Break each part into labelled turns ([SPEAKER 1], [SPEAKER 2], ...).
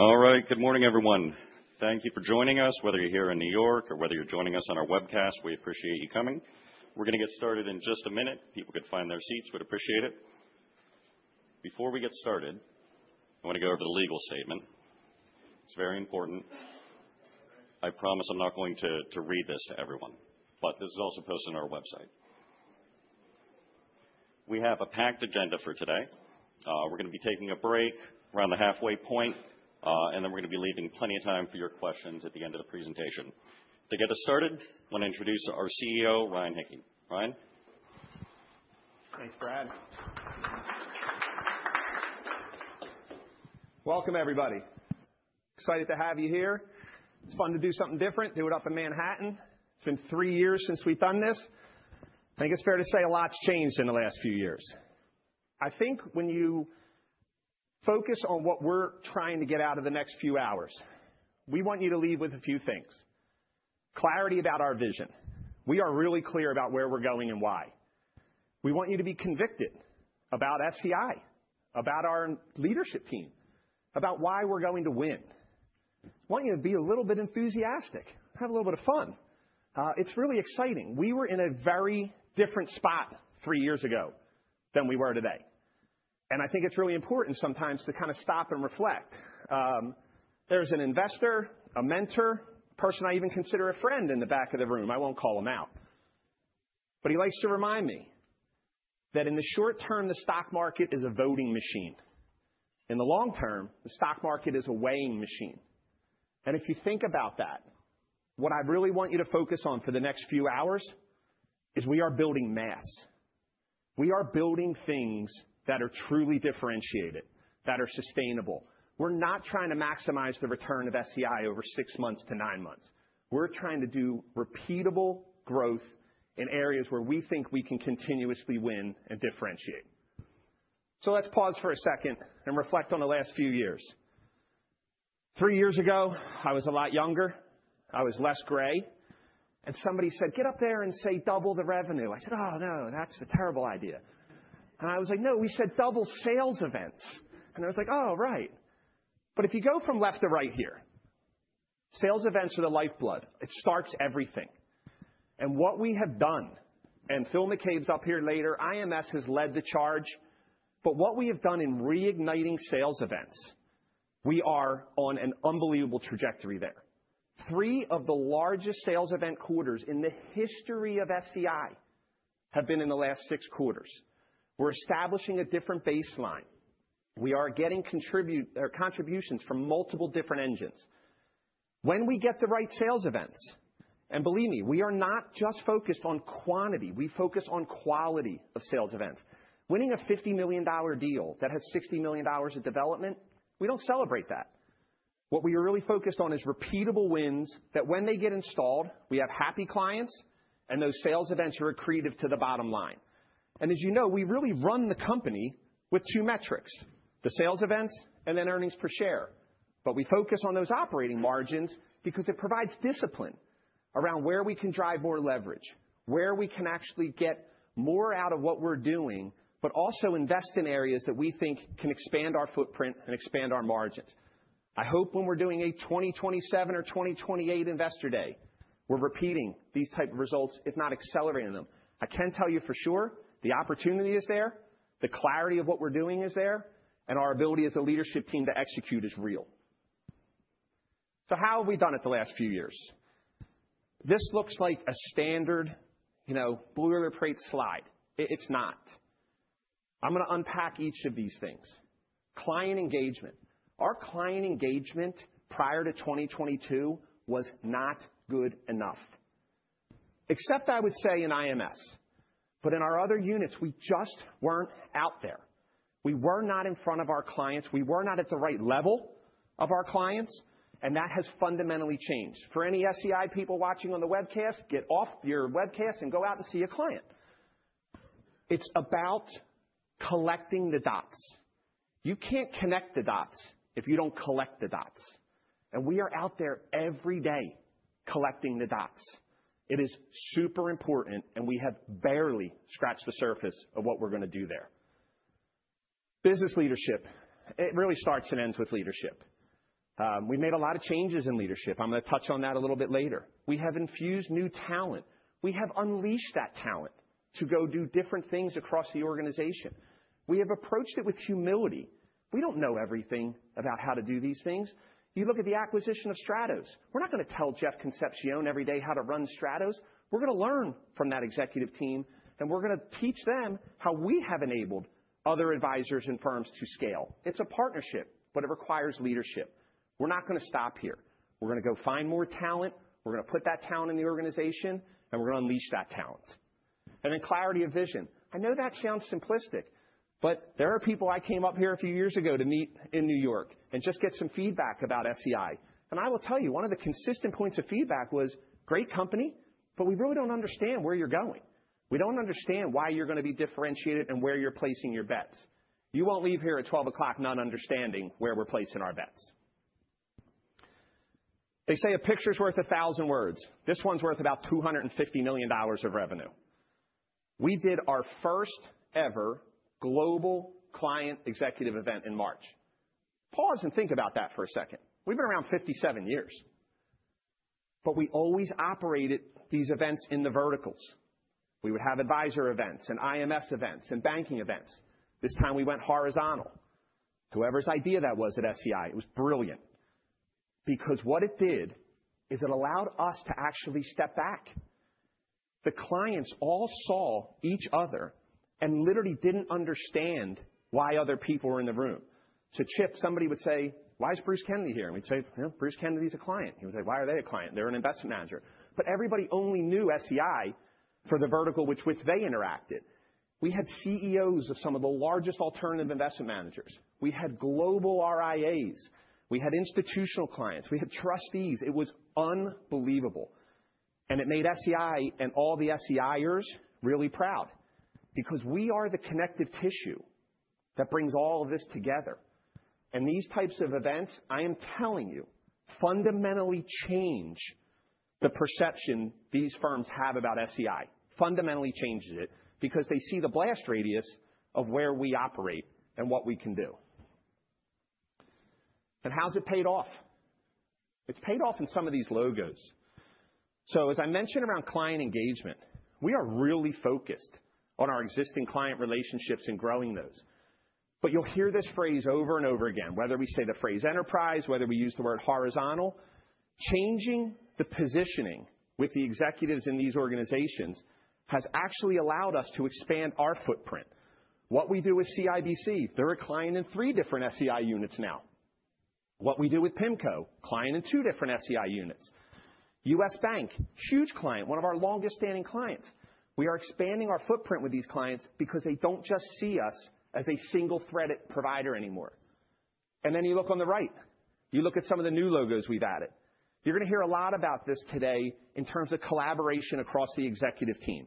[SPEAKER 1] All right, good morning, everyone. Thank you for joining us, whether you're here in New York or whether you're joining us on our webcast. We appreciate you coming. We're going to get started in just a minute. People could find their seats. We'd appreciate it. Before we get started, I want to go over the legal statement. It's very important. I promise I'm not going to read this to everyone, but this is also posted on our website. We have a packed agenda for today. We're going to be taking a break around the halfway point, and then we're going to be leaving plenty of time for your questions at the end of the presentation. To get us started, I want to introduce our CEO, Ryan Hicke. Ryan.
[SPEAKER 2] Thanks, Brad. Welcome, everybody. Excited to have you here. It's fun to do something different, do it up in Manhattan. It's been three years since we've done this. I think it's fair to say a lot's changed in the last few years. I think when you focus on what we're trying to get out of the next few hours, we want you to leave with a few things: clarity about our vision. We are really clear about where we're going and why. We want you to be convicted about SEI, about our leadership team, about why we're going to win. I want you to be a little bit enthusiastic, have a little bit of fun. It's really exciting. We were in a very different spot three years ago than we were today, and I think it's really important sometimes to kind of stop and reflect. There's an investor, a mentor, a person I even consider a friend in the back of the room. I won't call him out, but he likes to remind me that in the short term, the stock market is a voting machine. In the long term, the stock market is a weighing machine, and if you think about that, what I really want you to focus on for the next few hours is we are building mass. We are building things that are truly differentiated, that are sustainable. We're not trying to maximize the return of SEI over six months to nine months. We're trying to do repeatable growth in areas where we think we can continuously win and differentiate, so let's pause for a second and reflect on the last few years. Three years ago, I was a lot younger. I was less gray. Somebody said, "Get up there and say double the revenue." I said, "Oh, no, that's a terrible idea." I was like, "No, we said double sales events." I was like, "Oh, right." But if you go from left to right here, sales events are the lifeblood. It starts everything. What we have done, and Phil McCabe's up here later, IMS has led the charge. What we have done in reigniting sales events, we are on an unbelievable trajectory there. Three of the largest sales event quarters in the history of SEI have been in the last six quarters. We're establishing a different baseline. We are getting contributions from multiple different engines. When we get the right sales events, and believe me, we are not just focused on quantity. We focus on quality of sales events. Winning a $50 million deal that has $60 million of development, we don't celebrate that. What we are really focused on is repeatable wins that when they get installed, we have happy clients, and those sales events are accretive to the bottom line. And as you know, we really run the company with two metrics: the sales events and then earnings per share. But we focus on those operating margins because it provides discipline around where we can drive more leverage, where we can actually get more out of what we're doing, but also invest in areas that we think can expand our footprint and expand our margins. I hope when we're doing a 2027 or 2028 Investor Day, we're repeating these types of results, if not accelerating them. I can tell you for sure, the opportunity is there, the clarity of what we're doing is there, and our ability as a leadership team to execute is real. So how have we done it the last few years? This looks like a standard boilerplate slide. It's not. I'm going to unpack each of these things. Client engagement. Our client engagement prior to 2022 was not good enough, except I would say in IMS. But in our other units, we just weren't out there. We were not in front of our clients. We were not at the right level of our clients. And that has fundamentally changed. For any SEI people watching on the webcast, get off your webcast and go out and see a client. It's about collecting the dots. You can't connect the dots if you don't collect the dots. We are out there every day collecting the dots. It is super important, and we have barely scratched the surface of what we're going to do there. Business leadership, it really starts and ends with leadership. We've made a lot of changes in leadership. I'm going to touch on that a little bit later. We have infused new talent. We have unleashed that talent to go do different things across the organization. We have approached it with humility. We don't know everything about how to do these things. You look at the acquisition of Stratos. We're not going to tell Jeff Concepcion every day how to run Stratos. We're going to learn from that executive team, and we're going to teach them how we have enabled other advisors and firms to scale. It's a partnership, but it requires leadership. We're not going to stop here. We're going to go find more talent. We're going to put that talent in the organization, and we're going to unleash that talent, and then clarity of vision. I know that sounds simplistic, but there are people I came up here a few years ago to meet in New York and just get some feedback about SEI. And I will tell you, one of the consistent points of feedback was, "Great company, but we really don't understand where you're going. We don't understand why you're going to be differentiated and where you're placing your bets. You won't leave here at 12 o'clock not understanding where we're placing our bets." They say a picture's worth a thousand words. This one's worth about $250 million of revenue. We did our first-ever global client executive event in March. Pause and think about that for a second. We've been around 57 years, but we always operated these events in the verticals. We would have advisor events and IMS events and banking events. This time we went horizontal. Whoever's idea that was at SEI, it was brilliant. Because what it did is it allowed us to actually step back. The clients all saw each other and literally didn't understand why other people were in the room. To Chip, somebody would say, "Why is Bruce Kennedy here?" And we'd say, "Well, Bruce Kennedy's a client." He would say, "Why are they a client? They're an investment manager." But everybody only knew SEI for the vertical with which they interacted. We had CEOs of some of the largest alternative investment managers. We had global RIAs. We had institutional clients. We had trustees. It was unbelievable. It made SEI and all the SEIers really proud because we are the connective tissue that brings all of this together. These types of events, I am telling you, fundamentally change the perception these firms have about SEI. Fundamentally changes it because they see the blast radius of where we operate and what we can do. How's it paid off? It's paid off in some of these logos. As I mentioned around client engagement, we are really focused on our existing client relationships and growing those. You'll hear this phrase over and over again, whether we say the phrase enterprise, whether we use the word horizontal. Changing the positioning with the executives in these organizations has actually allowed us to expand our footprint. What we do with CIBC, they're a client in three different SEI units now. What we do with PIMCO, client in two different SEI units. US Bank, huge client, one of our longest-standing clients. We are expanding our footprint with these clients because they don't just see us as a single-threaded provider anymore, and then you look on the right, you look at some of the new logos we've added. You're going to hear a lot about this today in terms of collaboration across the executive team.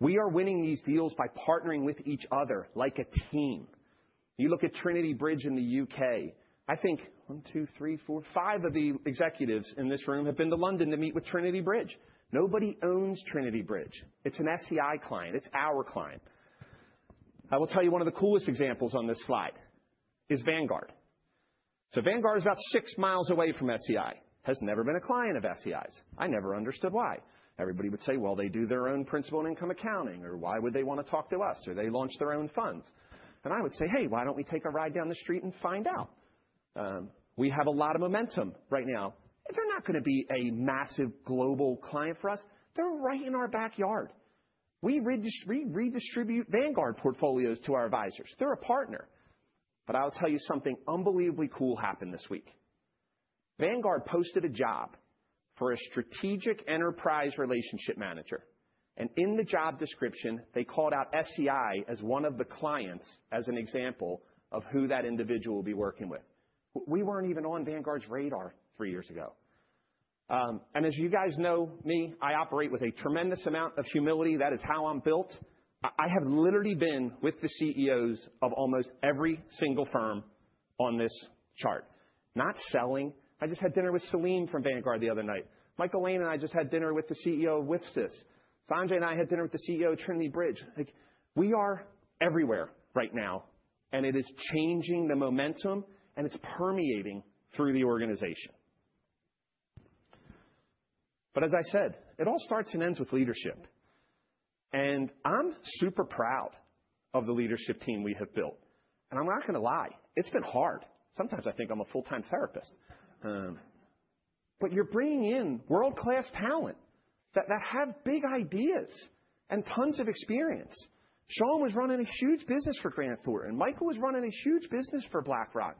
[SPEAKER 2] We are winning these deals by partnering with each other like a team. You look at Trinity Bridge in the U.K. I think one, two, three, four, five of the executives in this room have been to London to meet with Trinity Bridge. Nobody owns Trinity Bridge. It's an SEI client. It's our client. I will tell you one of the coolest examples on this slide is Vanguard, so Vanguard is about six miles away from SEI. has never been a client of SEI's. I never understood why. Everybody would say, "Well, they do their own principal and income accounting," or, "Why would they want to talk to us?" Or, "They launched their own funds." And I would say, "Hey, why don't we take a ride down the Street and find out?" We have a lot of momentum right now. They're not going to be a massive global client for us. They're right in our backyard. We redistribute Vanguard portfolios to our advisors. They're a partner. But I'll tell you something unbelievably cool happened this week. Vanguard posted a job for a strategic enterprise relationship manager. And in the job description, they called out SEI as one of the clients as an example of who that individual will be working with. We weren't even on Vanguard's radar three years ago. And as you guys know me, I operate with a tremendous amount of humility. That is how I'm built. I have literally been with the CEOs of almost every single firm on this chart. Not selling. I just had dinner with Salim from Vanguard the other night. Michael Lane and I just had dinner with the CEO of WSFS Bank. Sanjay and I had dinner with the CEO of Trinity Bridge. We are everywhere right now, and it is changing the momentum, and it's permeating through the organization. But as I said, it all starts and ends with leadership. And I'm super proud of the leadership team we have built. And I'm not going to lie, it's been hard. Sometimes I think I'm a full-time therapist. But you're bringing in world-class talent that have big ideas and tons of experience. Sean was running a huge business for Grant Thornton. Michael was running a huge business for BlackRock.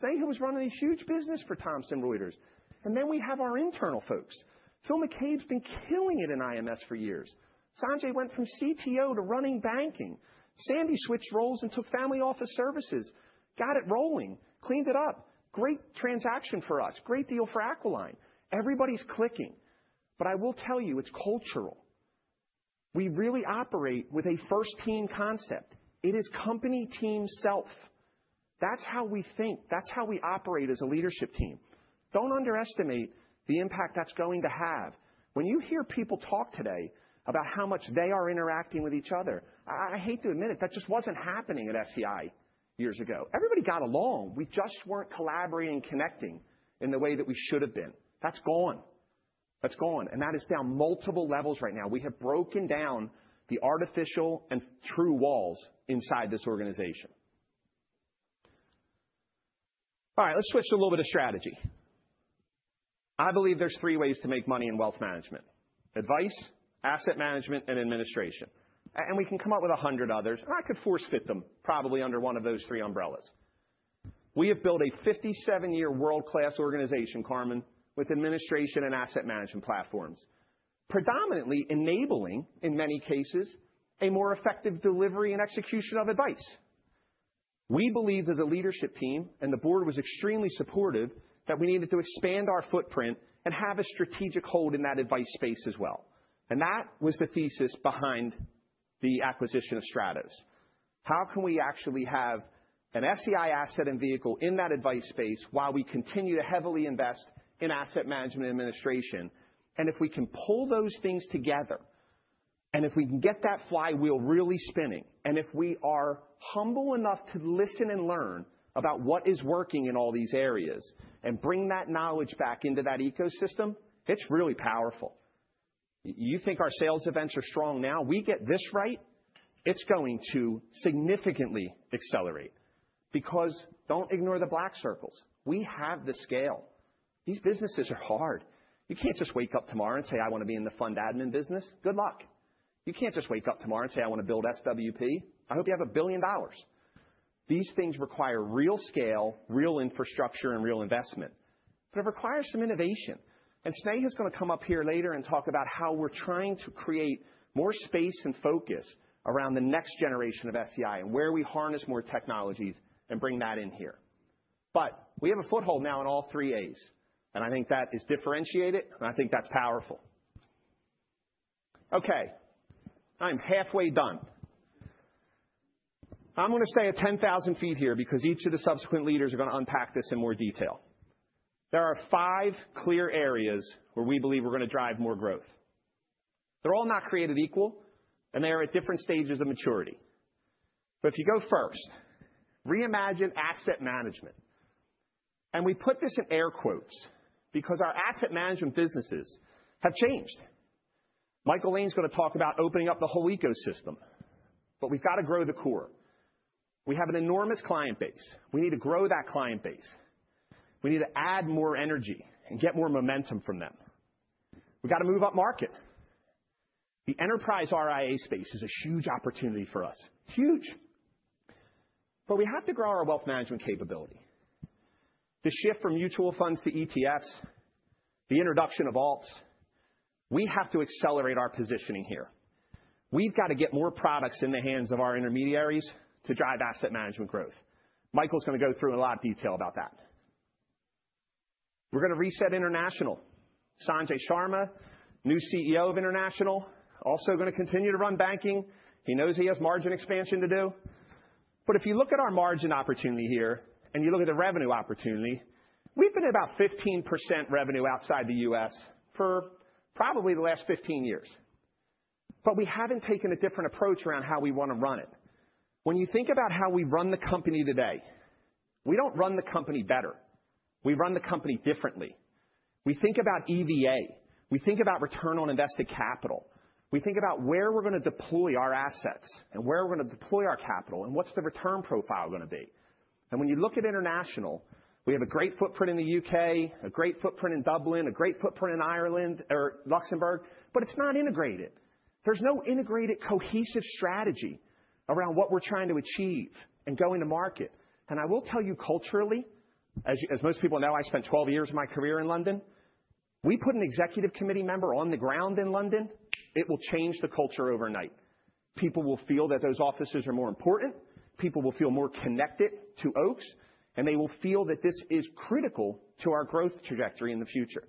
[SPEAKER 2] Sneha was running a huge business for Thomson Reuters. And then we have our internal folks. Phil McCabe's been killing it in IMS for years. Sanjay went from CTO to running banking. Sandy switched roles and took family office services, got it rolling, cleaned it up. Great transaction for us. Great deal for Aquiline. Everybody's clicking. But I will tell you, it's cultural. We really operate with a first-team concept. It is company team self. That's how we think. That's how we operate as a leadership team. Don't underestimate the impact that's going to have. When you hear people talk today about how much they are interacting with each other, I hate to admit it, that just wasn't happening at SEI years ago. Everybody got along. We just weren't collaborating and connecting in the way that we should have been. That's gone. That's gone, and that is down multiple levels right now. We have broken down the artificial and true walls inside this organization. All right, let's switch to a little bit of strategy. I believe there's three ways to make money in wealth management: advice, asset management, and administration, and we can come up with 100 others, and I could force-fit them probably under one of those three umbrellas. We have built a 57-year world-class organization, Carmen, with administration and asset management platforms, predominantly enabling, in many cases, a more effective delivery and execution of advice. We believed as a leadership team, and the board was extremely supportive, that we needed to expand our footprint and have a strategic hold in that advice space as well, and that was the thesis behind the acquisition of Stratos. How can we actually have a SEI asset and vehicle in that advice space while we continue to heavily invest in asset management and administration? And if we can pull those things together, and if we can get that flywheel really spinning, and if we are humble enough to listen and learn about what is working in all these areas and bring that knowledge back into that ecosystem, it's really powerful. You think our sales events are strong now? We get this right, it's going to significantly accelerate. Because don't ignore the black circles. We have the scale. These businesses are hard. You can't just wake up tomorrow and say, "I want to be in the fund admin business." Good luck. You can't just wake up tomorrow and say, "I want to build SWP." I hope you have $1 billion. These things require real scale, real infrastructure, and real investment. But it requires some innovation. And Sneha's going to come up here later and talk about how we're trying to create more space and focus around the next generation of SEI and where we harness more technologies and bring that in here. But we have a foothold now in all three A's. And I think that is differentiated, and I think that's powerful. Okay. I'm halfway done. I'm going to stay at 10,000 feet here because each of the subsequent leaders are going to unpack this in more detail. There are five clear areas where we believe we're going to drive more growth. They're all not created equal, and they are at different stages of maturity. But if you go first, reimagine asset management. And we put this in air quotes because our asset management businesses have changed. Michael Lane's going to talk about opening up the whole ecosystem. But we've got to grow the core. We have an enormous client base. We need to grow that client base. We need to add more energy and get more momentum from them. We've got to move up market. The enterprise RIA space is a huge opportunity for us. Huge. But we have to grow our wealth management capability. The shift from mutual funds to ETFs, the introduction of alts, we have to accelerate our positioning here. We've got to get more products in the hands of our intermediaries to drive asset management growth. Michael's going to go through in a lot of detail about that. We're going to reset International. Sanjay Sharma, new CEO of International, also going to continue to run banking. He knows he has margin expansion to do. But if you look at our margin opportunity here and you look at the revenue opportunity, we've been at about 15% revenue outside the U.S. for probably the last 15 years. But we haven't taken a different approach around how we want to run it. When you think about how we run the company today, we don't run the company better. We run the company differently. We think about EVA. We think about return on invested capital. We think about where we're going to deploy our assets and where we're going to deploy our capital and what's the return profile going to be. And when you look at international, we have a great footprint in the U.K., a great footprint in Dublin, a great footprint in Ireland or Luxembourg, but it's not integrated. There's no integrated cohesive strategy around what we're trying to achieve and going to market. And I will tell you, culturally, as most people know, I spent 12 years of my career in London. We put an executive committee member on the ground in London. It will change the culture overnight. People will feel that those offices are more important. People will feel more connected to Oaks, and they will feel that this is critical to our growth trajectory in the future.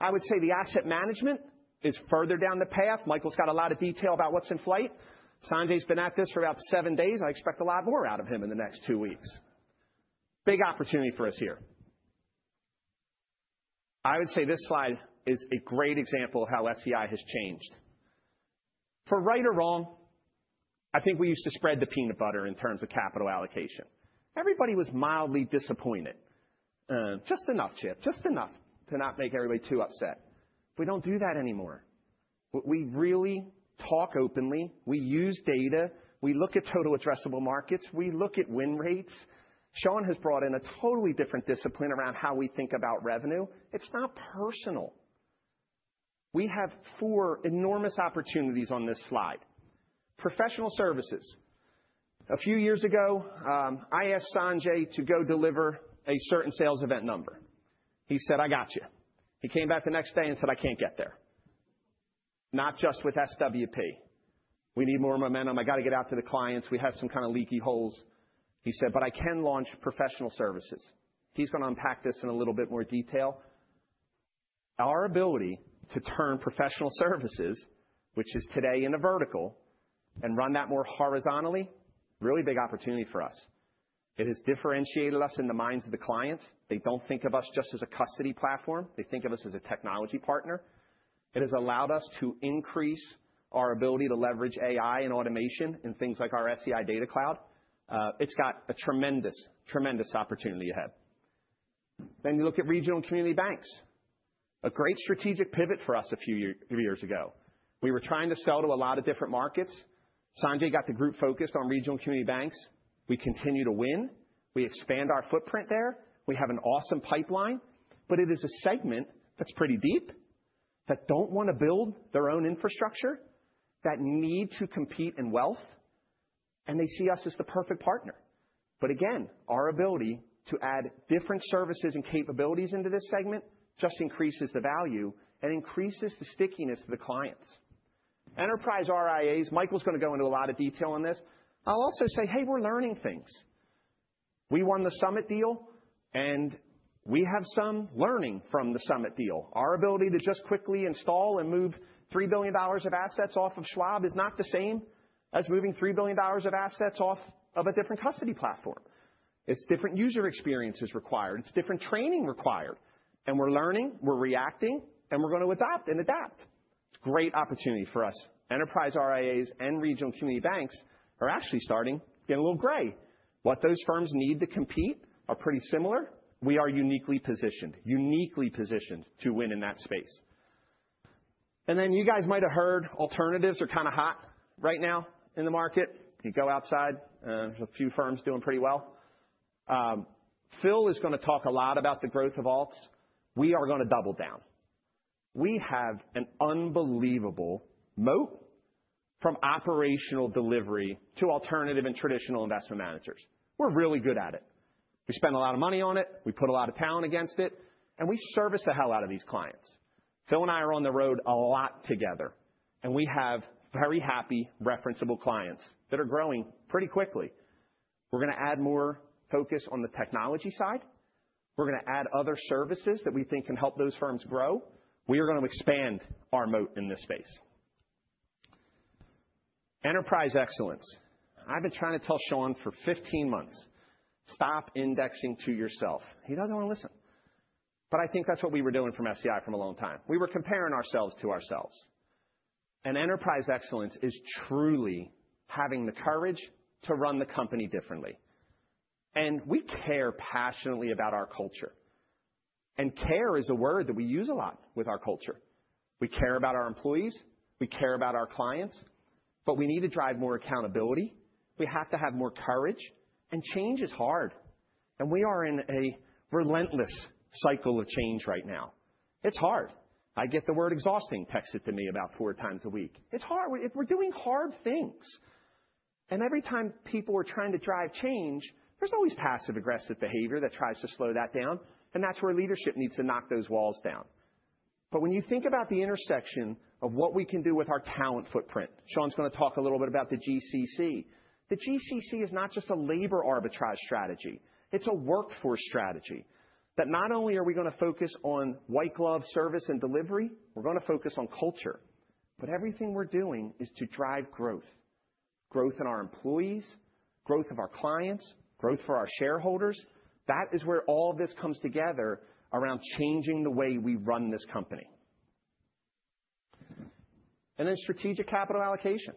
[SPEAKER 2] I would say the asset management is further down the path. Michael's got a lot of detail about what's in flight. Sanjay's been at this for about seven days. I expect a lot more out of him in the next two weeks. Big opportunity for us here. I would say this slide is a great example of how SEI has changed. For right or wrong, I think we used to spread the peanut butter in terms of capital allocation. Everybody was mildly disappointed. Just enough, Chip. Just enough to not make everybody too upset. We don't do that anymore. We really talk openly. We use data. We look at total addressable markets. We look at win rates. Sean has brought in a totally different discipline around how we think about revenue. It's now personal. We have four enormous opportunities on this slide. Professional services. A few years ago, I asked Sanjay to go deliver a certain sales event number. He said, "I got you." He came back the next day and said, "I can't get there." Not just with SWP. We need more momentum. I got to get out to the clients. We have some kind of leaky holes, he said, but I can launch professional services. He's going to unpack this in a little bit more detail. Our ability to turn professional services, which is today in a vertical, and run that more horizontally, really big opportunity for us. It has differentiated us in the minds of the clients. They don't think of us just as a custody platform. They think of us as a technology partner. It has allowed us to increase our ability to leverage AI and automation in things like our SEI Data Cloud. It's got a tremendous, tremendous opportunity ahead. Then you look at regional and community banks. A great strategic pivot for us a few years ago. We were trying to sell to a lot of different markets. Sanjay got the group focused on regional and community banks. We continue to win. We expand our footprint there. We have an awesome pipeline. But it is a segment that's pretty deep, that don't want to build their own infrastructure, that need to compete in wealth, and they see us as the perfect partner. But again, our ability to add different services and capabilities into this segment just increases the value and increases the stickiness to the clients. Enterprise RIAs, Michael's going to go into a lot of detail on this. I'll also say, "Hey, we're learning things." We won the Summit deal, and we have some learning from the Summit deal. Our ability to just quickly install and move $3 billion of assets off of Schwab is not the same as moving $3 billion of assets off of a different custody platform. It's different user experiences required. It's different training required. And we're learning, we're reacting, and we're going to adopt and adapt. It's a great opportunity for us. Enterprise RIAs and regional and community banks are actually starting to get a little gray. What those firms need to compete are pretty similar. We are uniquely positioned, uniquely positioned to win in that space. And then you guys might have heard alternatives are kind of hot right now in the market. You go outside, there's a few firms doing pretty well. Phil is going to talk a lot about the growth of alts. We are going to double down. We have an unbelievable moat from operational delivery to alternative and traditional investment managers. We're really good at it. We spend a lot of money on it. We put a lot of talent against it. And we service the hell out of these clients. Phil and I are on the road a lot together. And we have very happy, referenceable clients that are growing pretty quickly. We're going to add more focus on the technology side. We're going to add other services that we think can help those firms grow. We are going to expand our moat in this space. Enterprise excellence. I've been trying to tell Sean for 15 months, "Stop indexing to yourself." He doesn't want to listen. But I think that's what we were doing from SEI for a long time. We were comparing ourselves to ourselves. And enterprise excellence is truly having the courage to run the company differently. And we care passionately about our culture. And care is a word that we use a lot with our culture. We care about our employees. We care about our clients. But we need to drive more accountability. We have to have more courage. And change is hard. And we are in a relentless cycle of change right now. It's hard. I get the word exhausting pecks at me about four times a week. It's hard. We're doing hard things, and every time people are trying to drive change, there's always passive-aggressive behavior that tries to slow that down, and that's where leadership needs to knock those walls down, but when you think about the intersection of what we can do with our talent footprint, Sean's going to talk a little bit about the GCC. The GCC is not just a labor arbitrage strategy. It's a workforce strategy that not only are we going to focus on white glove service and delivery, we're going to focus on culture, but everything we're doing is to drive growth. Growth in our employees, growth of our clients, growth for our shareholders. That is where all of this comes together around changing the way we run this company, and then strategic capital allocation.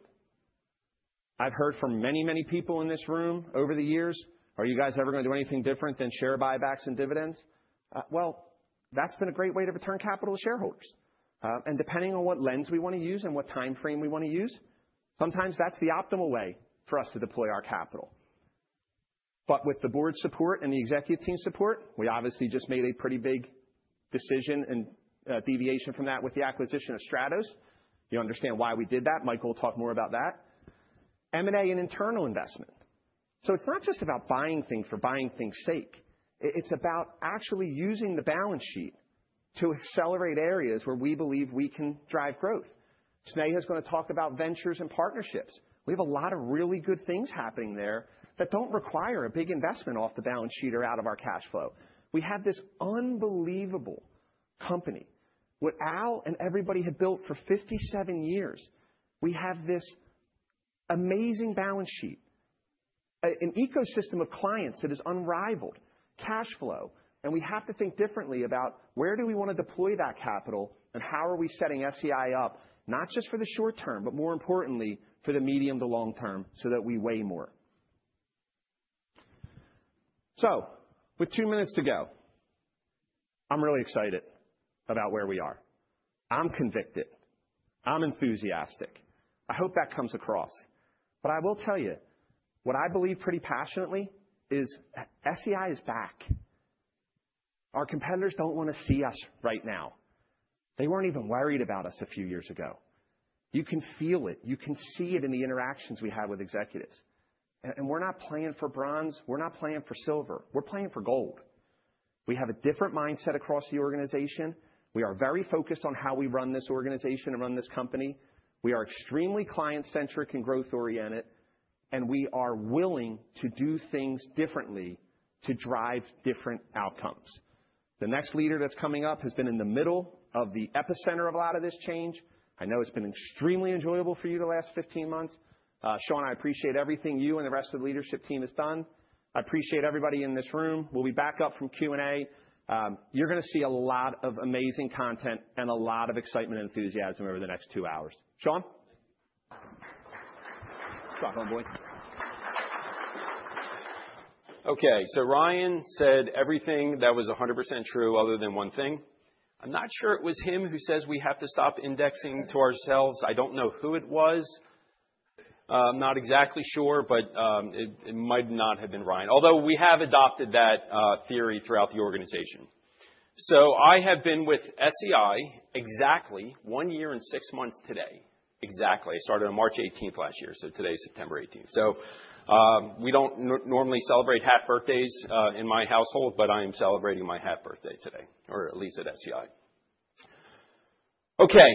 [SPEAKER 2] I've heard from many, many people in this room over the years, "Are you guys ever going to do anything different than share buybacks and dividends?" Well, that's been a great way to return capital to shareholders. Depending on what lens we want to use and what timeframe we want to use, sometimes that's the optimal way for us to deploy our capital. With the board's support and the executive team's support, we obviously just made a pretty big decision and deviation from that with the acquisition of Stratos. You understand why we did that. Michael will talk more about that. M&A and internal investment. It's not just about buying things for buying things' sake. It's about actually using the balance sheet to accelerate areas where we believe we can drive growth. Sneha's going to talk about ventures and partnerships. We have a lot of really good things happening there that don't require a big investment off the balance sheet or out of our cash flow. We have this unbelievable company. What Al and everybody had built for 57 years, we have this amazing balance sheet, an ecosystem of clients that is unrivaled, cash flow. And we have to think differently about where do we want to deploy that capital and how are we setting SEI up, not just for the short term, but more importantly, for the medium to long term so that we weigh more. So with two minutes to go, I'm really excited about where we are. I'm convicted. I'm enthusiastic. I hope that comes across. But I will tell you, what I believe pretty passionately is SEI is back. Our competitors don't want to see us right now. They weren't even worried about us a few years ago. You can feel it. You can see it in the interactions we have with executives. And we're not playing for bronze. We're not playing for silver. We're playing for gold. We have a different mindset across the organization. We are very focused on how we run this organization and run this company. We are extremely client-centric and growth-oriented. And we are willing to do things differently to drive different outcomes. The next leader that's coming up has been in the middle of the epicenter of a lot of this change. I know it's been extremely enjoyable for you the last 15 months. Sean, I appreciate everything you and the rest of the leadership team have done. I appreciate everybody in this room. We'll be back up from Q&A. You're going to see a lot of amazing content and a lot of excitement and enthusiasm over the next two hours. Sean? Shotgun, boy.
[SPEAKER 3] Okay. So Ryan said everything that was 100% true other than one thing. I'm not sure it was him who says we have to stop indexing to ourselves. I don't know who it was. I'm not exactly sure, but it might not have been Ryan. Although we have adopted that theory throughout the organization. So I have been with SEI exactly one year and six months today. Exactly. I started on March 18th last year. So today is September 18th. So we don't normally celebrate happy birthdays in my household, but I am celebrating my happy birthday today, or at least at SEI. Okay.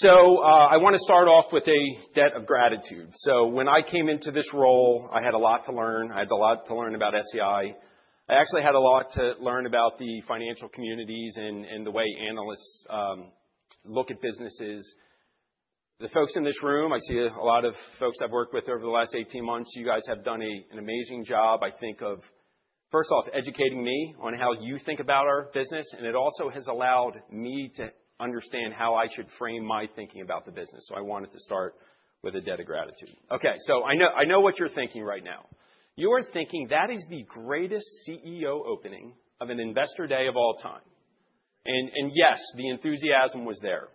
[SPEAKER 3] So I want to start off with a debt of gratitude. When I came into this role, I had a lot to learn. I had a lot to learn about SEI. I actually had a lot to learn about the financial communities and the way analysts look at businesses. The folks in this room, I see a lot of folks I've worked with over the last 18 months. You guys have done an amazing job, I think, of first off, educating me on how you think about our business. It also has allowed me to understand how I should frame my thinking about the business. I wanted to start with a debt of gratitude. Okay. I know what you're thinking right now. You are thinking, "That is the greatest CEO opening of an investor day of all time." Yes, the enthusiasm was there.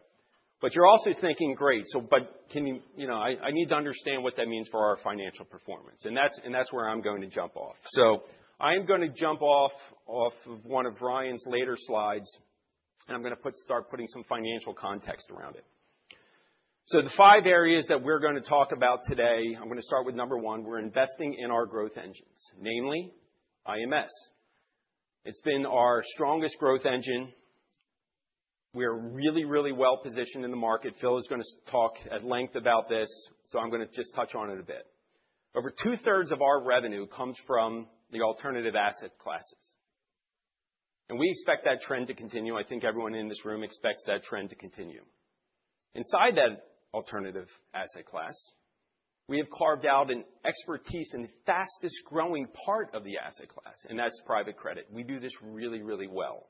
[SPEAKER 3] You're also thinking, "Great. But I need to understand what that means for our financial performance," and that's where I'm going to jump off. So I am going to jump off of one of Ryan's later slides, and I'm going to start putting some financial context around it. So the five areas that we're going to talk about today, I'm going to start with number one. We're investing in our growth engines, namely IMS. It's been our strongest growth engine. We are really, really well positioned in the market. Phil is going to talk at length about this, so I'm going to just touch on it a bit. Over two-thirds of our revenue comes from the alternative asset classes. And we expect that trend to continue. I think everyone in this room expects that trend to continue. Inside that alternative asset class, we have carved out an expertise in the fastest growing part of the asset class, and that's private credit. We do this really, really well.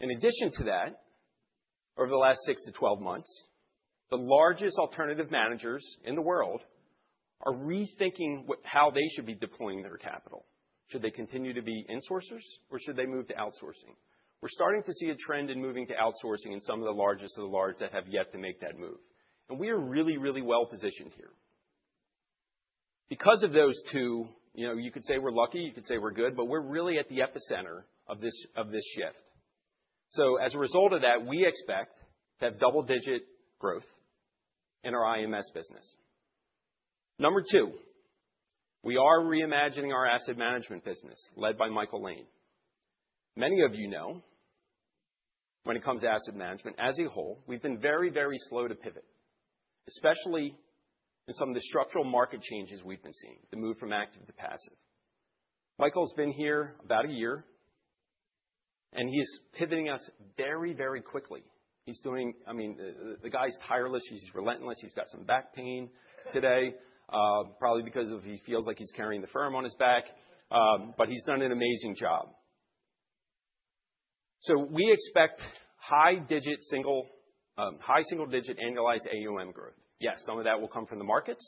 [SPEAKER 3] In addition to that, over the last six to 12 months, the largest alternative managers in the world are rethinking how they should be deploying their capital. Should they continue to be insourcers, or should they move to outsourcing? We're starting to see a trend in moving to outsourcing in some of the largest of the large that have yet to make that move, and we are really, really well positioned here. Because of those two, you could say we're lucky. You could say we're good, but we're really at the epicenter of this shift, so as a result of that, we expect to have double-digit growth in our IMS business. Number two, we are reimagining our asset management business led by Michael Lane. Many of you know, when it comes to asset management as a whole, we've been very, very slow to pivot, especially in some of the structural market changes we've been seeing, the move from active to passive. Michael's been here about a year, and he's pivoting us very, very quickly. I mean, the guy's tireless. He's relentless. He's got some back pain today, probably because he feels like he's carrying the firm on his back. But he's done an amazing job. So we expect high single-digit annualized AUM growth. Yes, some of that will come from the markets.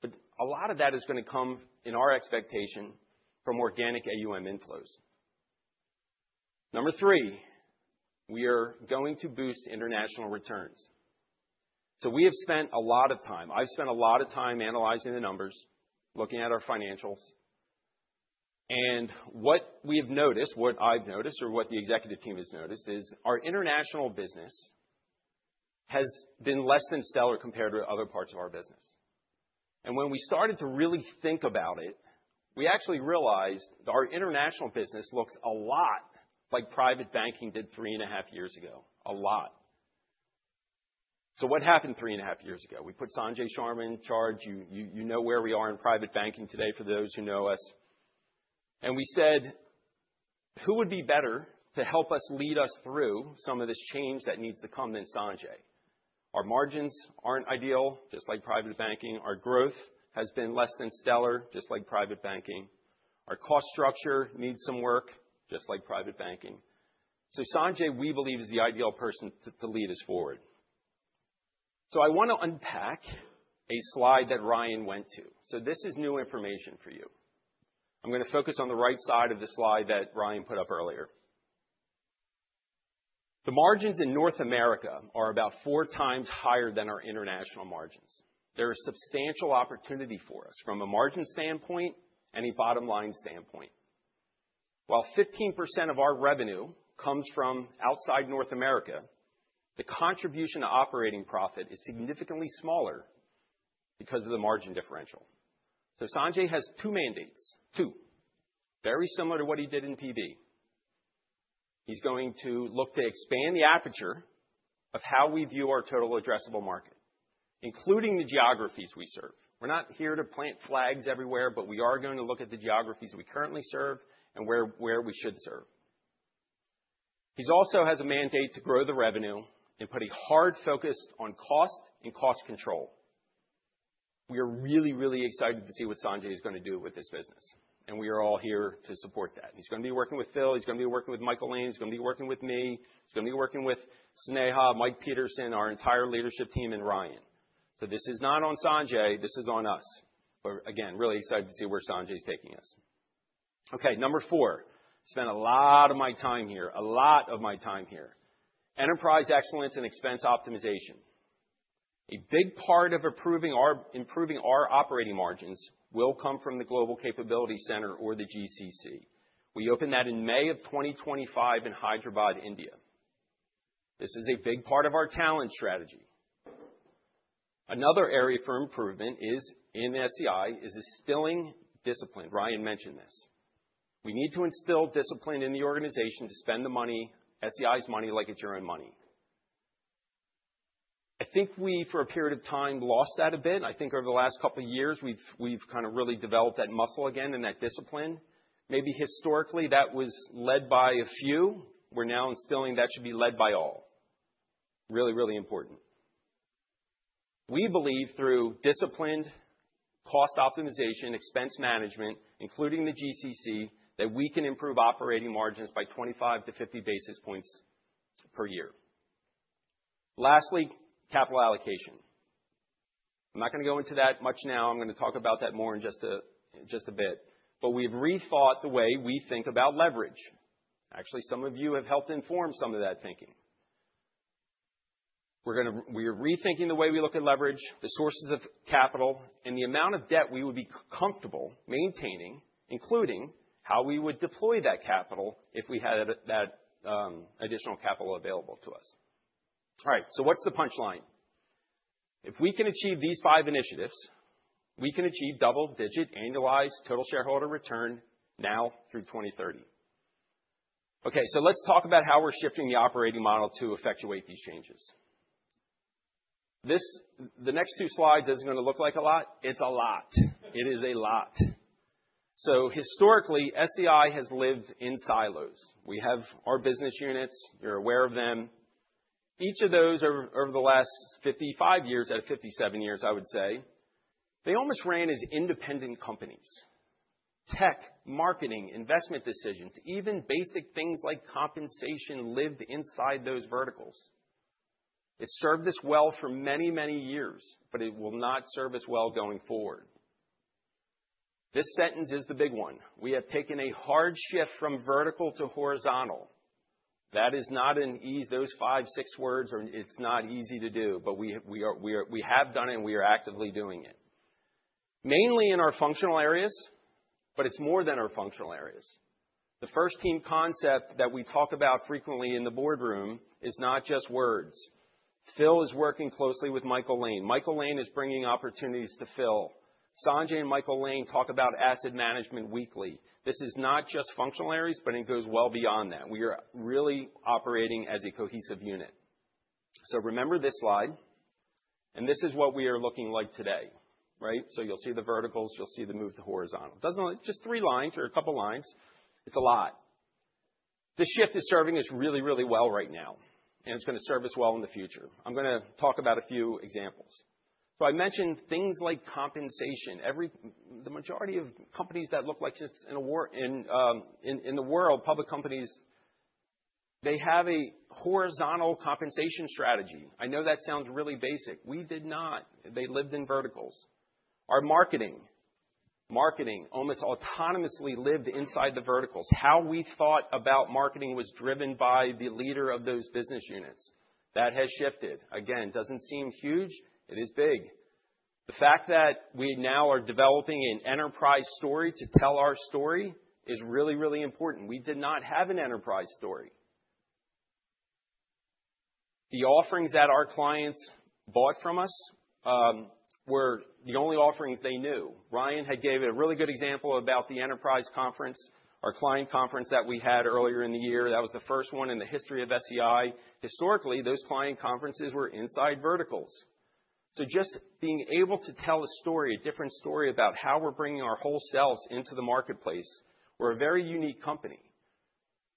[SPEAKER 3] But a lot of that is going to come, in our expectation, from organic AUM inflows. Number three, we are going to boost international returns. So we have spent a lot of time, I've spent a lot of time analyzing the numbers, looking at our financials. And what we have noticed, what I've noticed, or what the executive team has noticed, is our international business has been less than stellar compared to other parts of our business. And when we started to really think about it, we actually realized our international business looks a lot like private banking did three and a half years ago. A lot. So what happened three and a half years ago? We put Sanjay Sharma in charge. You know where we are in private banking today for those who know us. And we said, "Who would be better to help us lead us through some of this change that needs to come than Sanjay?" Our margins aren't ideal, just like private banking. Our growth has been less than stellar, just like private banking. Our cost structure needs some work, just like private banking. So Sanjay, we believe, is the ideal person to lead us forward. So I want to unpack a slide that Ryan went to. So this is new information for you. I'm going to focus on the right side of the slide that Ryan put up earlier. The margins in North America are about four times higher than our international margins. There is substantial opportunity for us from a margin standpoint, and bottom-line standpoint. While 15% of our revenue comes from outside North America, the contribution to operating profit is significantly smaller because of the margin differential. So Sanjay has two mandates, two, very similar to what he did in PB. He's going to look to expand the aperture of how we view our total addressable market, including the geographies we serve. We're not here to plant flags everywhere, but we are going to look at the geographies we currently serve and where we should serve. He also has a mandate to grow the revenue and put a hard focus on cost and cost control. We are really, really excited to see what Sanjay is going to do with this business, and we are all here to support that. He's going to be working with Phil. He's going to be working with Michael Lane. He's going to be working with me. He's going to be working with Sneha, Mike Peterson, our entire leadership team, and Ryan, so this is not on Sanjay. This is on us, but again, really excited to see where Sanjay is taking us. Okay. Number four. I spent a lot of my time here, a lot of my time here: enterprise excellence and expense optimization. A big part of improving our operating margins will come from the Global Capability Center or the GCC. We opened that in May of 2025 in Hyderabad, India. This is a big part of our talent strategy. Another area for improvement in SEI is instilling discipline. Ryan mentioned this. We need to instill discipline in the organization to spend SEI's money like it's your own money. I think we, for a period of time, lost that a bit. I think over the last couple of years, we've kind of really developed that muscle again and that discipline. Maybe historically, that was led by a few. We're now instilling that should be led by all. Really, really important. We believe through disciplined cost optimization, expense management, including the GCC, that we can improve operating margins by 25-50 basis points per year. Lastly, capital allocation. I'm not going to go into that much now. I'm going to talk about that more in just a bit. But we've rethought the way we think about leverage. Actually, some of you have helped inform some of that thinking. We're rethinking the way we look at leverage, the sources of capital, and the amount of debt we would be comfortable maintaining, including how we would deploy that capital if we had that additional capital available to us. All right. So what's the punchline? If we can achieve these five initiatives, we can achieve double-digit annualized total shareholder return now through 2030. Okay. So let's talk about how we're shifting the operating model to effectuate these changes. The next two slides aren't going to look like a lot. It's a lot. It is a lot. So historically, SEI has lived in silos. We have our business units. You're aware of them. Each of those, over the last 55 years, at 57 years, I would say, they almost ran as independent companies. Tech, marketing, investment decisions, even basic things like compensation lived inside those verticals. It served us well for many, many years, but it will not serve us well going forward. This sentence is the big one. We have taken a hard shift from vertical to horizontal. That is not an easy, those five, six words, it's not easy to do. But we have done it, and we are actively doing it, mainly in our functional areas, but it's more than our functional areas. The first team concept that we talk about frequently in the boardroom is not just words. Phil is working closely with Michael Lane. Michael Lane is bringing opportunities to Phil. Sanjay and Michael Lane talk about asset management weekly. This is not just functional areas, but it goes well beyond that. We are really operating as a cohesive unit. So remember this slide. And this is what we are looking like today. Right? So you'll see the verticals. You'll see the move to horizontal. Just three lines or a couple of lines. It's a lot. This shift is serving us really, really well right now. And it's going to serve us well in the future. I'm going to talk about a few examples. So I mentioned things like compensation. The majority of companies that look like this in the world, public companies, they have a horizontal compensation strategy. I know that sounds really basic. We did not. They lived in verticals. Our marketing almost autonomously lived inside the verticals. How we thought about marketing was driven by the leader of those business units. That has shifted. Again, it doesn't seem huge. It is big. The fact that we now are developing an enterprise story to tell our story is really, really important. We did not have an enterprise story. The offerings that our clients bought from us were the only offerings they knew. Ryan had given a really good example about the enterprise conference, our client conference that we had earlier in the year. That was the first one in the history of SCI. Historically, those client conferences were inside verticals. So just being able to tell a story, a different story about how we're bringing our whole selves into the marketplace. We're a very unique company.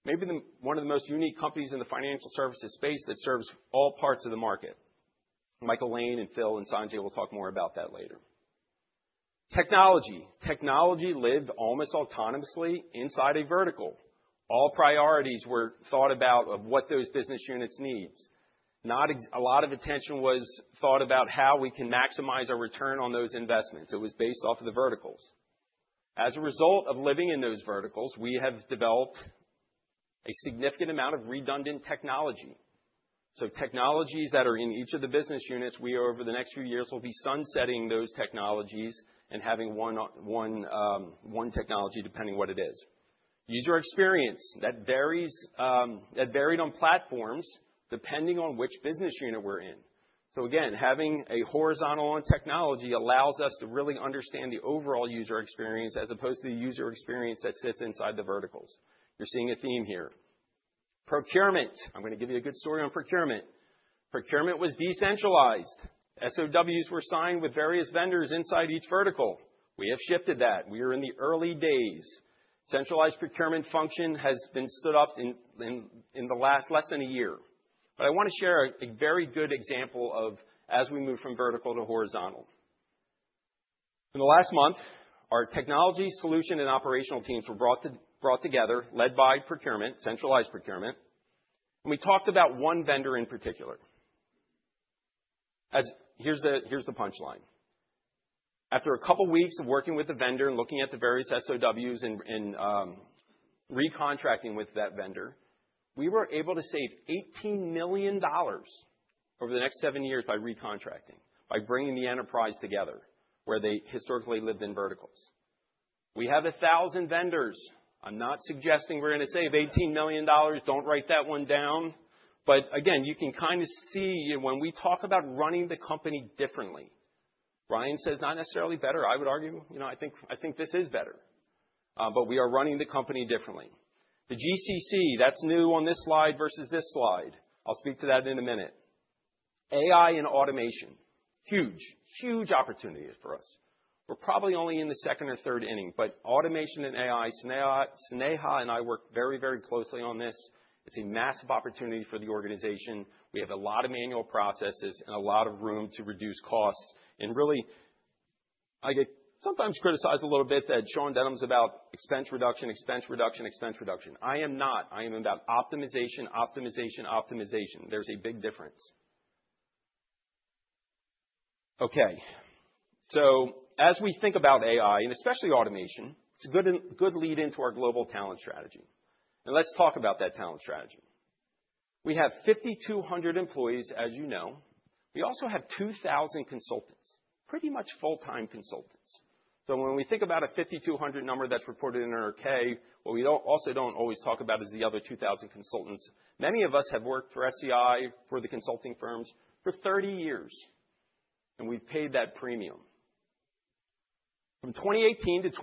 [SPEAKER 3] Maybe one of the most unique companies in the financial services space that serves all parts of the market. Michael Lane and Phil and Sanjay will talk more about that later. Technology. Technology lived almost autonomously inside a vertical. All priorities were thought about of what those business units need. A lot of attention was thought about how we can maximize our return on those investments. It was based off of the verticals. As a result of living in those verticals, we have developed a significant amount of redundant technology, so technologies that are in each of the business units, we over the next few years will be sunsetting those technologies and having one technology depending on what it is. User experience that varied on platforms depending on which business unit we're in, so again, having a horizontal on technology allows us to really understand the overall user experience as opposed to the user experience that sits inside the verticals. You're seeing a theme here. Procurement. I'm going to give you a good story on procurement. Procurement was decentralized. SOWs were signed with various vendors inside each vertical. We have shifted that. We are in the early days. Centralized procurement function has been stood up in the last less than a year. But I want to share a very good example of as we move from vertical to horizontal. In the last month, our technology, solution, and operational teams were brought together, led by centralized procurement. And we talked about one vendor in particular. Here's the punchline. After a couple of weeks of working with the vendor and looking at the various SOWs and recontracting with that vendor, we were able to save $18 million over the next seven years by recontracting, by bringing the enterprise together where they historically lived in verticals. We have 1,000 vendors. I'm not suggesting we're going to save $18 million. Don't write that one down. But again, you can kind of see when we talk about running the company differently. Not necessarily better," I would argue. "I think this is better." But we are running the company differently. The GCC, that's new on this slide versus this slide. I'll speak to that in a minute. AI and automation. Huge, huge opportunity for us. We're probably only in the second or third inning. But automation and AI, Sneha and I worked very, very closely on this. It's a massive opportunity for the organization. We have a lot of manual processes and a lot of room to reduce costs. And really, I get sometimes criticized a little bit that Sean Denham's about expense reduction, expense reduction, expense reduction. I am not. I am about optimization, optimization, optimization. There's a big difference. Okay. So as we think about AI, and especially automation, it's a good lead-in to our global talent strategy. And let's talk about that talent strategy. We have 5,200 employees, as you know. We also have 2,000 consultants, pretty much full-time consultants. So when we think about a 5,200 number that's reported in an array, what we also don't always talk about is the other 2,000 consultants. Many of us have worked for SEI, for the consulting firms, for 30 years. And we've paid that premium. From 2018-2023,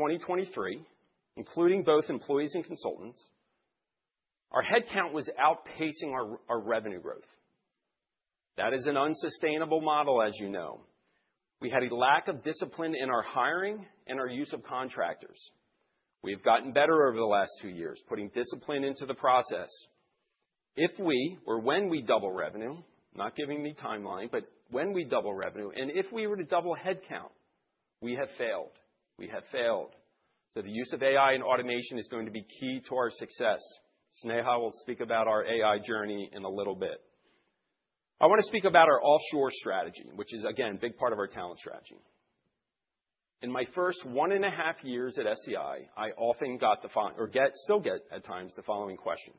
[SPEAKER 3] including both employees and consultants, our headcount was outpacing our revenue growth. That is an unsustainable model, as you know. We had a lack of discipline in our hiring and our use of contractors. We have gotten better over the last two years, putting discipline into the process. If we or when we double revenue, I'm not giving the timeline, but when we double revenue, and if we were to double headcount, we have failed. We have failed. So the use of AI and automation is going to be key to our success. Sneha will speak about our AI journey in a little bit. I want to speak about our offshore strategy, which is, again, a big part of our talent strategy. In my first one and a half years at SEI, I often got the, or still get at times, the following question: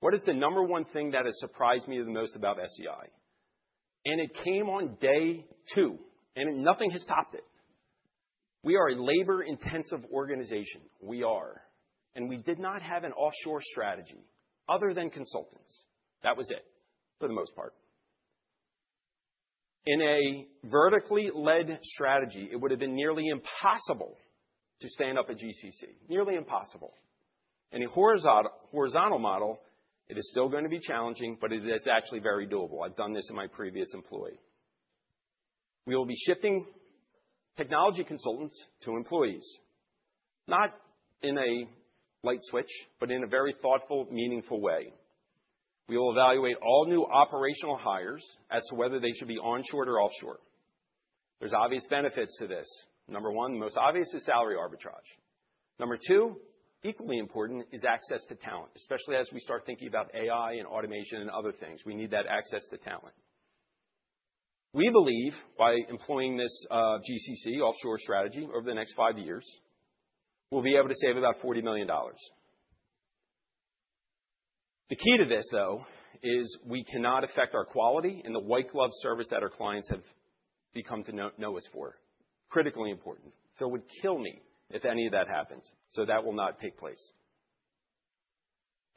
[SPEAKER 3] What is the number one thing that has surprised me the most about SEI? And it came on day two. And nothing has stopped it. We are a labor-intensive organization. We are. And we did not have an offshore strategy other than consultants. That was it, for the most part. In a vertically led strategy, it would have been nearly impossible to stand up a GCC. Nearly impossible. In a horizontal model, it is still going to be challenging, but it is actually very doable. I've done this in my previous employment. We will be shifting technology consultants to employees, not like a light switch, but in a very thoughtful, meaningful way. We will evaluate all new operational hires as to whether they should be onshore or offshore. There's obvious benefits to this. Number one, the most obvious is salary arbitrage. Number two, equally important, is access to talent, especially as we start thinking about AI and automation and other things. We need that access to talent. We believe by employing this GCC offshore strategy over the next five years, we'll be able to save about $40 million. The key to this, though, is we cannot affect our quality and the white-glove service that our clients have come to know us for. Critically important. Phil would kill me if any of that happens. So that will not take place.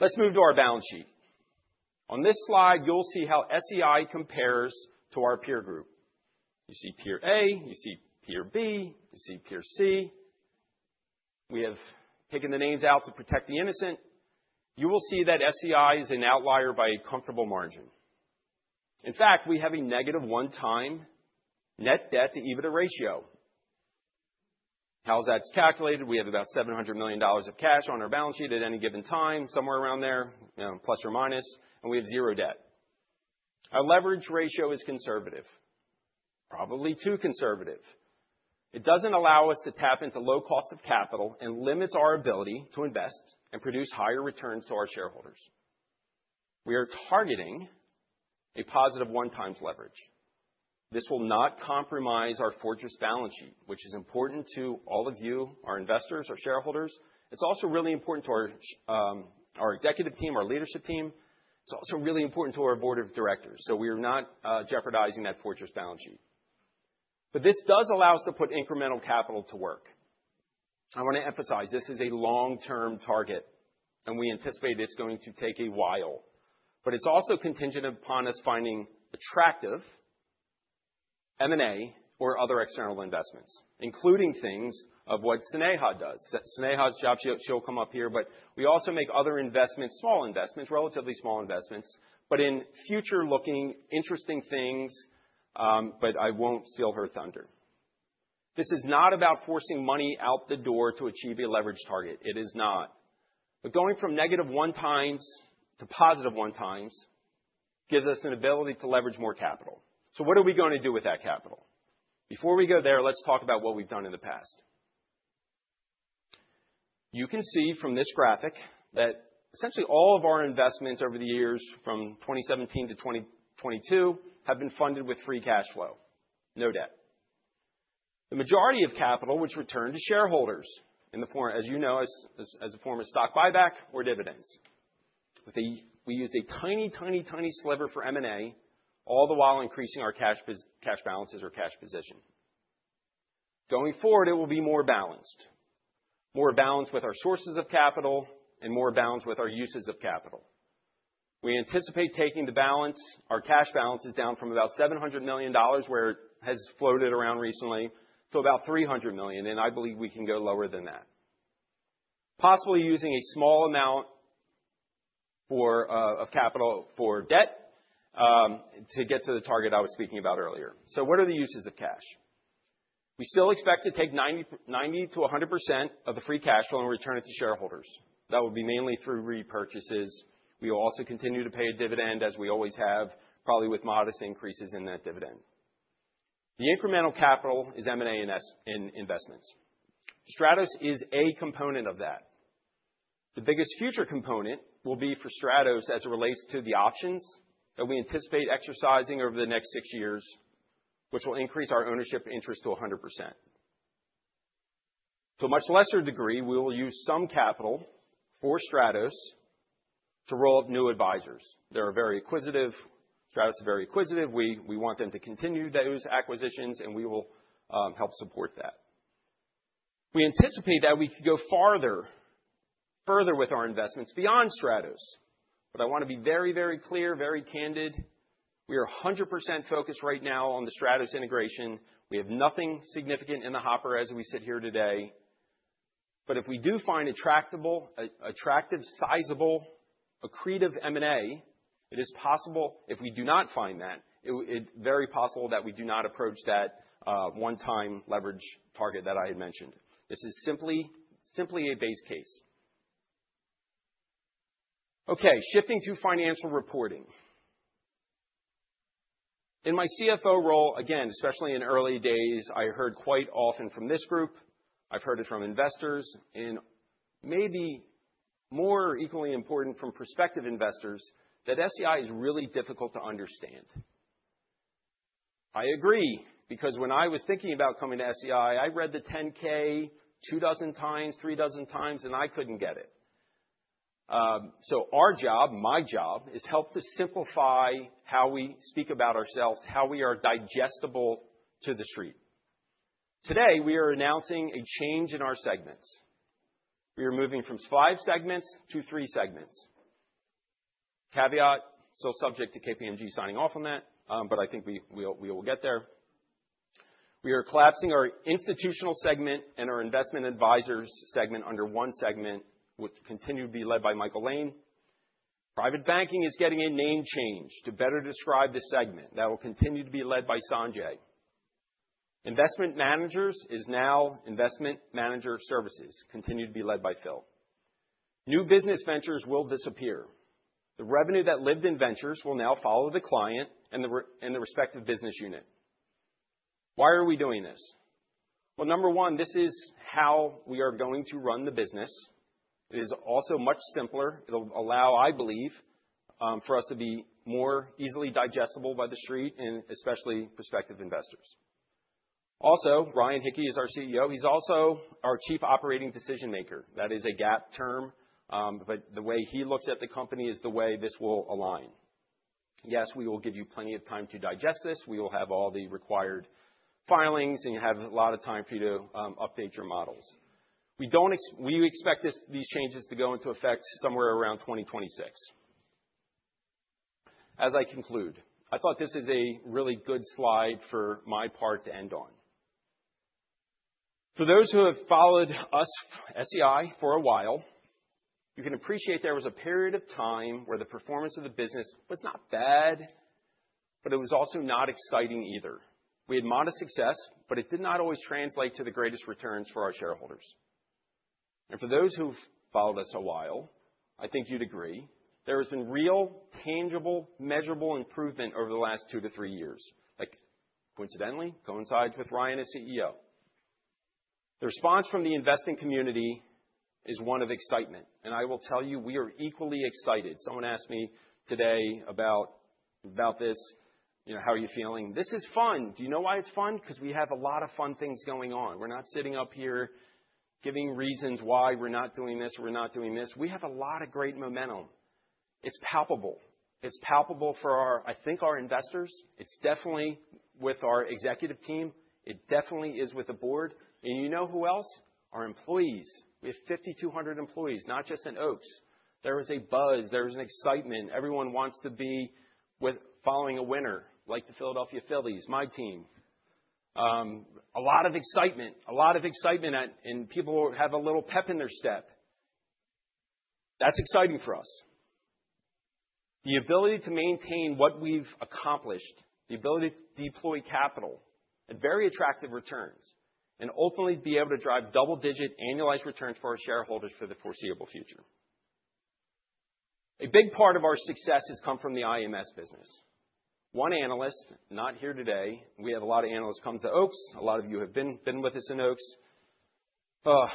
[SPEAKER 3] Let's move to our balance sheet. On this slide, you'll see how SEI compares to our peer group. You see peer A, you see peer B, you see peer C. We have taken the names out to protect the innocent. You will see that SEI is an outlier by a comfortable margin. In fact, we have a negative one-times net debt to EBITDA ratio. How is that calculated? We have about $700 million of cash on our balance sheet at any given time, somewhere around there, plus or minus. We have zero debt. Our leverage ratio is conservative, probably too conservative. It doesn't allow us to tap into low cost of capital and limits our ability to invest and produce higher returns to our shareholders. We are targeting a positive one-times leverage. This will not compromise our fortress balance sheet, which is important to all of you, our investors, our shareholders. It's also really important to our executive team, our leadership team. It's also really important to our board of directors, so we are not jeopardizing that fortress balance sheet, but this does allow us to put incremental capital to work. I want to emphasize this is a long-term target, and we anticipate it's going to take a while, but it's also contingent upon us finding attractive M&A or other external investments, including things of what Sneha does. Sneha's job, she'll come up here, but we also make other investments, small investments, relatively small investments, but in future-looking, interesting things, but I won't steal her thunder. This is not about forcing money out the door to achieve a leverage target. It is not, but going from negative one-times to positive one-times gives us an ability to leverage more capital, so what are we going to do with that capital? Before we go there, let's talk about what we've done in the past. You can see from this graphic that essentially all of our investments over the years from 2017-2022 have been funded with free cash flow, no debt. The majority of capital was returned to shareholders in the form, as you know, as a form of stock buyback or dividends. We used a tiny, tiny, tiny sliver for M&A all the while increasing our cash balances or cash position. Going forward, it will be more balanced, more balanced with our sources of capital and more balanced with our uses of capital. We anticipate taking the balance, our cash balances down from about $700 million, where it has floated around recently, to about $300 million. I believe we can go lower than that, possibly using a small amount of capital for debt to get to the target I was speaking about earlier. What are the uses of cash? We still expect to take 90%-100% of the free cash flow and return it to shareholders. That will be mainly through repurchases. We will also continue to pay a dividend, as we always have, probably with modest increases in that dividend. The incremental capital is M&A and investments. Stratos is a component of that. The biggest future component will be for Stratos as it relates to the options that we anticipate exercising over the next six years, which will increase our ownership interest to 100%. To a much lesser degree, we will use some capital for Stratos to roll up new advisors. They are very acquisitive. Stratos is very acquisitive. We want them to continue those acquisitions, and we will help support that. We anticipate that we could go farther with our investments beyond Stratos. But I want to be very, very clear, very candid. We are 100% focused right now on the Stratos integration. We have nothing significant in the hopper as we sit here today. But if we do find attractive, sizable, accretive M&A, it is possible. If we do not find that, it's very possible that we do not approach that one-time leverage target that I had mentioned. This is simply a base case. Okay. Shifting to financial reporting. In my CFO role, again, especially in early days, I heard quite often from this group. I've heard it from investors and maybe more equally important from prospective investors that SCI is really difficult to understand. I agree because when I was thinking about coming to SCI, I read the 10K two dozen times, three dozen times, and I couldn't get it so our job, my job, is help to simplify how we speak about ourselves, how we are digestible to the street. Today, we are announcing a change in our segments. We are moving from five segments to three segments. Caveat, still subject to KPMG signing off on that, but I think we will get there. We are collapsing our institutional segment and our investment advisors segment under one segment, which will continue to be led by Michael Lane. Private banking is getting a name change to better describe the segment. That will continue to be led by Sanjay. Investment managers is now investment manager services, continued to be led by Phil. New business ventures will disappear. The revenue that lived in ventures will now follow the client and the respective business unit. Why are we doing this? Well, number one, this is how we are going to run the business. It is also much simpler. It'll allow, I believe, for us to be more easily digestible by the street and especially prospective investors. Also, Ryan Hickey is our CEO. He's also our chief operating decision maker. That is a GAAP term. But the way he looks at the company is the way this will align. Yes, we will give you plenty of time to digest this. We will have all the required filings, and you have a lot of time for you to update your models. We expect these changes to go into effect somewhere around 2026. As I conclude, I thought this is a really good slide for my part to end on. For those who have followed us, SEI for a while, you can appreciate there was a period of time where the performance of the business was not bad, but it was also not exciting either. We had modest success, but it did not always translate to the greatest returns for our shareholders. And for those who've followed us a while, I think you'd agree, there has been real, tangible, measurable improvement over the last two to three years. Coincidentally, coincides with Ryan as CEO. The response from the investing community is one of excitement. And I will tell you, we are equally excited. Someone asked me today about this, how are you feeling? This is fun. Do you know why it's fun? Because we have a lot of fun things going on. We're not sitting up here giving reasons why we're not doing this or we're not doing this. We have a lot of great momentum. It's palpable. It's palpable for, I think, our investors. It's definitely with our executive team. It definitely is with the board. And you know who else? Our employees. We have 5,200 employees, not just in Oaks. There was a buzz. There was an excitement. Everyone wants to be following a winner, like the Philadelphia Phillies, my team. A lot of excitement. A lot of excitement. And people have a little pep in their step. That's exciting for us. The ability to maintain what we've accomplished, the ability to deploy capital at very attractive returns, and ultimately be able to drive double-digit annualized returns for our shareholders for the foreseeable future. A big part of our success has come from the IMS business. One analyst, not here today. We have a lot of analysts come to Oaks. A lot of you have been with us in Oaks.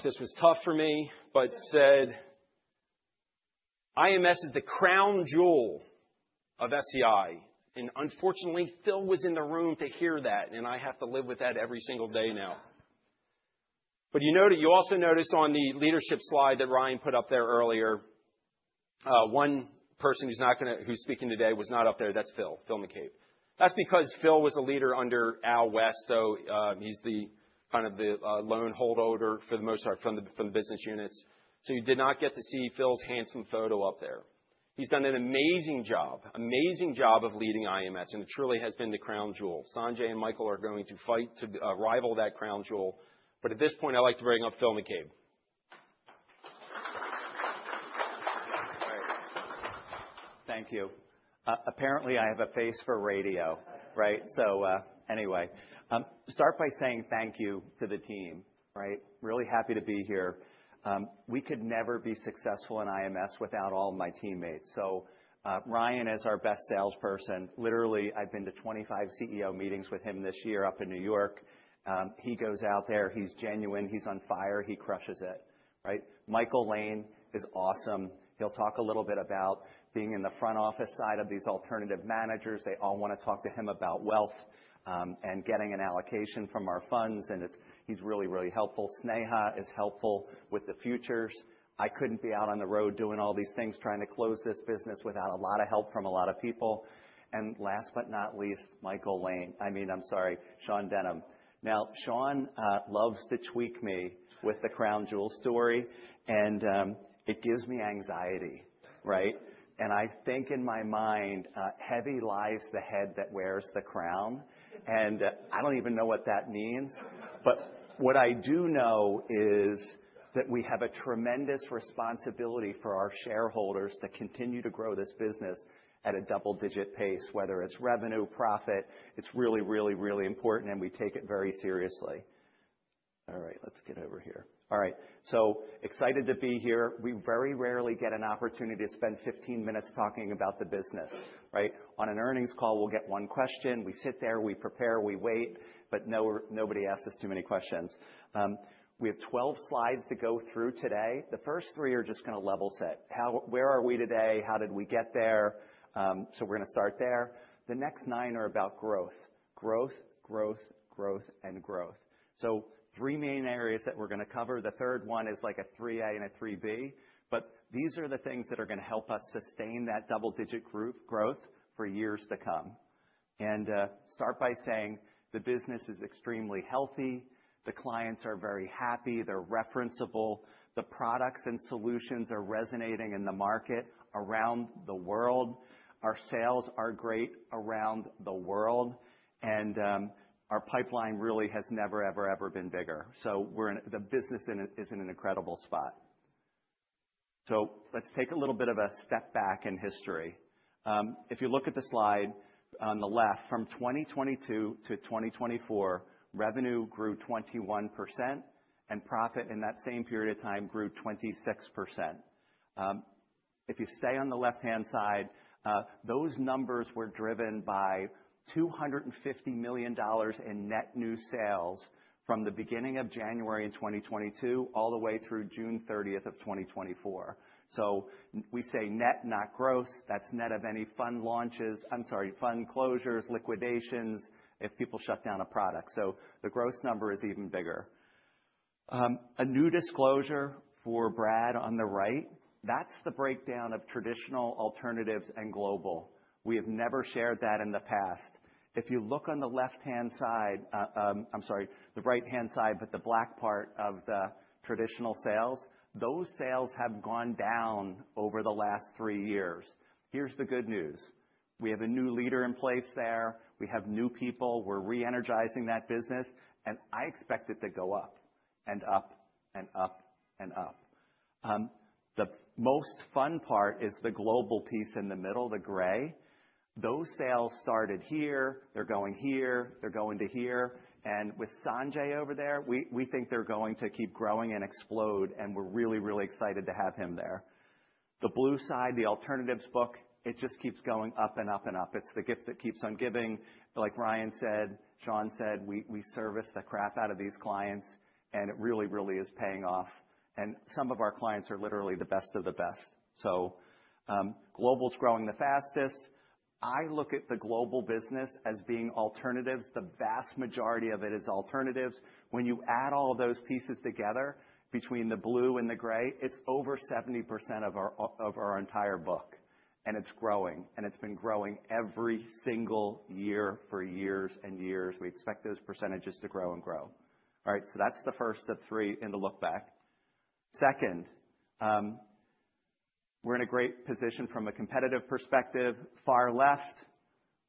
[SPEAKER 3] This was tough for me, but I said IMS is the crown jewel of SEI. Unfortunately, Phil was in the room to hear that. I have to live with that every single day now. You also notice on the leadership slide that Ryan put up there earlier, one person who's speaking today was not up there. That's Phil, Phil McCabe. That's because Phil was a leader under Al West. He's kind of the lone holdover for the most part from the business units. You did not get to see Phil's handsome photo up there. He's done an amazing job, amazing job of leading IMS. It truly has been the crown jewel. Sanjay and Michael are going to fight to rival that crown jewel. At this point, I'd like to bring up Phil McCabe.
[SPEAKER 4] All right. Thank you. Apparently, I have a face for radio, right? So anyway, start by saying thank you to the team. Right? Really happy to be here. We could never be successful in IMS without all of my teammates. So Ryan is our best salesperson. Literally, I've been to 25 CEO meetings with him this year up in New York. He goes out there. He's genuine. He's on fire. He crushes it, right? Michael Lane is awesome. He'll talk a little bit about being in the front office side of these alternative managers. They all want to talk to him about wealth and getting an allocation from our funds. And he's really, really helpful. Sneha is helpful with the futures. I couldn't be out on the road doing all these things trying to close this business without a lot of help from a lot of people. And last but not least, Michael Lane. I mean, I'm sorry, Sean Denham. Now, Sean loves to tweak me with the crown jewel story. And it gives me anxiety, right? And I think in my mind, heavy lies the head that wears the crown. And I don't even know what that means. But what I do know is that we have a tremendous responsibility for our shareholders to continue to grow this business at a double-digit pace, whether it's revenue, profit. It's really, really, really important. And we take it very seriously. All right. Let's get over here. All right. So excited to be here. We very rarely get an opportunity to spend 15 minutes talking about the business, right? On an earnings call, we'll get one question. We sit there. We prepare. We wait. But nobody asks us too many questions. We have 12 slides to go through today. The first three are just going to level set. Where are we today? How did we get there? So we're going to start there. The next nine are about growth, growth, growth, growth, and growth. So three main areas that we're going to cover. The third one is like a 3A and a 3B. But these are the things that are going to help us sustain that double-digit growth for years to come. And start by saying the business is extremely healthy. The clients are very happy. They're referenceable. The products and solutions are resonating in the market around the world. Our sales are great around the world. And our pipeline really has never, ever, ever been bigger. So the business is in an incredible spot. So let's take a little bit of a step back in history. If you look at the slide on the left, from 2022 to 2024, revenue grew 21%, and profit in that same period of time grew 26%. If you stay on the left-hand side, those numbers were driven by $250 million in net new sales from the beginning of January in 2022 all the way through June 30th of 2024. So we say net, not gross. That's net of any fund launches, I'm sorry, fund closures, liquidations, if people shut down a product. So the gross number is even bigger. A new disclosure for Brad on the right, that's the breakdown of traditional alternatives and global. We have never shared that in the past. If you look on the left-hand side, I'm sorry, the right-hand side, but the black part of the traditional sales, those sales have gone down over the last three years. Here's the good news. We have a new leader in place there. We have new people. We're re-energizing that business. And I expect it to go up and up and up and up. The most fun part is the global piece in the middle, the gray. Those sales started here. They're going here. They're going to here. And with Sanjay over there, we think they're going to keep growing and explode. And we're really, really excited to have him there. The blue side, the alternatives book, it just keeps going up and up and up. It's the gift that keeps on giving. Like Ryan said, Sean said, we service the crap out of these clients. And it really, really is paying off. And some of our clients are literally the best of the best. So global's growing the fastest. I look at the global business as being alternatives. The vast majority of it is alternatives. When you add all those pieces together between the blue and the gray, it's over 70% of our entire book. And it's growing. And it's been growing every single year for years and years. We expect those percentages to grow and grow. All right. So that's the first of three in the lookback. Second, we're in a great position from a competitive perspective. Far left,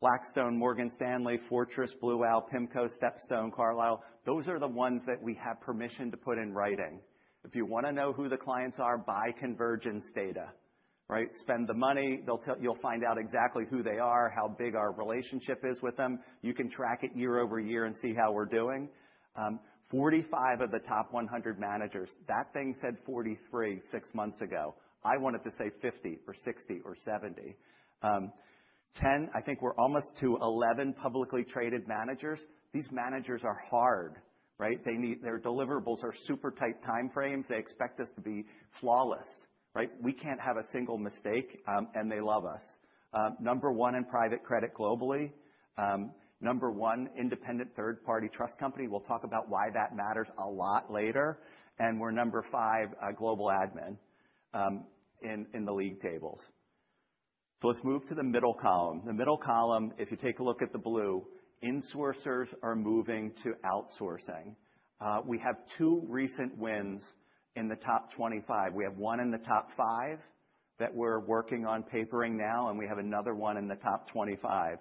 [SPEAKER 4] Blackstone, Morgan Stanley, Fortress, Blue Owl, PIMCO, Stepstone, Carlyle. Those are the ones that we have permission to put in writing. If you want to know who the clients are, buy convergence data, right? Spend the money. You'll find out exactly who they are, how big our relationship is with them. You can track it year over year and see how we're doing. 45 of the top 100 managers. That thing said 43 six months ago. I wanted to say 50 or 60 or 70. 10, I think we're almost to 11 publicly traded managers. These managers are hard, right? Their deliverables are super tight time frames. They expect us to be flawless, right? We can't have a single mistake, and they love us. Number one in private credit globally. Number one, independent third-party trust company. We'll talk about why that matters a lot later, and we're number five global admin in the league tables, so let's move to the middle column. The middle column, if you take a look at the blue, insourcers are moving to outsourcing. We have two recent wins in the top 25. We have one in the top five that we're working on papering now, and we have another one in the top 25.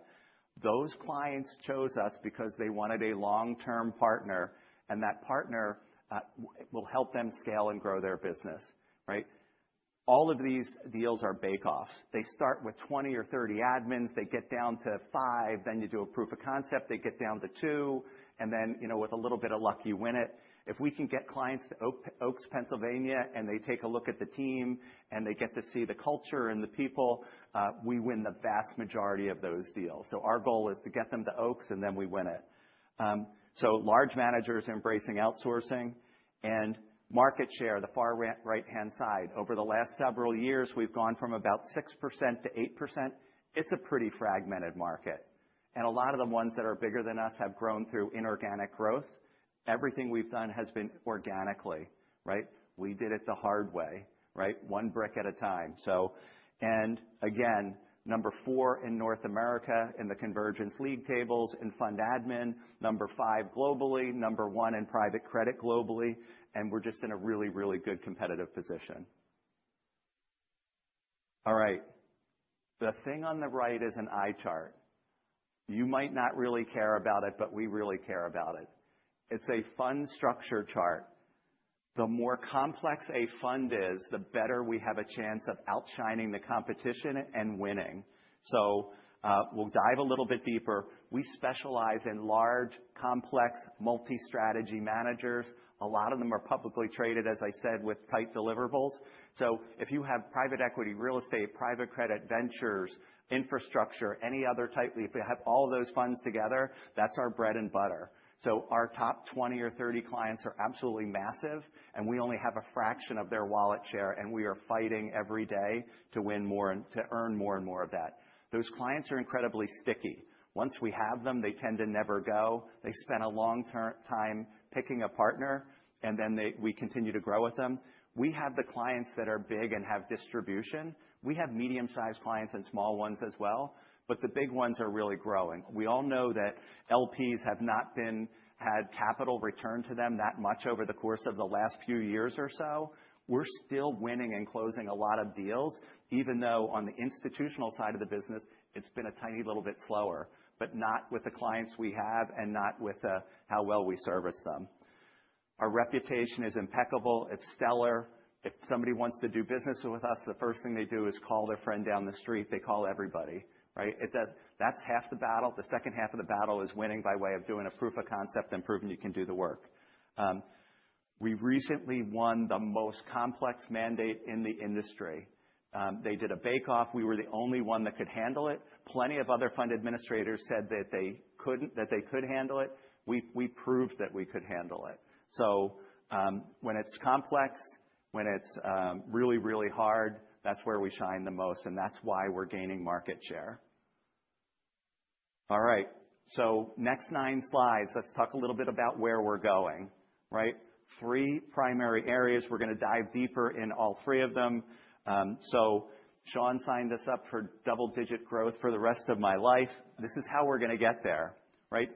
[SPEAKER 4] Those clients chose us because they wanted a long-term partner. And that partner will help them scale and grow their business, right? All of these deals are bake-offs. They start with 20 or 30 admins. They get down to five. Then you do a proof of concept. They get down to two. And then with a little bit of luck, you win it. If we can get clients to Oaks, Pennsylvania, and they take a look at the team, and they get to see the culture and the people, we win the vast majority of those deals. So our goal is to get them to Oaks, and then we win it. So large managers embracing outsourcing and market share, the far right-hand side. Over the last several years, we've gone from about 6%-8%. It's a pretty fragmented market. And a lot of the ones that are bigger than us have grown through inorganic growth. Everything we've done has been organically, right? We did it the hard way, right? One brick at a time and again, number four in North America in the convergence league tables in fund admin, number five globally, number one in private credit globally and we're just in a really, really good competitive position. All right. The thing on the right is an eye chart. You might not really care about it, but we really care about it. It's a fund structure chart. The more complex a fund is, the better we have a chance of outshining the competition and winning, so we'll dive a little bit deeper. We specialize in large, complex, multi-strategy managers. A lot of them are publicly traded, as I said, with tight deliverables. So if you have private equity, real estate, private credit ventures, infrastructure, any other type, if you have all of those funds together, that's our bread and butter. So our top 20 or 30 clients are absolutely massive. And we only have a fraction of their wallet share. And we are fighting every day to earn more and more of that. Those clients are incredibly sticky. Once we have them, they tend to never go. They spend a long time picking a partner. And then we continue to grow with them. We have the clients that are big and have distribution. We have medium-sized clients and small ones as well. But the big ones are really growing. We all know that LPs have not had capital return to them that much over the course of the last few years or so. We're still winning and closing a lot of deals, even though on the institutional side of the business, it's been a tiny little bit slower, but not with the clients we have and not with how well we service them. Our reputation is impeccable. It's stellar. If somebody wants to do business with us, the first thing they do is call their friend down the street. They call everybody, right? That's half the battle. The second half of the battle is winning by way of doing a proof of concept and proving you can do the work. We recently won the most complex mandate in the industry. They did a bake-off. We were the only one that could handle it. Plenty of other fund administrators said that they could handle it. We proved that we could handle it. So when it's complex, when it's really, really hard, that's where we shine the most. And that's why we're gaining market share. All right. So next nine slides, let's talk a little bit about where we're going, right? Three primary areas. We're going to dive deeper in all three of them. So Sean signed us up for double-digit growth for the rest of my life. This is how we're going to get there, right?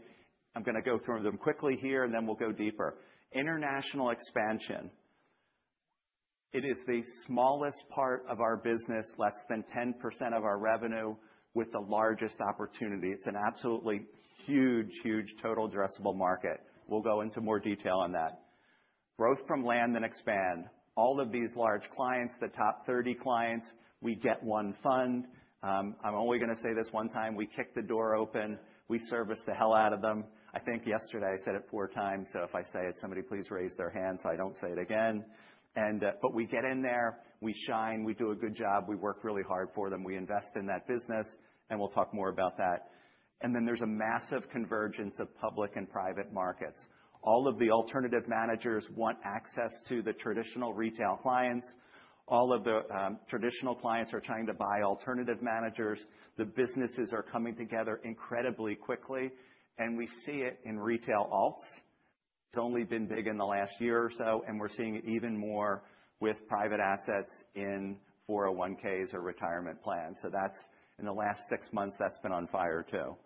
[SPEAKER 4] I'm going to go through them quickly here, and then we'll go deeper. International expansion. It is the smallest part of our business, less than 10% of our revenue, with the largest opportunity. It's an absolutely huge, huge total addressable market. We'll go into more detail on that. Growth from land and expand. All of these large clients, the top 30 clients, we get one fund. I'm only going to say this one time. We kick the door open. We service the hell out of them. I think yesterday I said it four times. So if I say it, somebody please raise their hand so I don't say it again. But we get in there. We shine. We do a good job. We work really hard for them. We invest in that business. And we'll talk more about that. And then there's a massive convergence of public and private markets. All of the alternative managers want access to the traditional retail clients. All of the traditional clients are trying to buy alternative managers. The businesses are coming together incredibly quickly. And we see it in retail alts. It's only been big in the last year or so. And we're seeing it even more with private assets in 401(k)s or retirement plans. So in the last six months, that's been on fire too.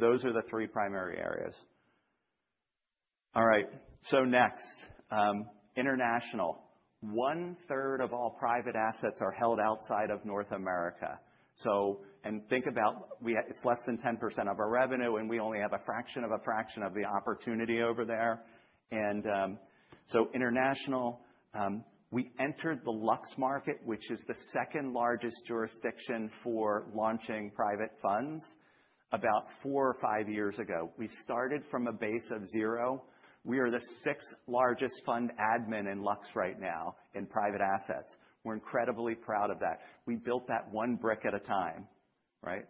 [SPEAKER 4] Those are the three primary areas. All right. Next, international. One third of all private assets are held outside of North America. Think about it. It's less than 10% of our revenue. We only have a fraction of a fraction of the opportunity over there. International, we entered the Lux market, which is the second largest jurisdiction for launching private funds, about four or five years ago. We started from a base of zero. We are the sixth largest fund admin in Lux right now in private assets. We're incredibly proud of that. We built that one brick at a time, right?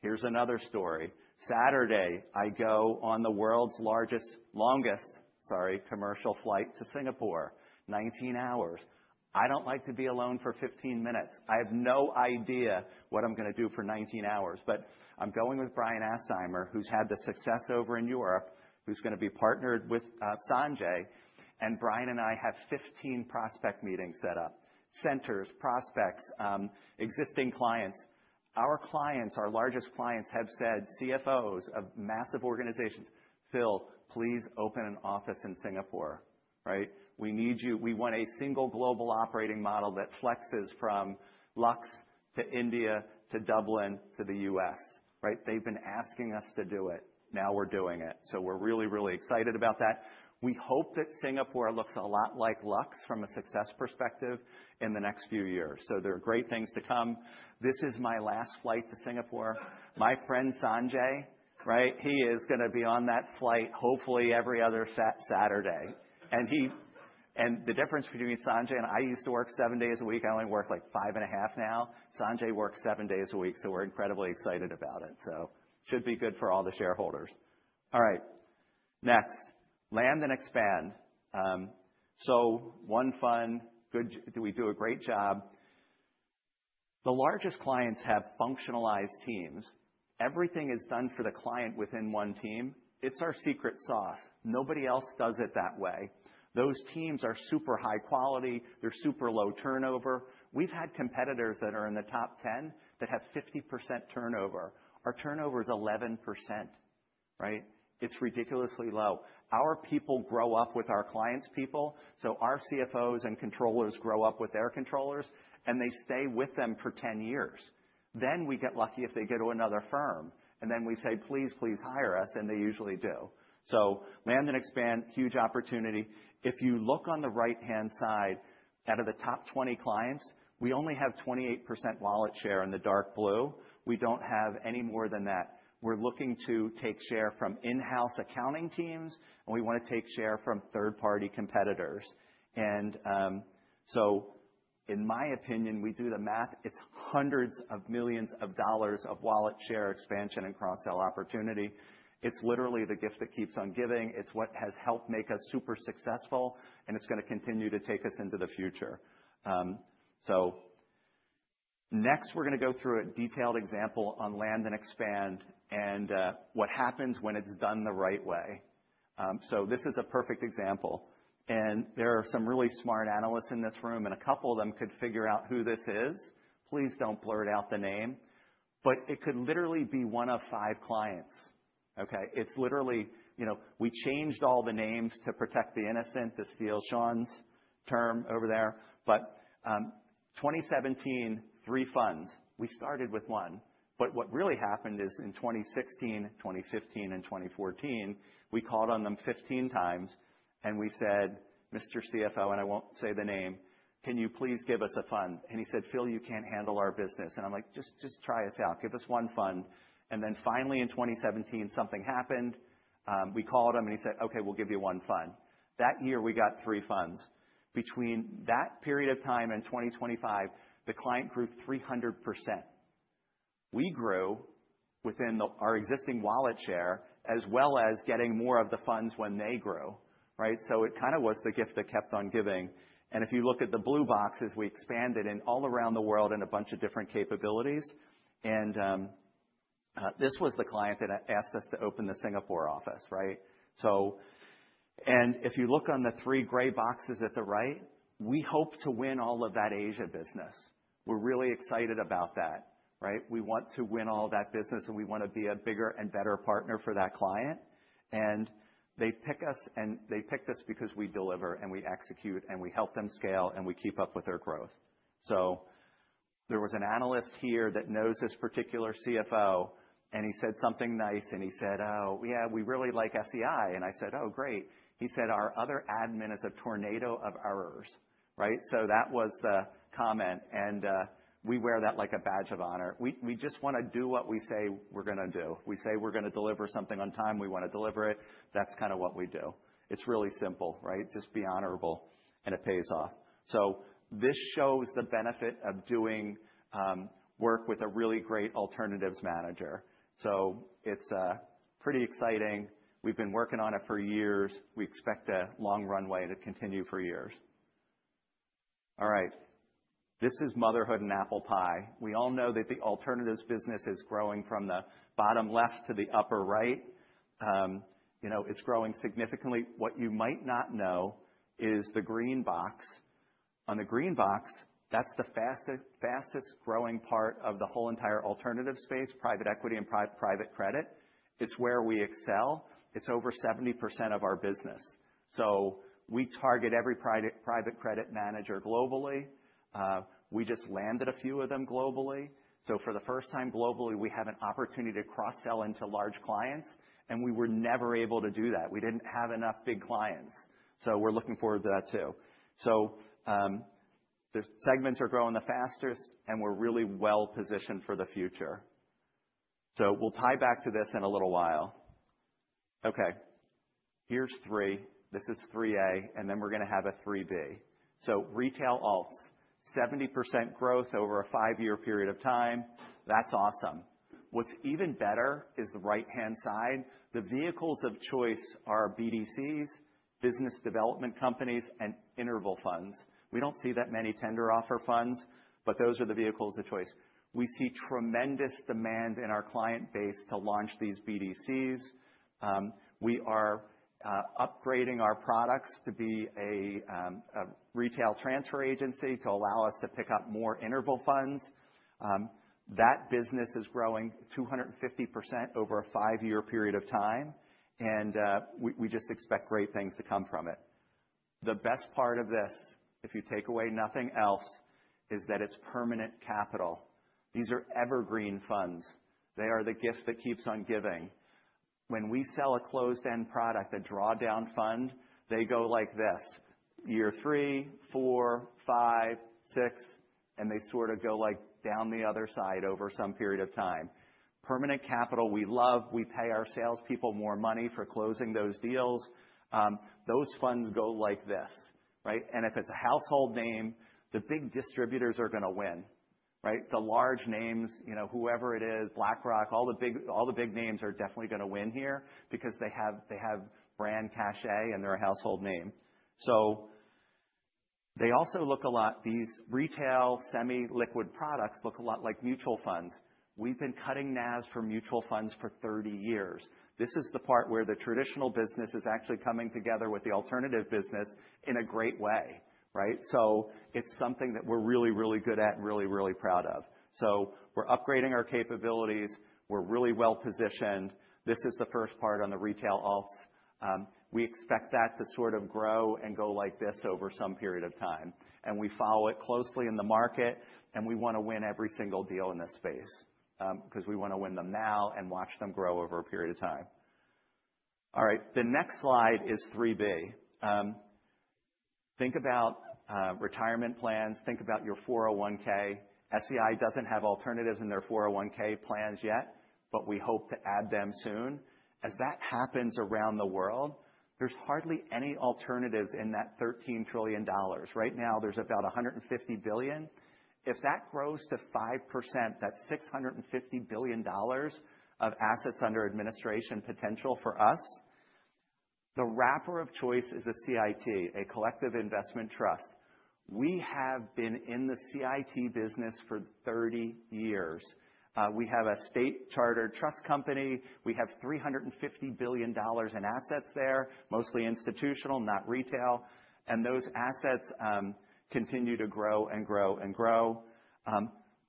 [SPEAKER 4] Here's another story. Saturday, I go on the world's longest, sorry, commercial flight to Singapore, 19 hours. I don't like to be alone for 15 minutes. I have no idea what I'm going to do for 19 hours. But I'm going with Brian Astheimer, who's had the success over in Europe, who's going to be partnered with Sanjay. And Brian and I have 15 prospect meetings set up, centers, prospects, existing clients. Our clients, our largest clients, CFOs of massive organizations, have said, "Phil, please open an office in Singapore," right? We want a single global operating model that flexes from LUX to India to Dublin to the U.S., right? They've been asking us to do it. Now we're doing it. So we're really, really excited about that. We hope that Singapore looks a lot like LUX from a success perspective in the next few years. So there are great things to come. This is my last flight to Singapore. My friend Sanjay, right? He is going to be on that flight, hopefully, every other Saturday. The difference between Sanjay and I used to work seven days a week. I only work like five and a half now. Sanjay works seven days a week. We're incredibly excited about it. It should be good for all the shareholders. All right. Next, land and expand. One fun, good, we do a great job. The largest clients have functionalized teams. Everything is done for the client within one team. It's our secret sauce. Nobody else does it that way. Those teams are super high quality. They're super low turnover. We've had competitors that are in the top 10 that have 50% turnover. Our turnover is 11%, right? It's ridiculously low. Our people grow up with our clients' people. Our CFOs and controllers grow up with their controllers. They stay with them for 10 years. Then we get lucky if they go to another firm. And then we say, "Please, please hire us." And they usually do. So land and expand, huge opportunity. If you look on the right-hand side, out of the top 20 clients, we only have 28% wallet share in the dark blue. We don't have any more than that. We're looking to take share from in-house accounting teams. And we want to take share from third-party competitors. And so in my opinion, we do the math. It's hundreds of millions of dollars of wallet share expansion and cross-sell opportunity. It's literally the gift that keeps on giving. It's what has helped make us super successful. And it's going to continue to take us into the future. So next, we're going to go through a detailed example on land and expand and what happens when it's done the right way. This is a perfect example. There are some really smart analysts in this room. A couple of them could figure out who this is. Please don't blurt out the name. It could literally be one of five clients, okay? It's literally, we changed all the names to protect the innocent, to steal Sean's term over there. 2017, three funds. We started with one. What really happened is in 2016, 2015, and 2014, we called on them 15 times. We said, "Mr. CFO," and I won't say the name, "Can you please give us a fund?" He said, "Phil, you can't handle our business." I'm like, "Just try us out. Give us one fund." Finally in 2017, something happened. We called him. He said, "Okay, we'll give you one fund." That year, we got three funds. Between that period of time and 2025, the client grew 300%. We grew within our existing wallet share as well as getting more of the funds when they grew, right? So it kind of was the gift that kept on giving. And if you look at the blue boxes, we expanded in all around the world in a bunch of different capabilities. And this was the client that asked us to open the Singapore office, right? And if you look on the three gray boxes at the right, we hope to win all of that Asia business. We're really excited about that, right? We want to win all that business. And we want to be a bigger and better partner for that client. And they pick us. And they picked us because we deliver and we execute and we help them scale and we keep up with their growth. There was an analyst here that knows this particular CFO. He said something nice. He said, "Oh, yeah, we really like SEI." I said, "Oh, great." He said, "Our other admin is a tornado of errors," right? That was the comment. We wear that like a badge of honor. We just want to do what we say we're going to do. We say we're going to deliver something on time. We want to deliver it. That's kind of what we do. It's really simple, right? Just be honorable. It pays off. This shows the benefit of doing work with a really great alternatives manager. It's pretty exciting. We've been working on it for years. We expect a long runway to continue for years. All right. This is motherhood and apple pie. We all know that the alternatives business is growing from the bottom left to the upper right. It's growing significantly. What you might not know is the green box. On the green box, that's the fastest growing part of the whole entire alternative space, private equity and private credit. It's where we excel. It's over 70% of our business. So we target every private credit manager globally. We just landed a few of them globally. So for the first time globally, we have an opportunity to cross-sell into large clients. And we were never able to do that. We didn't have enough big clients. So we're looking forward to that too. So the segments are growing the fastest. And we're really well positioned for the future. So we'll tie back to this in a little while. Okay. Here's three. This is 3A. And then we're going to have a 3B. Retail alts, 70% growth over a five-year period of time. That's awesome. What's even better is the right-hand side. The vehicles of choice are BDCs, business development companies, and interval funds. We don't see that many tender offer funds. But those are the vehicles of choice. We see tremendous demand in our client base to launch these BDCs. We are upgrading our products to be a retail transfer agency to allow us to pick up more interval funds. That business is growing 250% over a five-year period of time. And we just expect great things to come from it. The best part of this, if you take away nothing else, is that it's permanent capital. These are evergreen funds. They are the gift that keeps on giving. When we sell a closed-end product, a drawdown fund, they go like this: year three, four, five, six. And they sort of go like down the other side over some period of time. Permanent capital, we love. We pay our salespeople more money for closing those deals. Those funds go like this, right? And if it's a household name, the big distributors are going to win, right? The large names, whoever it is, BlackRock, all the big names are definitely going to win here because they have brand cachet and they're a household name. So they also look a lot. These retail semi-liquid products look a lot like mutual funds. We've been custodying assets for mutual funds for 30 years. This is the part where the traditional business is actually coming together with the alternative business in a great way, right? So it's something that we're really, really good at and really, really proud of. So we're upgrading our capabilities. We're really well positioned. This is the first part on the retail alts. We expect that to sort of grow and go like this over some period of time, and we follow it closely in the market. We want to win every single deal in this space because we want to win them now and watch them grow over a period of time. All right. The next slide is 3B. Think about retirement plans. Think about your 401(k). SEI doesn't have alternatives in their 401(k) plans yet, but we hope to add them soon. As that happens around the world, there's hardly any alternatives in that $13 trillion. Right now, there's about $150 billion. If that grows to 5%, that's $650 billion of assets under administration potential for us. The wrapper of choice is a CIT, a collective investment trust. We have been in the CIT business for 30 years. We have a state-chartered trust company. We have $350 billion in assets there, mostly institutional, not retail, and those assets continue to grow and grow and grow.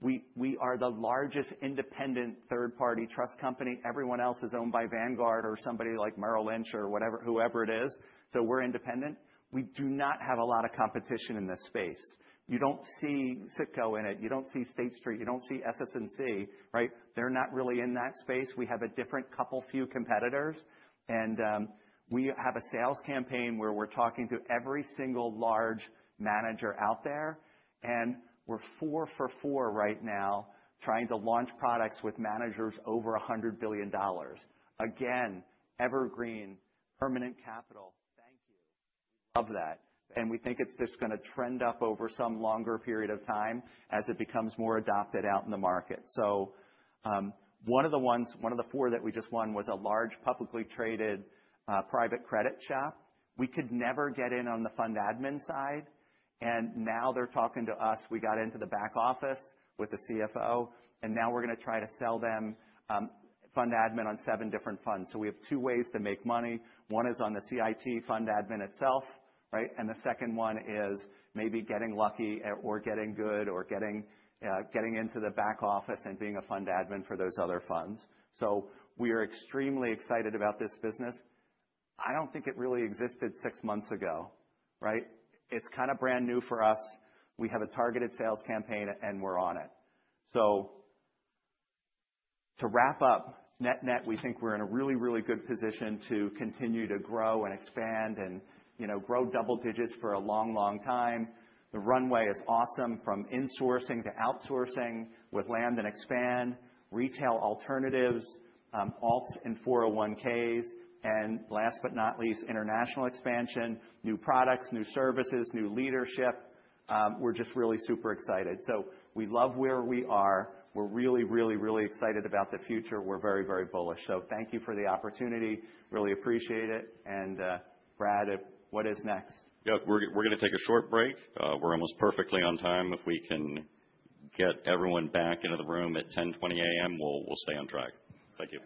[SPEAKER 4] We are the largest independent third-party trust company. Everyone else is owned by Vanguard or somebody like Merrill Lynch or whoever it is. So we're independent. We do not have a lot of competition in this space. You don't see Citco in it. You don't see State Street. You don't see SS&C, right? They're not really in that space. We have a different couple few competitors, and we have a sales campaign where we're talking to every single large manager out there, and we're four for four right now trying to launch products with managers over $100 billion. Again, evergreen, permanent capital. Thank you. We love that. And we think it's just going to trend up over some longer period of time as it becomes more adopted out in the market. So one of the ones, one of the four that we just won was a large publicly traded private credit shop. We could never get in on the fund admin side. And now they're talking to us. We got into the back office with the CFO. And now we're going to try to sell them fund admin on seven different funds. So we have two ways to make money. One is on the CIT fund admin itself, right? And the second one is maybe getting lucky or getting good or getting into the back office and being a fund admin for those other funds. So we are extremely excited about this business. I don't think it really existed six months ago, right? It's kind of brand new for us. We have a targeted sales campaign. And we're on it. So to wrap up, net net, we think we're in a really, really good position to continue to grow and expand and grow double digits for a long, long time. The runway is awesome from insourcing to outsourcing with land and expand, retail alternatives, alts and 401(k)s, and last but not least, international expansion, new products, new services, new leadership. We're just really super excited. So we love where we are. We're really, really, really excited about the future. We're very, very bullish. So thank you for the opportunity. Really appreciate it. And Brad, what is next?
[SPEAKER 1] Yeah, we're going to take a short break. We're almost perfectly on time. If we can get everyone back into the room at 10:20 A.M., we'll stay on track. Thank you.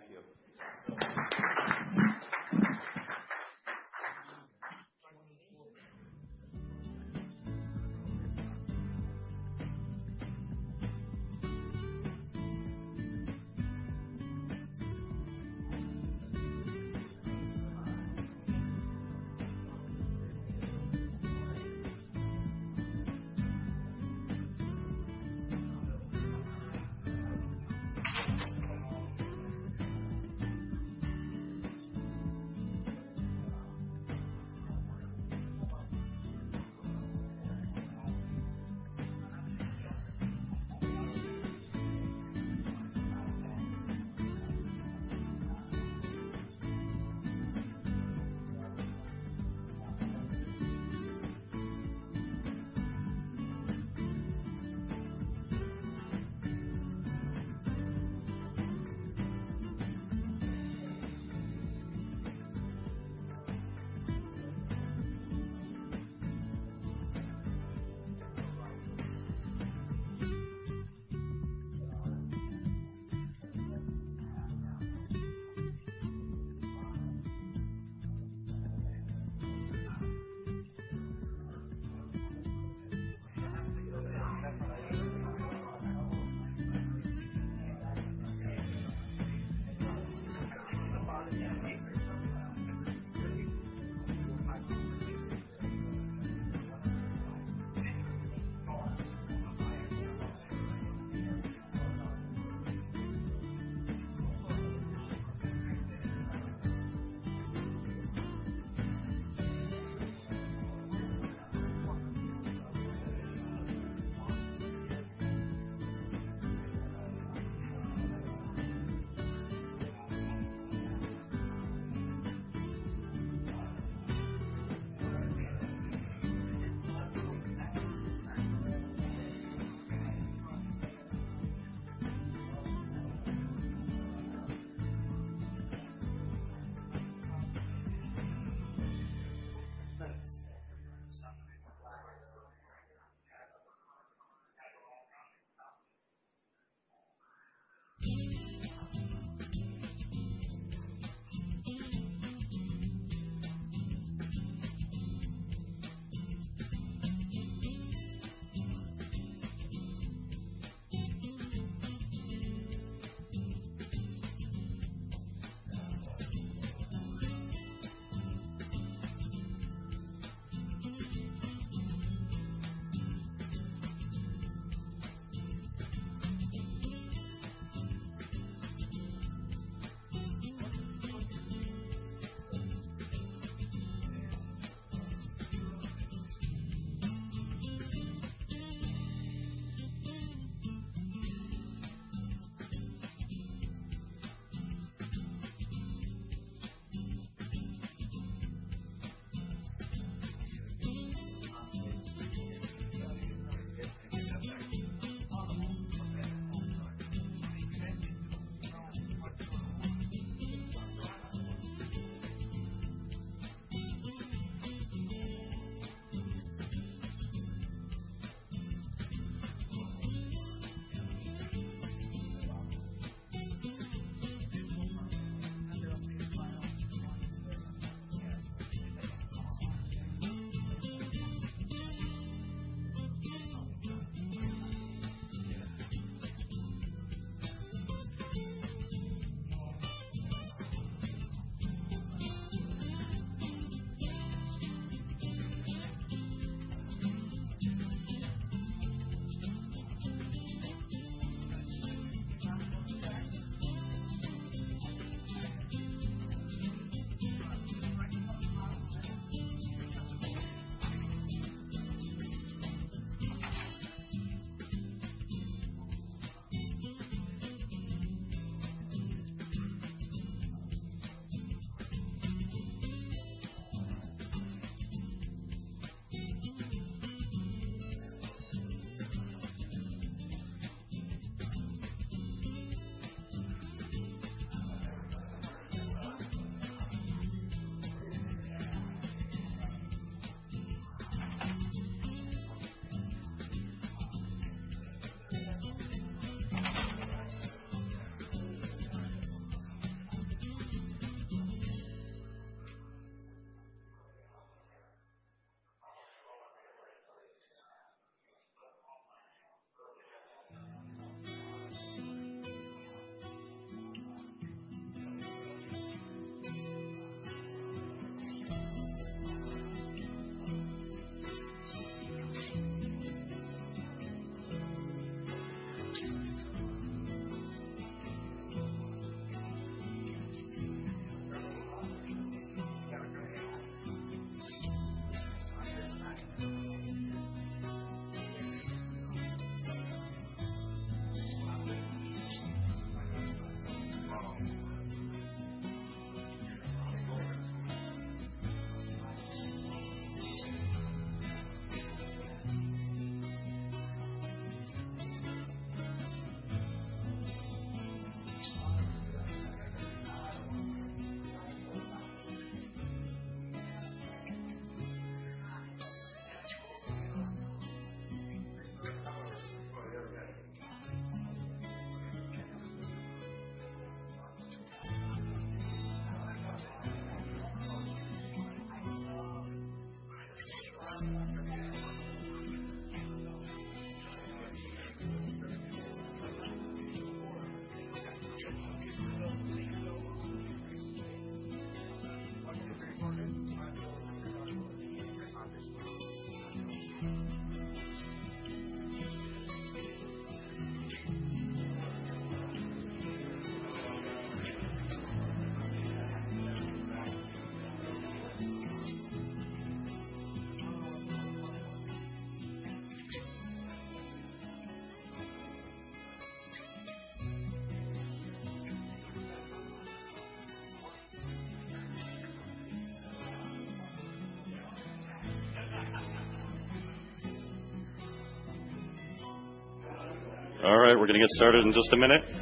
[SPEAKER 1] All right. Welcome back. We're going to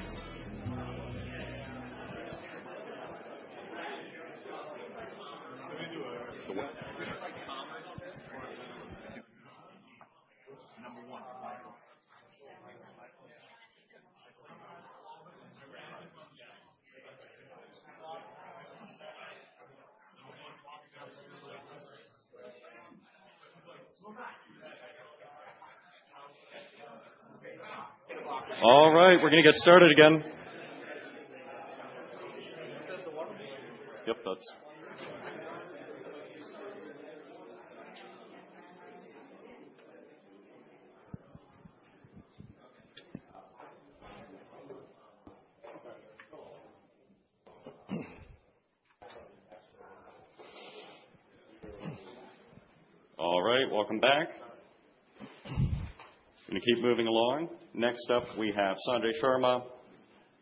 [SPEAKER 1] keep moving along. Next up, we have Sanjay Sharma,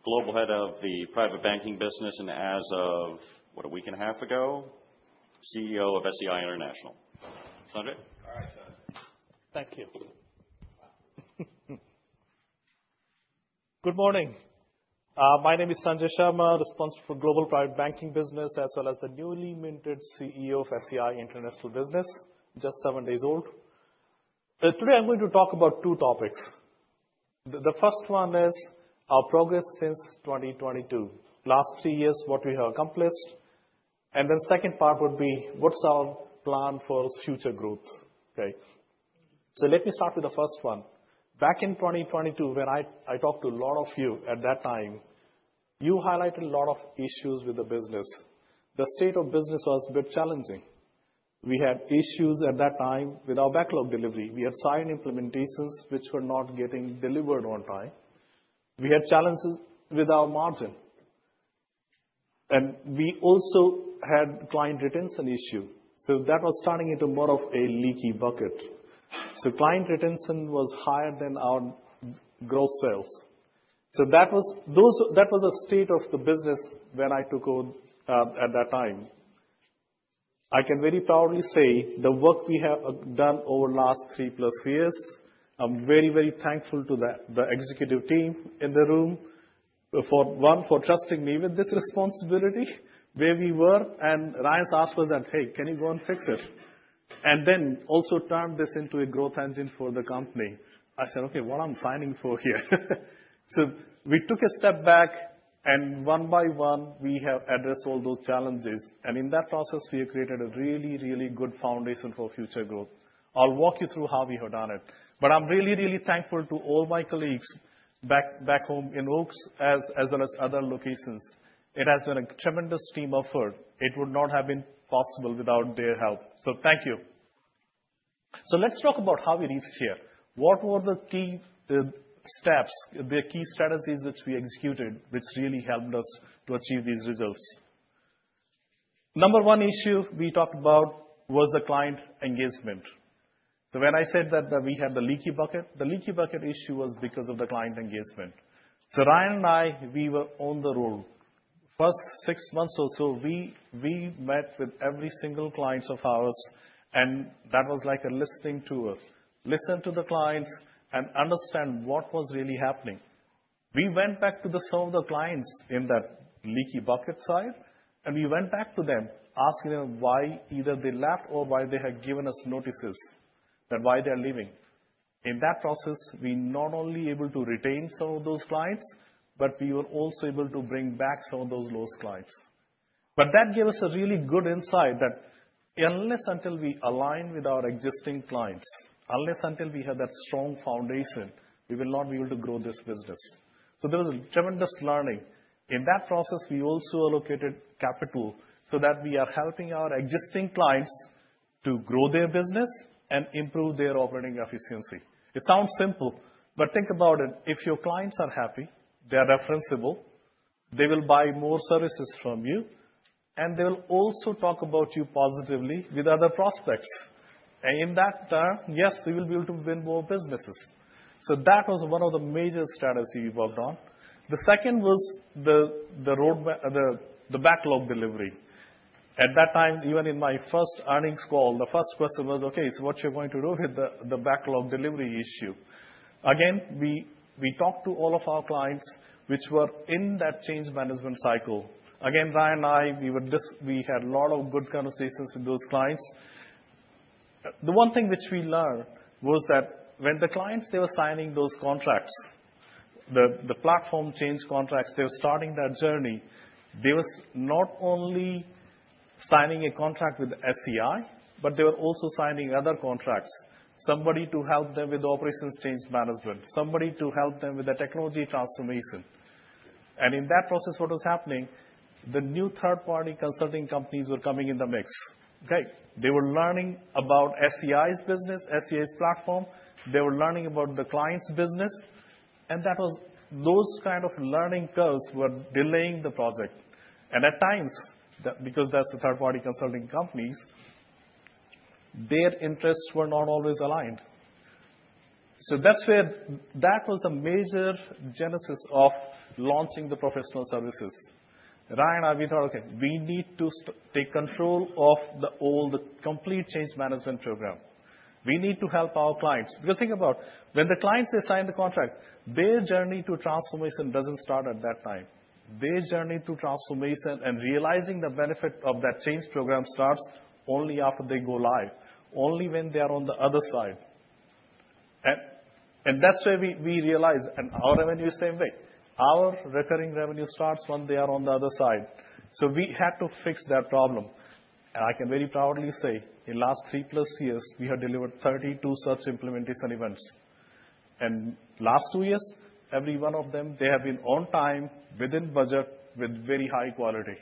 [SPEAKER 1] global head of the private banking business and, as of what, a week and a half ago, CEO of SEI International. Sanjay? All right, Sanjay.
[SPEAKER 5] Thank you. Good morning. My name is Sanjay Sharma, responsible for global private banking business as well as the newly minted CEO of SEI International Business. Just seven days old. Today, I'm going to talk about two topics. The first one is our progress since 2022, last three years, what we have accomplished. And then the second part would be what's our plan for future growth, right? So let me start with the first one. Back in 2022, when I talked to a lot of you at that time, you highlighted a lot of issues with the business. The state of business was a bit challenging. We had issues at that time with our backlog delivery. We had signed implementations which were not getting delivered on time. We had challenges with our margin. And we also had client retention issues. So that was turning into more of a leaky bucket. Client retention was higher than our gross sales. So that was a state of the business when I took over at that time. I can very proudly say the work we have done over the last three plus years. I'm very, very thankful to the executive team in the room for, one, for trusting me with this responsibility where we were. And Ryan's asked for that, "Hey, can you go and fix it?" And then also turned this into a growth engine for the company. I said, "OK, what I'm signing for here?" So we took a step back. And one by one, we have addressed all those challenges. And in that process, we have created a really, really good foundation for future growth. I'll walk you through how we have done it. But I'm really, really thankful to all my colleagues back home in Oaks as well as other locations. It has been a tremendous team effort. It would not have been possible without their help. So thank you. So let's talk about how we reached here. What were the key steps, the key strategies which we executed which really helped us to achieve these results? Number one issue we talked about was the client engagement. So when I said that we had the leaky bucket, the leaky bucket issue was because of the client engagement. So Ryan and I, we were on the road. First six months or so, we met with every single client of ours. And that was like a listening tour. Listen to the clients and understand what was really happening. We went back to some of the clients in that leaky bucket side. We went back to them asking them why either they left or why they had given us notices that why they're leaving. In that process, we not only were able to retain some of those clients, but we were also able to bring back some of those lost clients. That gave us a really good insight that unless until we align with our existing clients, unless until we have that strong foundation, we will not be able to grow this business. There was a tremendous learning. In that process, we also allocated capital so that we are helping our existing clients to grow their business and improve their operating efficiency. It sounds simple. Think about it. If your clients are happy, they're referenceable, they will buy more services from you, and they will also talk about you positively with other prospects. In that term, yes, we will be able to win more businesses. That was one of the major strategies we worked on. The second was the backlog delivery. At that time, even in my first earnings call, the first question was, "OK, so what you're going to do with the backlog delivery issue?" Again, we talked to all of our clients which were in that change management cycle. Again, Ryan and I, we had a lot of good conversations with those clients. The one thing which we learned was that when the clients, they were signing those contracts, the platform change contracts, they were starting that journey. They were not only signing a contract with SEI, but they were also signing other contracts, somebody to help them with operations change management, somebody to help them with the technology transformation. And in that process, what was happening? The new third-party consulting companies were coming in the mix. They were learning about SEI's business, SEI's platform. They were learning about the client's business. And those kind of learning curves were delaying the project. And at times, because that's a third-party consulting company, their interests were not always aligned. So that was the major genesis of launching the professional services. Ryan and I, we thought, "OK, we need to take control of the old complete change management program. We need to help our clients." Because think about it. When the clients sign the contract, their journey to transformation doesn't start at that time. Their journey to transformation and realizing the benefit of that change program starts only after they go live, only when they are on the other side. And that's where we realized, and our revenue is the same way. Our recurring revenue starts when they are on the other side. So we had to fix that problem. And I can very proudly say in the last three plus years, we have delivered 32 such implementation events. And last two years, every one of them, they have been on time, within budget, with very high quality.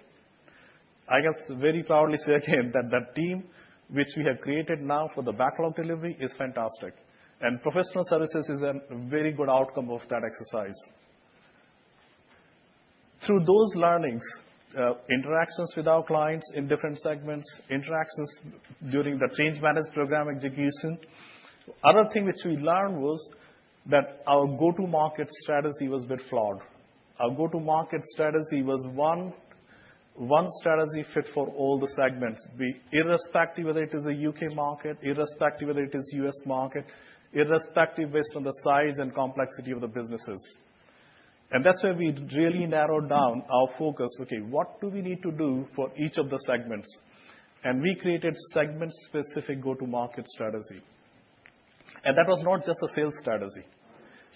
[SPEAKER 5] I can very proudly say again that the team which we have created now for the backlog delivery is fantastic. And professional services is a very good outcome of that exercise. Through those learnings, interactions with our clients in different segments, interactions during the change management program execution, the other thing which we learned was that our go-to-market strategy was a bit flawed. Our go-to-market strategy was one strategy fit for all the segments, irrespective whether it is a U.K. market, irrespective whether it is a U.S. market, irrespective based on the size and complexity of the businesses. And that's where we really narrowed down our focus. OK, what do we need to do for each of the segments? And we created a segment-specific go-to-market strategy. And that was not just a sales strategy.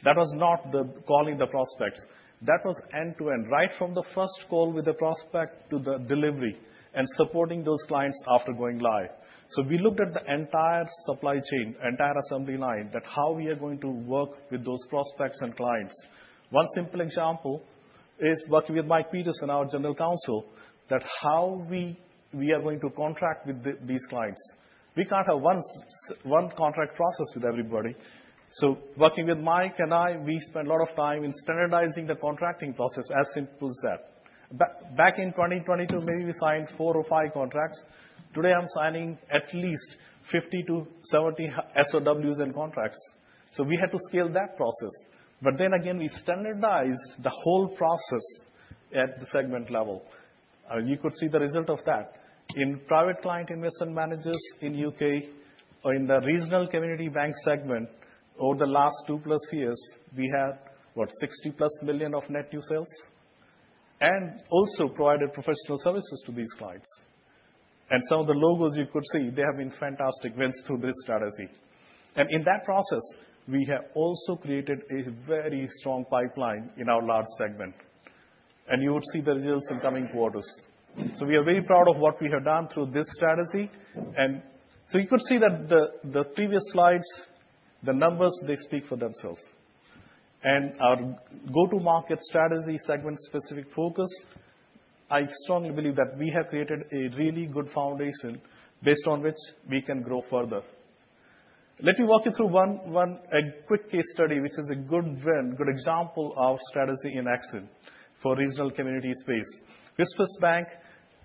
[SPEAKER 5] That was not calling the prospects. That was end-to-end, right from the first call with the prospect to the delivery and supporting those clients after going live. So we looked at the entire supply chain, entire assembly line, that how we are going to work with those prospects and clients. One simple example is working with Mike Peterson, our general counsel, that how we are going to contract with these clients. We can't have one contract process with everybody. So working with Mike and I, we spent a lot of time in standardizing the contracting process, as simple as that. Back in 2022, maybe we signed four or five contracts. Today, I'm signing at least 50-70 SOWs and contracts. So we had to scale that process. But then again, we standardized the whole process at the segment level. You could see the result of that. In private client investment managers in the U.K. or in the regional community bank segment, over the last two plus years, we had, what, $60+ million of net new sales and also provided professional services to these clients. And some of the logos you could see, they have been fantastic wins through this strategy. And in that process, we have also created a very strong pipeline in our large segment. And you would see the results in coming quarters. We are very proud of what we have done through this strategy. You could see that from the previous slides, the numbers. They speak for themselves. Our go-to-market strategy, segment-specific focus, I strongly believe that we have created a really good foundation based on which we can grow further. Let me walk you through one quick case study which is a good example of strategy in action for regional community space. WSFS Bank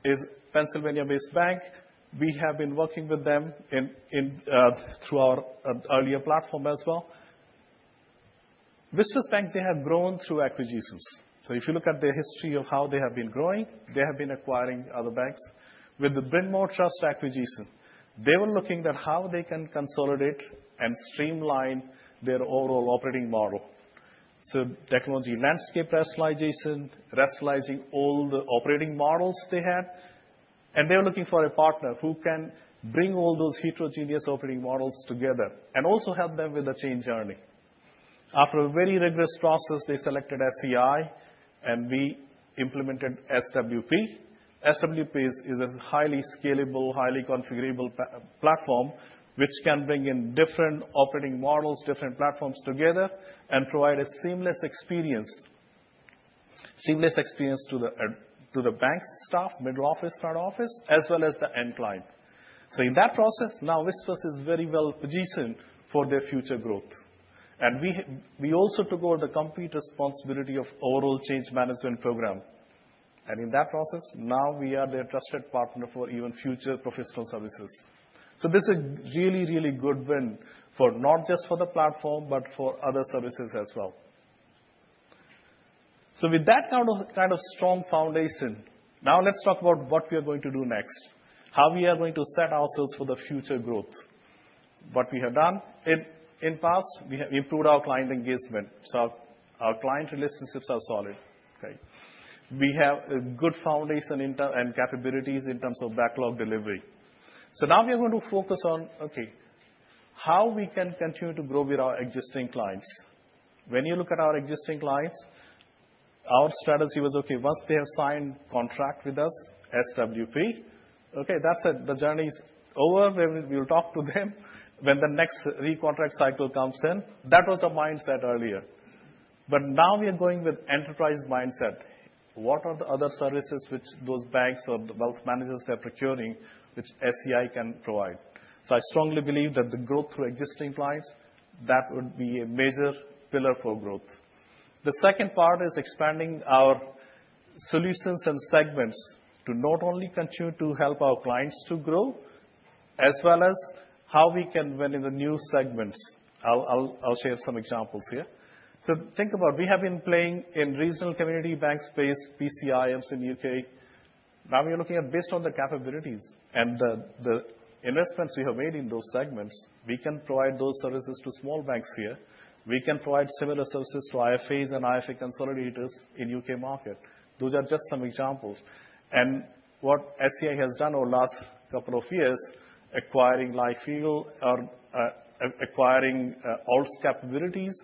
[SPEAKER 5] is a Pennsylvania-based bank. We have been working with them through our earlier platform as well. WSFS Bank, they have grown through acquisitions. If you look at their history of how they have been growing, they have been acquiring other banks. With the Bryn Mawr Trust acquisition, they were looking at how they can consolidate and streamline their overall operating model. Technology landscape rationalization, rationalizing all the operating models they had. And they were looking for a partner who can bring all those heterogeneous operating models together and also help them with the change journey. After a very rigorous process, they selected SEI. And we implemented SWP. SWP is a highly scalable, highly configurable platform which can bring in different operating models, different platforms together, and provide a seamless experience to the bank staff, middle office, front office, as well as the end client. So in that process, now WSFS is very well positioned for their future growth. And we also took over the complete responsibility of the overall change management program. And in that process, now we are their trusted partner for even future professional services. So this is a really, really good win for not just the platform, but for other services as well. With that kind of strong foundation, now let's talk about what we are going to do next, how we are going to set ourselves for the future growth. What we have done in the past, we have improved our client engagement. Our client relationships are solid. We have a good foundation and capabilities in terms of backlog delivery. Now we are going to focus on, OK, how we can continue to grow with our existing clients. When you look at our existing clients, our strategy was, OK, once they have signed a contract with us, SWP, OK, that's it. The journey is over. We will talk to them when the next recontract cycle comes in. That was the mindset earlier. But now we are going with an enterprise mindset. What are the other services which those banks or the wealth managers they're procuring which SEI can provide? So I strongly believe that the growth through existing clients, that would be a major pillar for growth. The second part is expanding our solutions and segments to not only continue to help our clients to grow, as well as how we can win in the new segments. I'll share some examples here. So think about it. We have been playing in regional community bank space, PCIMs in the U.K. Now we are looking at, based on the capabilities and the investments we have made in those segments, we can provide those services to small banks here. We can provide similar services to IFAs and IFA consolidators in the U.K. market. Those are just some examples. And what SEI has done over the last couple of years, acquiring LifeYield, acquiring Altigo capabilities,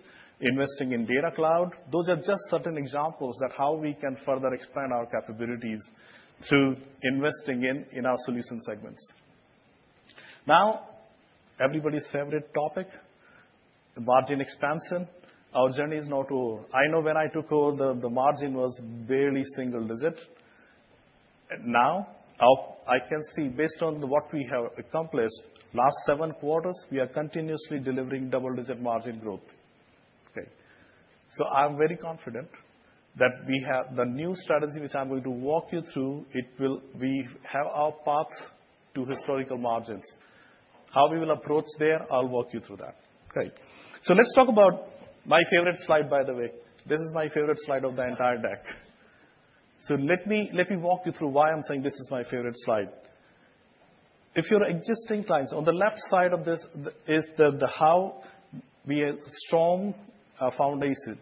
[SPEAKER 5] investing in Data Cloud, those are just certain examples of how we can further expand our capabilities through investing in our solution segments. Now, everybody's favorite topic, margin expansion. Our journey is now to over. I know when I took over, the margin was barely single-digit. Now, I can see based on what we have accomplished, the last seven quarters, we are continuously delivering double-digit margin growth. So I'm very confident that the new strategy, which I'm going to walk you through, we have our path to historical margins. How we will approach there, I'll walk you through that. So let's talk about my favorite slide, by the way. This is my favorite slide of the entire deck. So let me walk you through why I'm saying this is my favorite slide. If your existing clients, on the left side of this is how we have a strong foundation.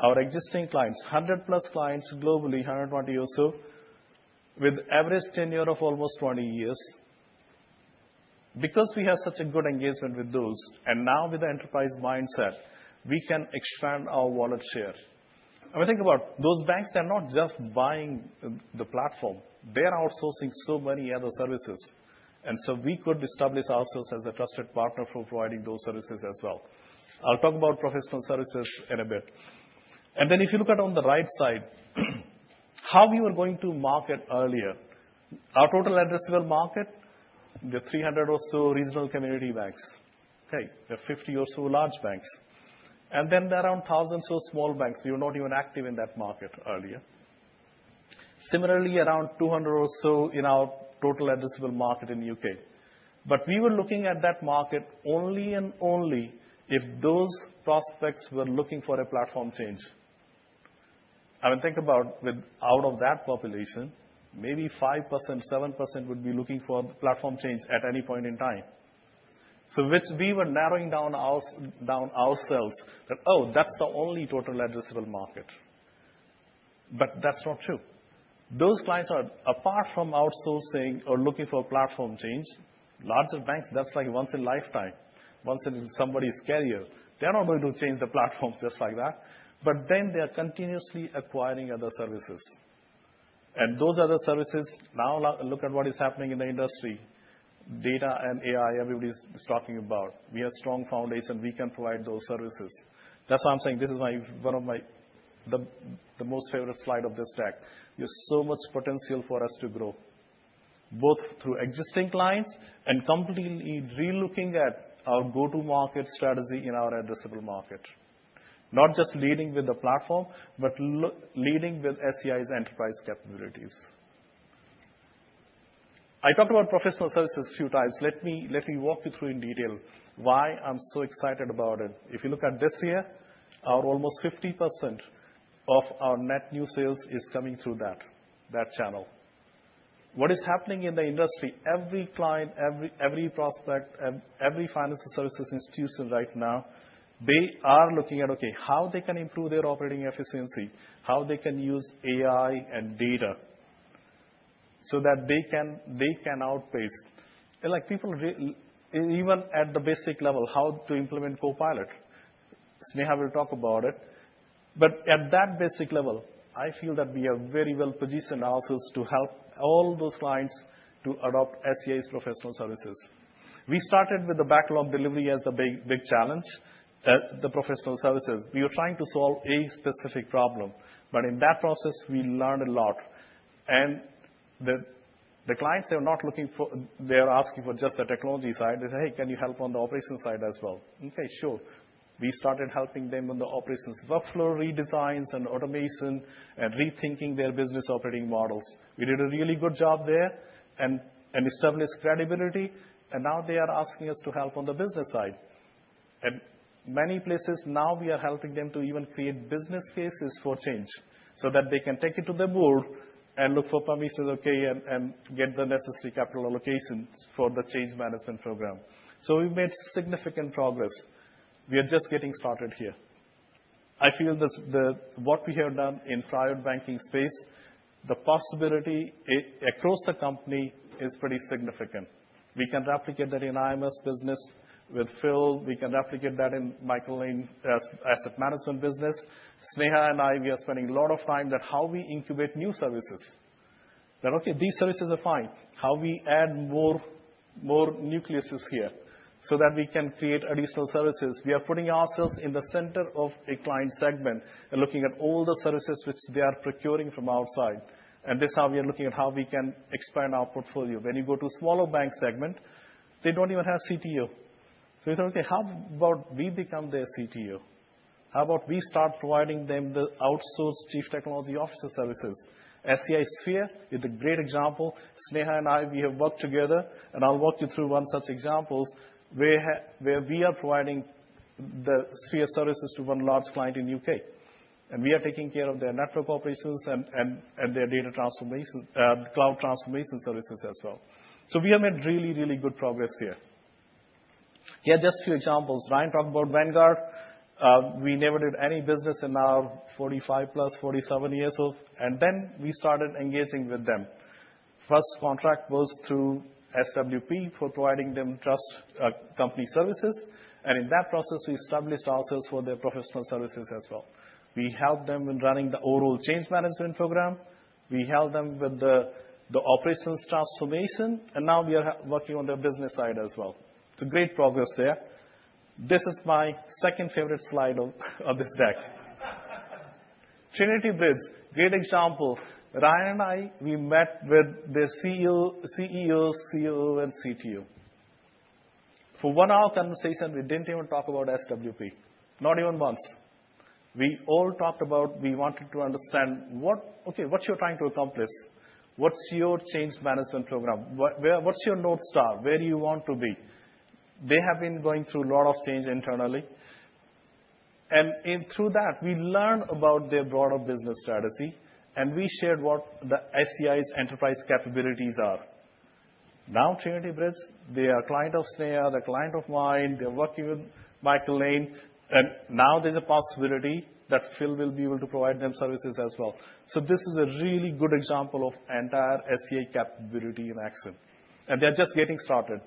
[SPEAKER 5] Our existing clients, 100 plus clients globally, 120 or so, with average tenure of almost 20 years. Because we have such a good engagement with those, and now with the enterprise mindset, we can expand our wallet share. And think about it. Those banks, they're not just buying the platform. They're outsourcing so many other services. And so we could establish ourselves as a trusted partner for providing those services as well. I'll talk about professional services in a bit. And then if you look at it on the right side, how we were going to market earlier, our total addressable market, we have 300 or so regional community banks. We have 50 or so large banks. And then around 1,000 or so small banks. We were not even active in that market earlier. Similarly, around 200 or so in our total addressable market in the U.K. But we were looking at that market only and only if those prospects were looking for a platform change. I mean, think about it. Out of that population, maybe 5%, 7% would be looking for a platform change at any point in time. So we were narrowing down ourselves that, oh, that's the only total addressable market. But that's not true. Those clients are, apart from outsourcing or looking for a platform change, larger banks, that's like once in a lifetime, once in somebody's career. They're not going to change the platform just like that. But then they are continuously acquiring other services, and those other services, now look at what is happening in the industry. Data and AI, everybody's talking about. We have a strong foundation. We can provide those services. That's why I'm saying this is one of my most favorite slides of this deck. There's so much potential for us to grow, both through existing clients and completely re-looking at our go-to-market strategy in our addressable market. Not just leading with the platform, but leading with SEI's enterprise capabilities. I talked about professional services a few times. Let me walk you through in detail why I'm so excited about it. If you look at this year, almost 50% of our net new sales is coming through that channel. What is happening in the industry? Every client, every prospect, every financial services institution right now, they are looking at, OK, how they can improve their operating efficiency, how they can use AI and data so that they can outpace. Like people, even at the basic level, how to implement Copilot. Sneha will talk about it. But at that basic level, I feel that we are very well positioned ourselves to help all those clients to adopt SEI's professional services. We started with the backlog delivery as the big challenge, the professional services. We were trying to solve a specific problem. But in that process, we learned a lot. And the clients, they are not looking for, they are asking for just the technology side. They say, hey, can you help on the operation side as well? OK, sure. We started helping them on the operations workflow redesigns and automation and rethinking their business operating models. We did a really good job there and established credibility. And now they are asking us to help on the business side. And many places, now we are helping them to even create business cases for change so that they can take it to the board and look for permissions, OK, and get the necessary capital allocations for the change management program. So we've made significant progress. We are just getting started here. I feel that what we have done in the private banking space, the possibility across the company is pretty significant. We can replicate that in IMS business with Phil. We can replicate that in Michael Lane's asset management business. Sneha and I, we are spending a lot of time on how we incubate new services. That, OK, these services are fine. How we add more nucleuses here so that we can create additional services. We are putting ourselves in the center of a client segment and looking at all the services which they are procuring from outside. This is how we are looking at how we can expand our portfolio. When you go to a smaller bank segment, they don't even have a CTO. So we thought, OK, how about we become their CTO? How about we start providing them the outsourced chief technology officer services? SEI Sphere, it's a great example. Sneha and I, we have worked together. I'll walk you through one such example where we are providing the Sphere services to one large client in the U.K. We are taking care of their network operations and their data transformation, cloud transformation services as well. So we have made really, really good progress here. Here are just a few examples. Ryan talked about Vanguard. We never did any business in our 45+, 47 years of, and then we started engaging with them. First contract was through SWP for providing them trust company services. In that process, we established ourselves for their professional services as well. We helped them in running the overall change management program. We helped them with the operations transformation. Now we are working on their business side as well. It's a great progress there. This is my second favorite slide of this deck. Trinity Bridge, great example. Ryan and I, we met with the CEO and CTO. For one hour conversation, we didn't even talk about SWP, not even once. We all talked about, we wanted to understand, OK, what you're trying to accomplish? What's your change management program? What's your North Star? Where do you want to be? They have been going through a lot of change internally. Through that, we learned about their broader business strategy. We shared what the SEI's enterprise capabilities are. Now Trinity Bridge, they are a client of Sneha, they're a client of mine. They're working with Michael Lane. And now there's a possibility that Phil will be able to provide them services as well. So this is a really good example of entire SEI capability in action. And they're just getting started.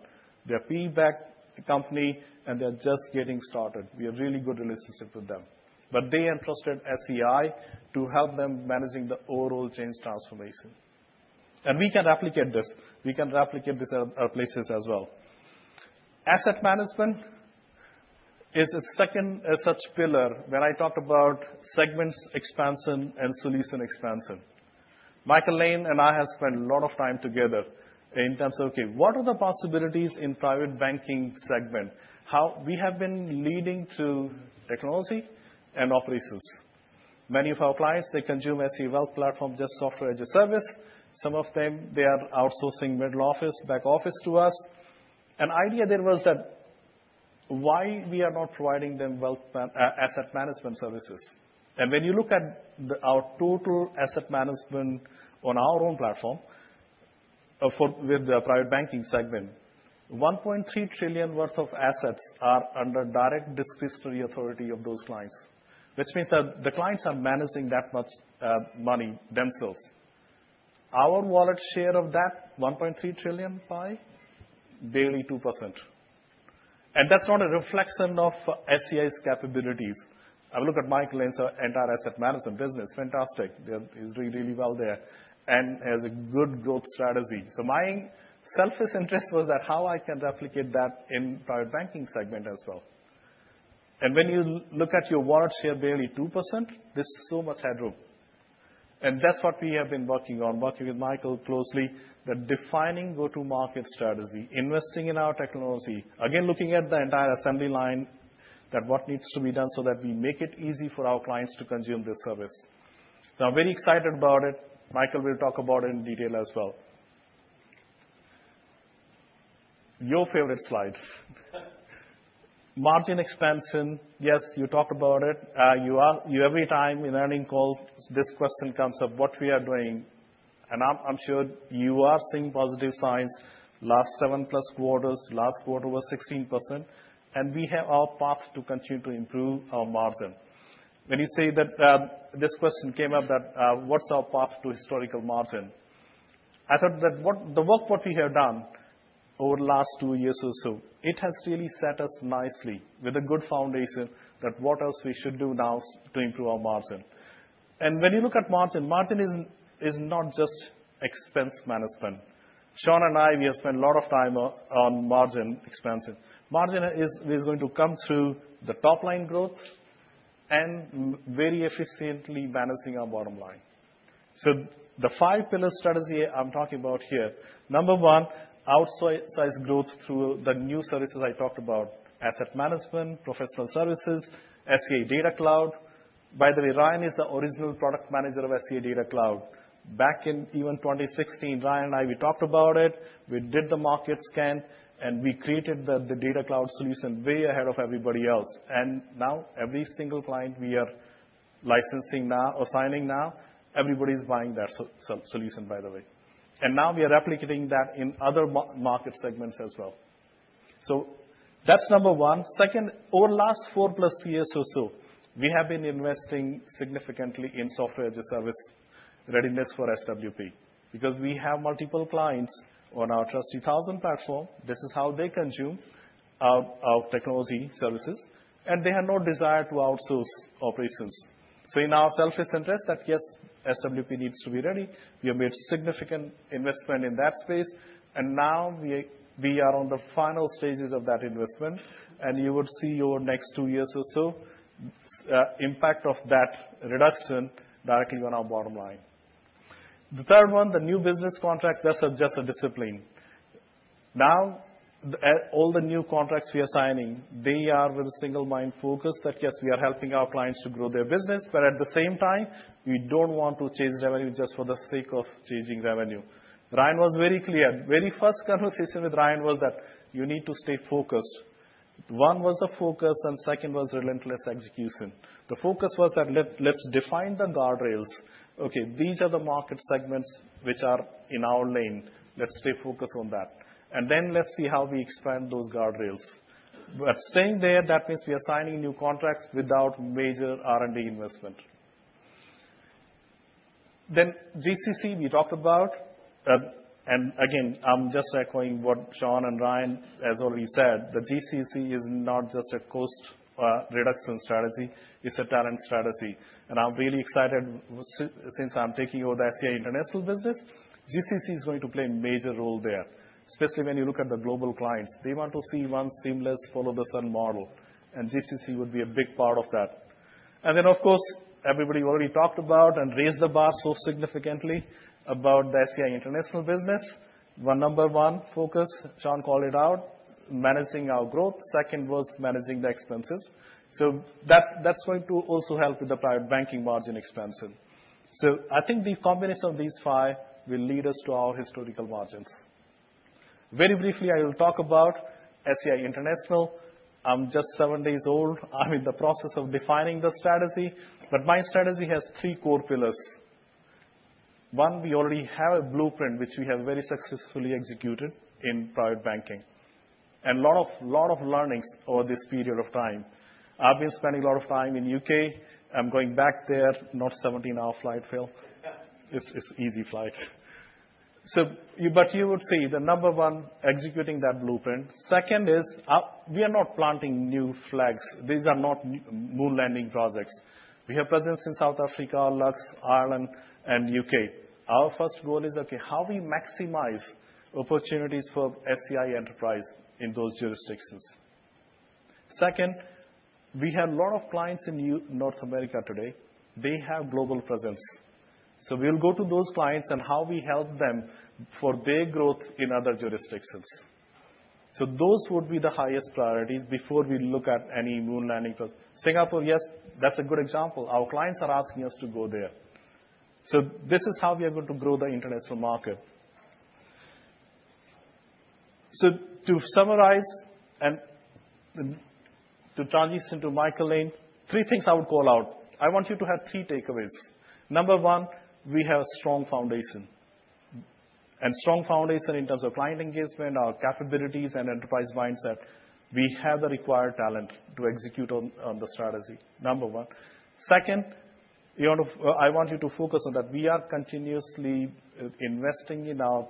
[SPEAKER 5] They're a PE-baked company. We have a really good relationship with them. But they entrusted SEI to help them manage the overall change transformation. And we can replicate this. We can replicate this at other places as well. Asset management is a second such pillar when I talked about segments expansion and solution expansion. Michael Lane and I have spent a lot of time together in terms of, OK, what are the possibilities in the private banking segment? We have been leading through technology and operations. Many of our clients, they consume SEI Wealth Platform, just software as a service. Some of them, they are outsourcing middle office, back office to us. An idea there was that why we are not providing them wealth asset management services?, and when you look at our total asset management on our own platform with the private banking segment, $1.3 trillion worth of assets are under direct discretionary authority of those clients, which means that the clients are managing that much money themselves. Our wallet share of that $1.3 trillion by barely 2%, and that's not a reflection of SEI's capabilities. I look at Michael Lane's entire asset management business. Fantastic. He's doing really well there and has a good growth strategy, so my selfish interest was that how I can replicate that in the private banking segment as well. And when you look at your wallet share barely 2%, there's so much headroom. And that's what we have been working on, working with Michael closely that defining go-to-market strategy, investing in our technology, again, looking at the entire assembly line, that what needs to be done so that we make it easy for our clients to consume this service. So I'm very excited about it. Michael will talk about it in detail as well. Your favorite slide. Margin expansion. Yes, you talked about it. Every time in an earnings call, this question comes up, what we are doing. And I'm sure you are seeing positive signs. Last seven plus quarters, last quarter was 16%. And we have our path to continue to improve our margin. When you say that this question came up, that what's our path to historical margin? I thought that the work what we have done over the last two years or so. It has really set us nicely with a good foundation that what else we should do now to improve our margin. When you look at margin, margin is not just expense management. Sean and I, we have spent a lot of time on margin expansion. Margin is going to come through the top line growth and very efficiently balancing our bottom line. The five pillar strategy I'm talking about here, number one, outsize growth through the new services I talked about, asset management, professional services, SEI Data Cloud. By the way, Ryan is the original product manager of SEI Data Cloud. Back in even 2016, Ryan and I, we talked about it. We did the market scan. We created the Data Cloud solution way ahead of everybody else. And now every single client we are licensing now or signing now, everybody's buying that solution, by the way. And now we are replicating that in other market segments as well. So that's number one. Second, over the last four plus years or so, we have been investing significantly in software as a service readiness for SWP because we have multiple clients on our Trust 3000 platform. This is how they consume our technology services. And they have no desire to outsource operations. So in our selfish interest that, yes, SWP needs to be ready, we have made significant investment in that space. And now we are on the final stages of that investment. And you would see over the next two years or so the impact of that reduction directly on our bottom line. The third one, the new business contracts, that's just a discipline. Now all the new contracts we are signing, they are with a single-minded focus that, yes, we are helping our clients to grow their business, but at the same time, we don't want to change revenue just for the sake of changing revenue. Ryan was very clear. The very first conversation with Ryan was that you need to stay focused, one was the focus, and second was relentless execution. The focus was that let's define the guardrails. OK, these are the market segments which are in our lane. Let's stay focused on that, and then let's see how we expand those guardrails, but staying there, that means we are signing new contracts without major R&D investment, then GCC, we talked about, and again, I'm just echoing what Sean and Ryan have already said. The GCC is not just a cost reduction strategy. It's a talent strategy. I'm really excited since I'm taking over the SEI international business. GCC is going to play a major role there, especially when you look at the global clients. They want to see one seamless follow-the-sun model, and GCC would be a big part of that. Then, of course, everybody already talked about and raised the bar so significantly about the SEI international business. Number one focus, Sean called it out, managing our growth. Second was managing the expenses. So that's going to also help with the private banking margin expansion. So I think the combination of these five will lead us to our historical margins. Very briefly, I will talk about SEI International. I'm just seven days old. I'm in the process of defining the strategy, but my strategy has three core pillars. One, we already have a blueprint which we have very successfully executed in private banking. A lot of learnings over this period of time. I've been spending a lot of time in the U.K. I'm going back there. Not a 17-hour flight, Phil. It's an easy flight. But you would see the number one, executing that blueprint. Second is we are not planting new flags. These are not moon landing projects. We have presence in South Africa, Lux, Ireland, and the U.K. Our first goal is, OK, how do we maximize opportunities for SEI enterprise in those jurisdictions? Second, we have a lot of clients in North America today. They have global presence. So we'll go to those clients and how we help them for their growth in other jurisdictions. So those would be the highest priorities before we look at any moon landing projects. Singapore, yes, that's a good example. Our clients are asking us to go there. So this is how we are going to grow the international market. To summarize and to transition to Michael Lane, three things I would call out. I want you to have three takeaways. Number one, we have a strong foundation and strong foundation in terms of client engagement, our capabilities, and enterprise mindset. We have the required talent to execute on the strategy. Number one. Second, I want you to focus on that. We are continuously investing in our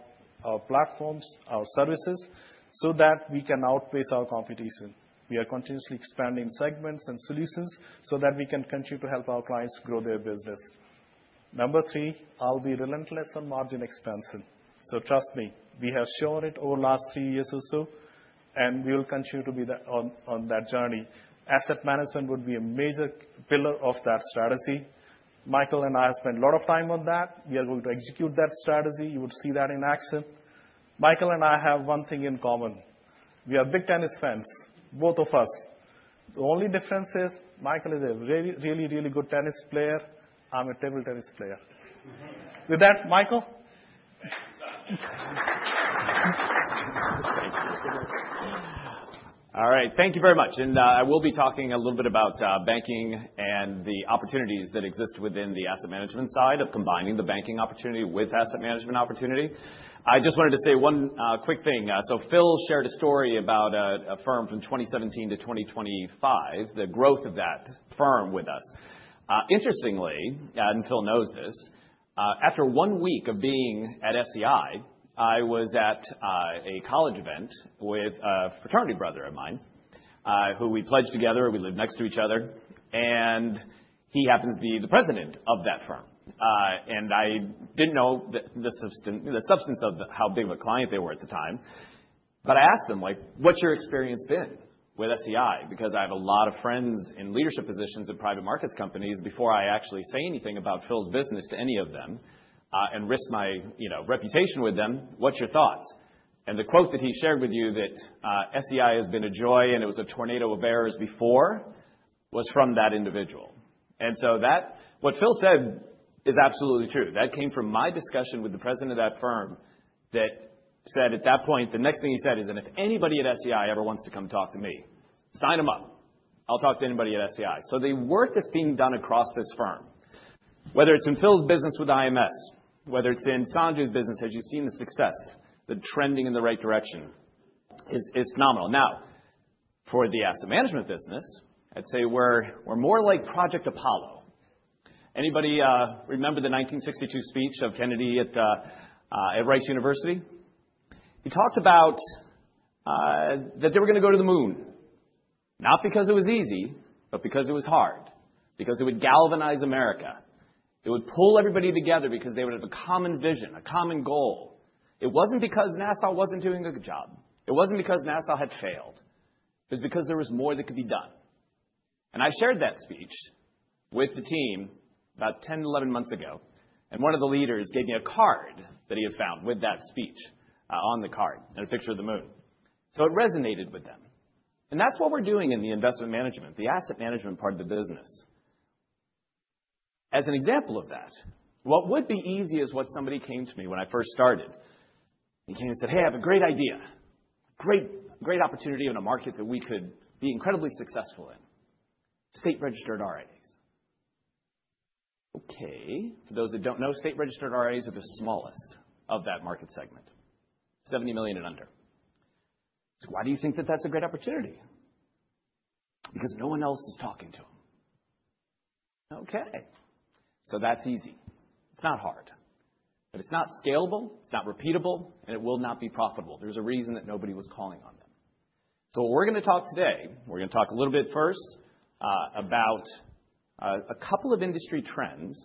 [SPEAKER 5] platforms, our services so that we can outpace our competition. We are continuously expanding segments and solutions so that we can continue to help our clients grow their business. Number three, I'll be relentless on margin expansion. Trust me, we have shown it over the last three years or so. We will continue to be on that journey. Asset management would be a major pillar of that strategy. Michael and I have spent a lot of time on that. We are going to execute that strategy. You would see that in action. Michael and I have one thing in common. We are big tennis fans, both of us. The only difference is Michael is a really, really good tennis player. I'm a table tennis player. With that, Michael.
[SPEAKER 6] All right. Thank you very much. And I will be talking a little bit about banking and the opportunities that exist within the asset management side of combining the banking opportunity with asset management opportunity. I just wanted to say one quick thing. So Phil shared a story about a firm from 2017-2025, the growth of that firm with us. Interestingly, and Phil knows this, after one week of being at SEI, I was at a college event with a fraternity brother of mine who we pledged together. We lived next to each other. And he happens to be the president of that firm. And I didn't know the substance of how big of a client they were at the time. But I asked him, like, what's your experience been with SEI? Because I have a lot of friends in leadership positions at private markets companies. Before I actually say anything about Phil's business to any of them and risk my reputation with them, what's your thoughts? And the quote that he shared with you that SEI has been a joy and it was a tornado of errors before was from that individual. And so what Phil said is absolutely true. That came from my discussion with the president of that firm that said, at that point, the next thing he said is, and if anybody at SEI ever wants to come talk to me, sign them up. I'll talk to anybody at SEI, so there were things done across this firm, whether it's in Phil's business with IMS, whether it's in Sanju's business, as you've seen the success, the trending in the right direction is phenomenal. Now, for the asset management business, I'd say we're more like Project Apollo. Anybody remember the 1962 speech of Kennedy at Rice University? He talked about that they were going to go to the moon, not because it was easy, but because it was hard, because it would galvanize America. It would pull everybody together because they would have a common vision, a common goal. It wasn't because NASA wasn't doing a good job. It wasn't because NASA had failed. It was because there was more that could be done, and I shared that speech with the team about 10, 11 months ago. One of the leaders gave me a card that he had found with that speech on the card and a picture of the moon. It resonated with them. That's what we're doing in the investment management, the asset management part of the business. As an example of that, what would be easy is what somebody came to me when I first started. He came and said, hey, I have a great idea, great opportunity in a market that we could be incredibly successful in, state-registered RIAs. OK, for those who don't know, state-registered RIAs are the smallest of that market segment, $70 million and under. Why do you think that that's a great opportunity? Because no one else is talking to them. OK. That's easy. It's not hard. But it's not scalable. It's not repeatable. It will not be profitable. There's a reason that nobody was calling on them. So what we're going to talk today, we're going to talk a little bit first about a couple of industry trends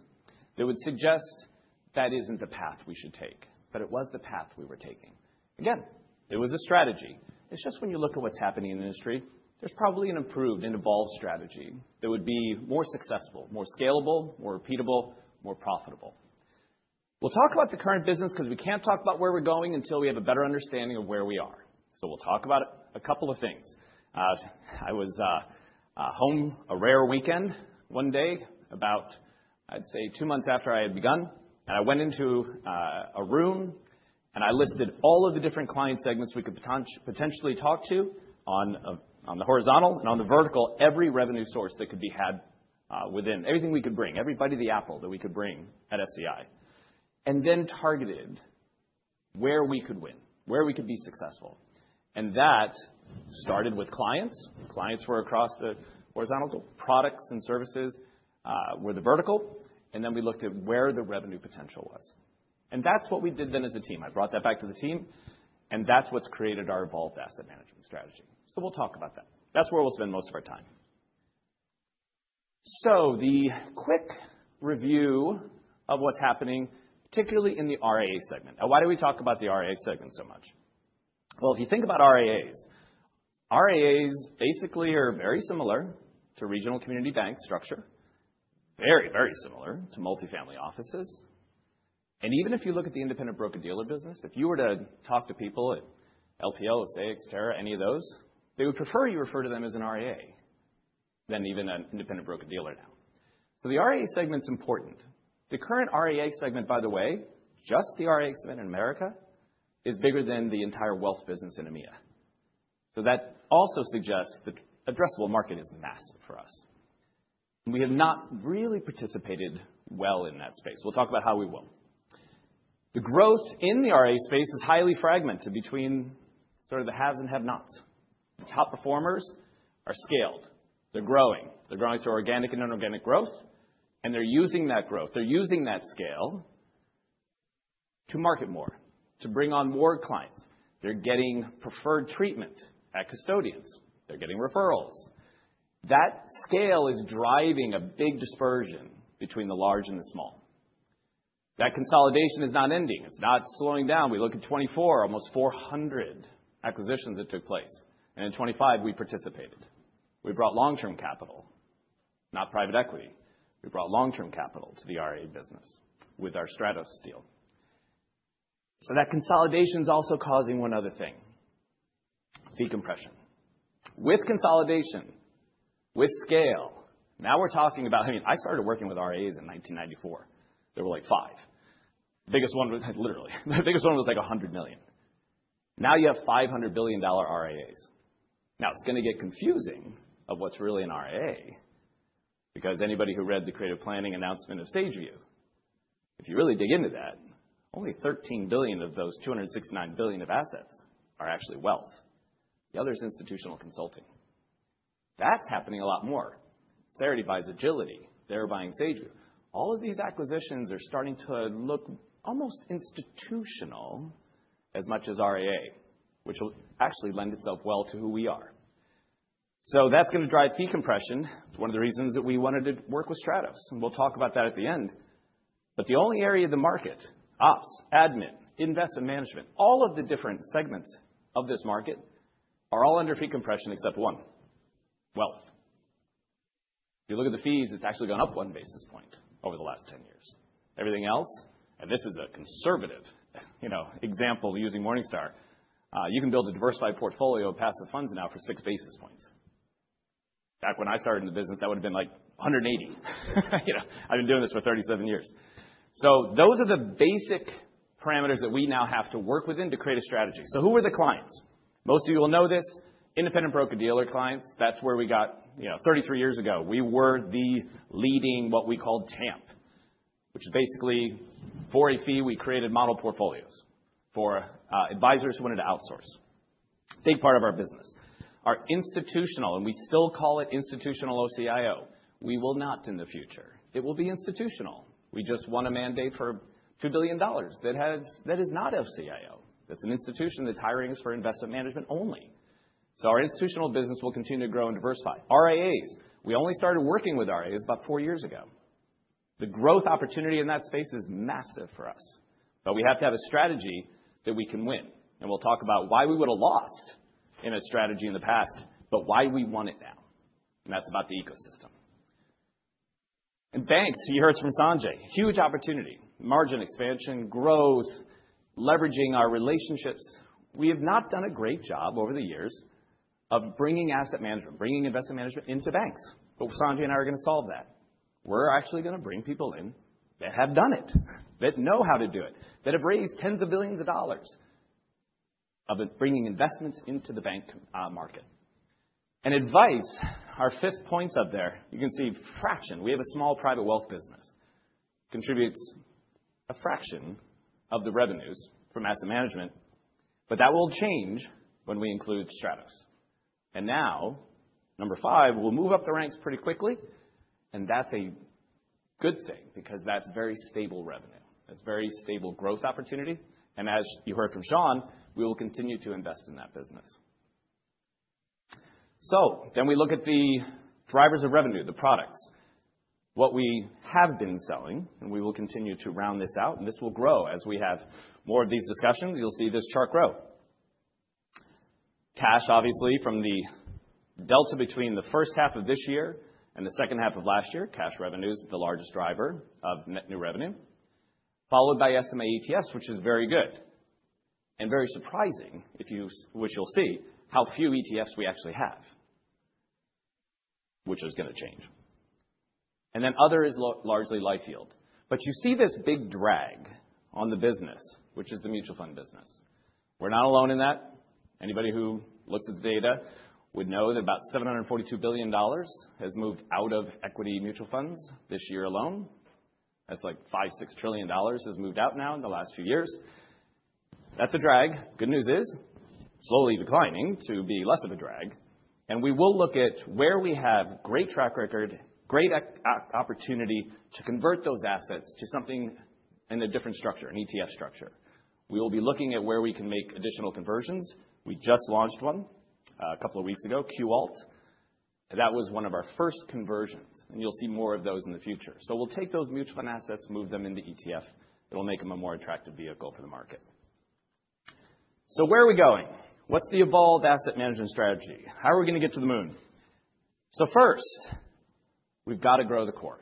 [SPEAKER 6] that would suggest that isn't the path we should take. But it was the path we were taking. Again, it was a strategy. It's just when you look at what's happening in the industry, there's probably an improved, an evolved strategy that would be more successful, more scalable, more repeatable, more profitable. We'll talk about the current business because we can't talk about where we're going until we have a better understanding of where we are. So we'll talk about a couple of things. I was home a rare weekend one day about, I'd say, two months after I had begun. And I went into a room. I listed all of the different client segments we could potentially talk to on the horizontal and on the vertical, every revenue source that could be had within everything we could bring, every bit of the apple that we could bring at SEI. Then we targeted where we could win, where we could be successful. That started with clients. Clients were across the horizontal. Products and services were the vertical. Then we looked at where the revenue potential was. That's what we did then as a team. I brought that back to the team. That's what's created our evolved asset management strategy. We'll talk about that. That's where we'll spend most of our time. The quick review of what's happening, particularly in the RIA segment. Now, why do we talk about the RIA segment so much? If you think about RIAs, RIAs basically are very similar to regional community bank structure, very, very similar to multifamily offices. And even if you look at the independent broker-dealer business, if you were to talk to people at LPL, SAIC, Cetera, any of those, they would prefer you refer to them as an RIA than even an independent broker-dealer now. So the RIA segment's important. The current RIA segment, by the way, just the RIA segment in America, is bigger than the entire wealth business in EMEA. So that also suggests the addressable market is massive for us. We have not really participated well in that space. We'll talk about how we will. The growth in the RIA space is highly fragmented between sort of the haves and have-nots. The top performers are scaled. They're growing. They're growing through organic and inorganic growth. And they're using that growth. They're using that scale to market more, to bring on more clients. They're getting preferred treatment at custodians. They're getting referrals. That scale is driving a big dispersion between the large and the small. That consolidation is not ending. It's not slowing down. We look at 2024, almost 400 acquisitions that took place, and in 2025, we participated. We brought long-term capital, not private equity. We brought long-term capital to the RIA business with our Stratos deal, so that consolidation is also causing one other thing, decompression. With consolidation, with scale, now we're talking about, I mean, I started working with RIAs in 1994. There were like five. The biggest one was like, literally, the biggest one was like $100 million. Now you have $500 billion RIAs. Now, it's going to get confusing of what's really an RIA because anybody who read the Creative Planning announcement of SageView, if you really dig into that, only $13 billion of those $269 billion of assets are actually wealth. The other is institutional consulting. That's happening a lot more. Cerity buys Agility. They're buying SageView. All of these acquisitions are starting to look almost institutional as much as RIA, which will actually lend itself well to who we are. So that's going to drive decompression. It's one of the reasons that we wanted to work with Stratos. And we'll talk about that at the end. But the only area of the market, ops, admin, investment management, all of the different segments of this market are all under decompression except one, wealth. If you look at the fees, it's actually gone up one basis point over the last 10 years. Everything else, and this is a conservative example using Morningstar, you can build a diversified portfolio of passive funds now for six basis points. Back when I started in the business, that would have been like $180. I've been doing this for 37 years. So those are the basic parameters that we now have to work within to create a strategy. So who were the clients? Most of you will know this, independent broker-dealer clients. That's where we got 33 years ago. We were the leading what we called TAMP, which is basically for a fee we created model portfolios for advisors who wanted to outsource. Big part of our business. Our institutional, and we still call it institutional OCIO, we will not in the future. It will be institutional. We just won a mandate for $2 billion. That is not OCIO. That's an institution that's hiring for investment management only. So our institutional business will continue to grow and diversify. RIAs, we only started working with RIAs about four years ago. The growth opportunity in that space is massive for us, but we have to have a strategy that we can win, and we'll talk about why we would have lost in a strategy in the past, but why we want it now, and that's about the ecosystem and banks, you heard from Sanjay: huge opportunity, margin expansion, growth, leveraging our relationships. We have not done a great job over the years of bringing asset management, bringing investment management into banks, but Sanjay and I are going to solve that. We're actually going to bring people in that have done it, that know how to do it, that have raised tens of billions of dollars bringing investments into the bank market. And advisor business, our fifth point up there, you can see a fraction. We have a small private wealth business. It contributes a fraction of the revenues from asset management. But that will change when we include Stratos. And now, number five, we'll move up the ranks pretty quickly. And that's a good thing because that's very stable revenue. That's very stable growth opportunity. And as you heard from Sean, we will continue to invest in that business. So then we look at the drivers of revenue, the products, what we have been selling. And we will continue to round this out. And this will grow as we have more of these discussions. You'll see this chart grow. Cash, obviously, from the delta between the first half of this year and the second half of last year, cash revenue is the largest driver of net new revenue, followed by SMA ETFs, which is very good and very surprising, which you'll see how few ETFs we actually have, which is going to change, and then other is largely LifeYield, but you see this big drag on the business, which is the mutual fund business. We're not alone in that. Anybody who looks at the data would know that about $742 billion has moved out of equity mutual funds this year alone. That's like $5-$6 trillion has moved out now in the last few years. That's a drag. Good news is slowly declining to be less of a drag. We will look at where we have great track record, great opportunity to convert those assets to something in a different structure, an ETF structure. We will be looking at where we can make additional conversions. We just launched one a couple of weeks ago, Liquid-Alt. That was one of our first conversions. You'll see more of those in the future. We'll take those mutual fund assets, move them into ETF. It'll make them a more attractive vehicle for the market. Where are we going? What's the evolved asset management strategy? How are we going to get to the moon? First, we've got to grow the core.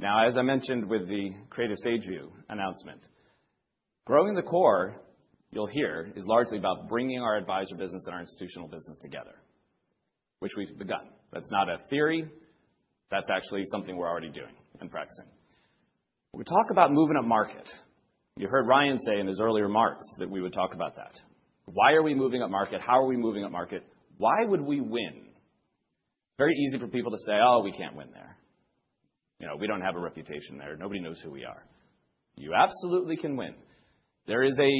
[SPEAKER 6] Now, as I mentioned with the Creative SageView announcement, growing the core you'll hear is largely about bringing our advisor business and our institutional business together, which we've begun. That's not a theory. That's actually something we're already doing and practicing. We talk about moving up market. You heard Ryan say in his earlier remarks that we would talk about that. Why are we moving up market? How are we moving up market? Why would we win? Very easy for people to say, oh, we can't win there. We don't have a reputation there. Nobody knows who we are. You absolutely can win. There is a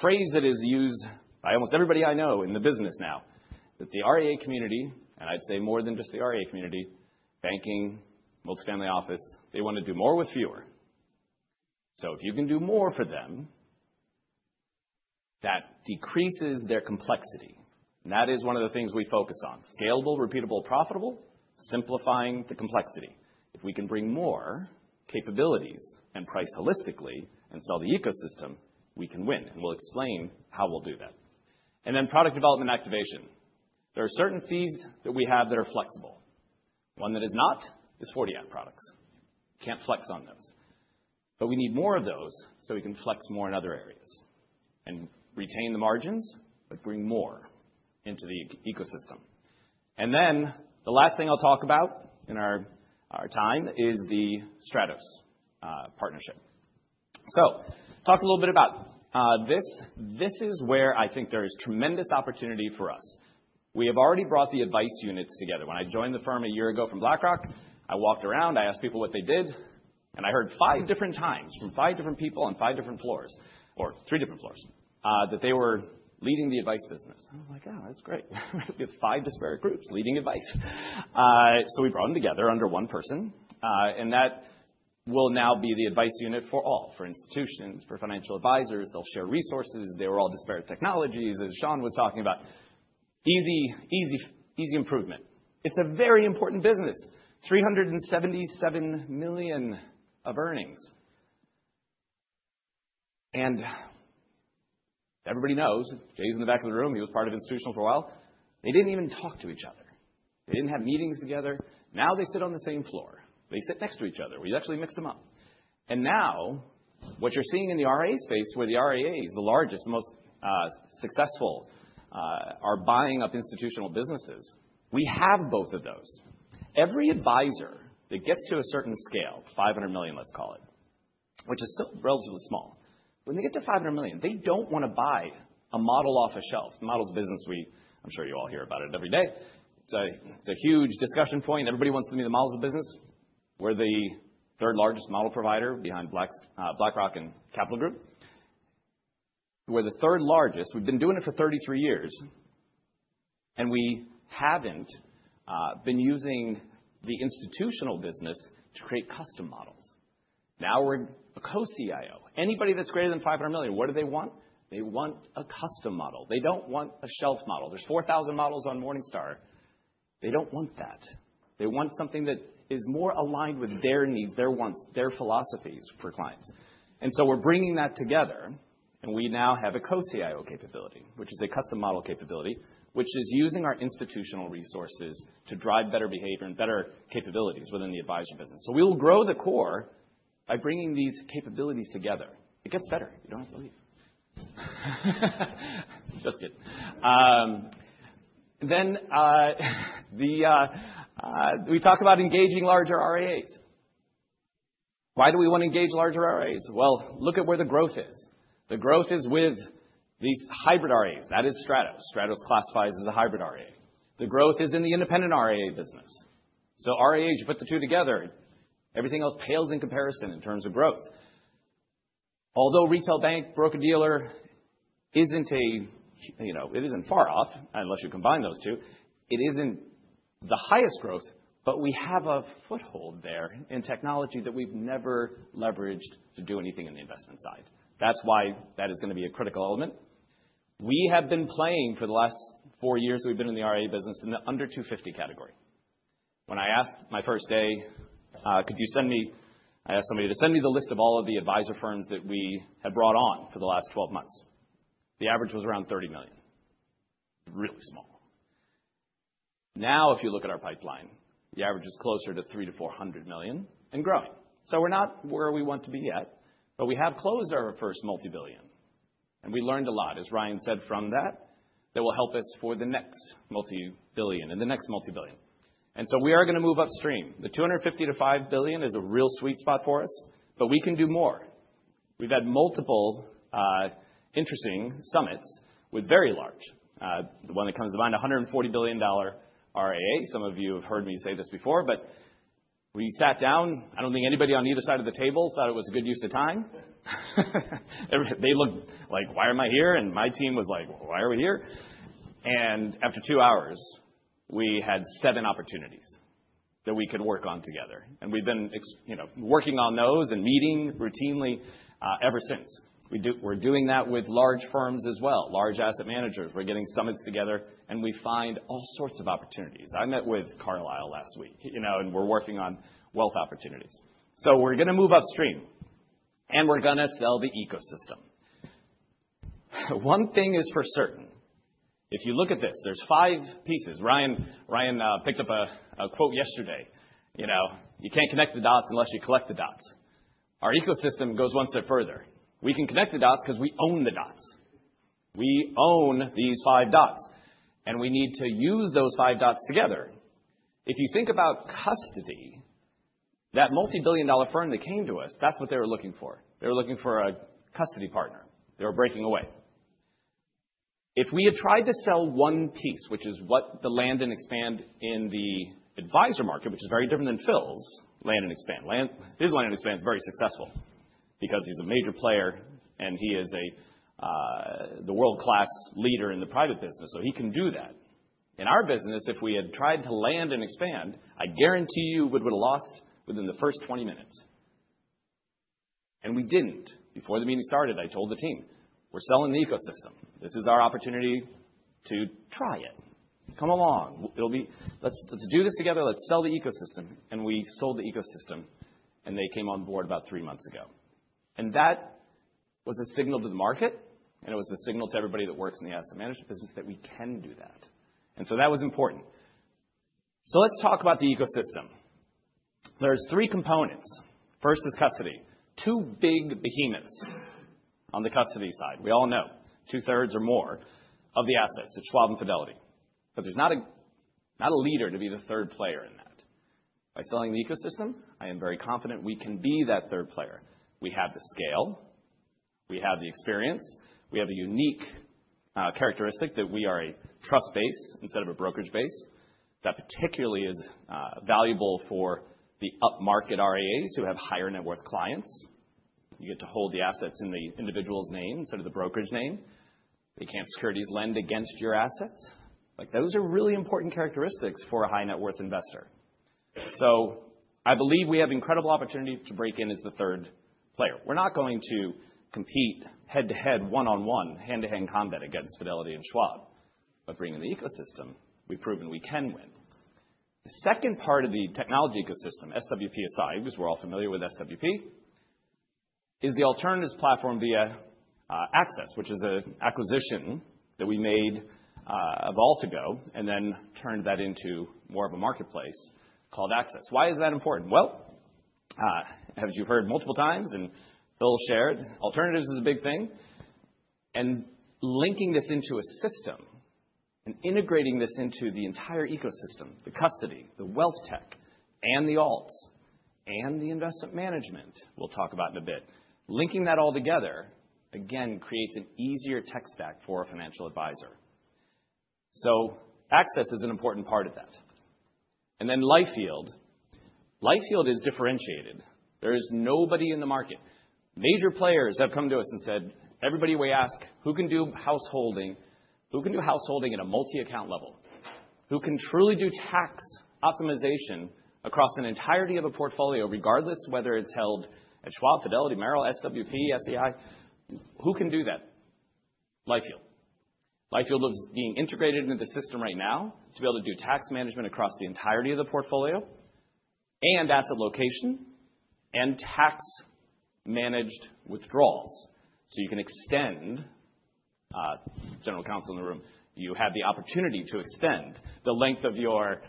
[SPEAKER 6] phrase that is used by almost everybody I know in the business now, that the RIA community, and I'd say more than just the RIA community, banking, multifamily office, they want to do more with fewer. So if you can do more for them, that decreases their complexity, and that is one of the things we focus on, scalable, repeatable, profitable, simplifying the complexity. If we can bring more capabilities and price holistically and sell the ecosystem, we can win. And we'll explain how we'll do that. And then product development activation. There are certain fees that we have that are flexible. One that is not is 40-Act products. Can't flex on those. But we need more of those so we can flex more in other areas and retain the margins but bring more into the ecosystem. And then the last thing I'll talk about in our time is the Stratos partnership. So talked a little bit about this. This is where I think there is tremendous opportunity for us. We have already brought the advice units together. When I joined the firm a year ago from BlackRock, I walked around. I asked people what they did. I heard five different times from five different people on five different floors or three different floors that they were leading the advice business. I was like, oh, that's great. We have five disparate groups leading advice. So we brought them together under one person. And that will now be the advice unit for all, for institutions, for financial advisors. They'll share resources. They were all disparate technologies, as Sean was talking about. Easy improvement. It's a very important business, $377 million of earnings. And everybody knows, Jay's in the back of the room. He was part of institutional for a while. They didn't even talk to each other. They didn't have meetings together. Now they sit on the same floor. They sit next to each other. We actually mixed them up. Now what you're seeing in the RIA space, where the RIA is the largest, the most successful, are buying up institutional businesses. We have both of those. Every advisor that gets to a certain scale, $500 million, let's call it, which is still relatively small, when they get to $500 million, they don't want to buy a model off a shelf. The models of business, I'm sure you all hear about it every day. It's a huge discussion point. Everybody wants to be the models of business. We're the third largest model provider behind BlackRock and Capital Group. We're the third largest. We've been doing it for 33 years. And we haven't been using the institutional business to create custom models. Now we're a co-CIO. Anybody that's greater than $500 million, what do they want? They want a custom model. They don't want a shelf model. There's 4,000 models on Morningstar. They don't want that. They want something that is more aligned with their needs, their wants, their philosophies for clients. And so we're bringing that together. And we now have an OCIO capability, which is a custom model capability, which is using our institutional resources to drive better behavior and better capabilities within the advisor business. So we will grow the core by bringing these capabilities together. It gets better. You don't have to leave. Just kidding. Then we talk about engaging larger RIAs. Why do we want to engage larger RIAs? Well, look at where the growth is. The growth is with these hybrid RIAs. That is Stratos. Stratos classifies as a hybrid RIA. The growth is in the independent RIA business. So RIAs, you put the two together, everything else pales in comparison in terms of growth. Although retail bank, broker-dealer isn't a, it isn't far off unless you combine those two. It isn't the highest growth, but we have a foothold there in technology that we've never leveraged to do anything in the investment side. That's why that is going to be a critical element. We have been playing for the last four years that we've been in the RIA business in the under 250 category. When I asked somebody to send me the list of all of the advisor firms that we had brought on for the last 12 months. The average was around $30 million. Really small. Now, if you look at our pipeline, the average is closer to $300-$400 million and growing. So we're not where we want to be yet, but we have closed our first multibillion. We learned a lot, as Ryan said, from that that will help us for the next multibillion and the next multibillion. So we are going to move upstream. The $250-$5 billion is a real sweet spot for us, but we can do more. We've had multiple interesting summits with very large. The one that comes to mind, $140 billion RIA. Some of you have heard me say this before, but we sat down. I don't think anybody on either side of the table thought it was a good use of time. They looked like, why am I here? And my team was like, why are we here? And after two hours, we had seven opportunities that we could work on together. And we've been working on those and meeting routinely ever since. We're doing that with large firms as well, large asset managers. We're getting summits together, and we find all sorts of opportunities. I met with Carlyle last week, and we're working on wealth opportunities. So we're going to move upstream, and we're going to sell the ecosystem. One thing is for certain. If you look at this, there's five pieces. Ryan picked up a quote yesterday. You can't connect the dots unless you collect the dots. Our ecosystem goes one step further. We can connect the dots because we own the dots. We own these five dots, and we need to use those five dots together. If you think about custody, that multibillion-dollar firm that came to us, that's what they were looking for. They were looking for a custody partner. They were breaking away. If we had tried to sell one piece, which is what the Land and Expand in the advisor market, which is very different than Phil's Land and Expand. His Land and Expand is very successful because he's a major player, and he is the world-class leader in the private business. So he can do that. In our business, if we had tried to land and expand, I guarantee you we would have lost within the first 20 minutes. And we didn't. Before the meeting started, I told the team, we're selling the ecosystem. This is our opportunity to try it. Come along. Let's do this together. Let's sell the ecosystem. And we sold the ecosystem, and they came on board about three months ago. That was a signal to the market, and it was a signal to everybody that works in the asset management business that we can do that. That was important. Let's talk about the ecosystem. There are three components. First is custody. Two big behemoths on the custody side. We all know two-thirds or more of the assets at Schwab and Fidelity. There's not a leader to be the third player in that. By selling the ecosystem, I am very confident we can be that third player. We have the scale. We have the experience. We have a unique characteristic that we are a trust base instead of a brokerage base that particularly is valuable for the up-market RIAs who have higher-net-worth clients. You get to hold the assets in the individual's name instead of the brokerage name. They can't securities lend against your assets. Those are really important characteristics for a high-net-worth investor. So I believe we have incredible opportunity to break in as the third player. We're not going to compete head-to-head, one-on-one, hand-to-hand combat against Fidelity and Schwab. But bringing the ecosystem, we've proven we can win. The second part of the technology ecosystem, SWP SI, because we're all familiar with SWP, is the alternatives platform via Access, which is an acquisition that we made a while ago and then turned that into more of a marketplace called Access. Why is that important? Well, as you've heard multiple times and Phil shared, alternatives is a big thing. And linking this into a system and integrating this into the entire ecosystem, the custody, the wealth tech, and the alts and the investment management we'll talk about in a bit, linking that all together, again, creates an easier tech stack for a financial advisor. So Access is an important part of that. And then LifeYield. LifeYield is differentiated. There is nobody in the market. Major players have come to us and said, everybody, we ask, who can do householding? Who can do householding at a multi-account level? Who can truly do tax optimization across an entirety of a portfolio, regardless whether it's held at Schwab, Fidelity, Merrill, SWP, SEI? Who can do that? LifeYield. LifeYield is being integrated into the system right now to be able to do tax management across the entirety of the portfolio and asset location and tax-managed withdrawals. So you can extend, general counsel in the room, you have the opportunity to extend the length of your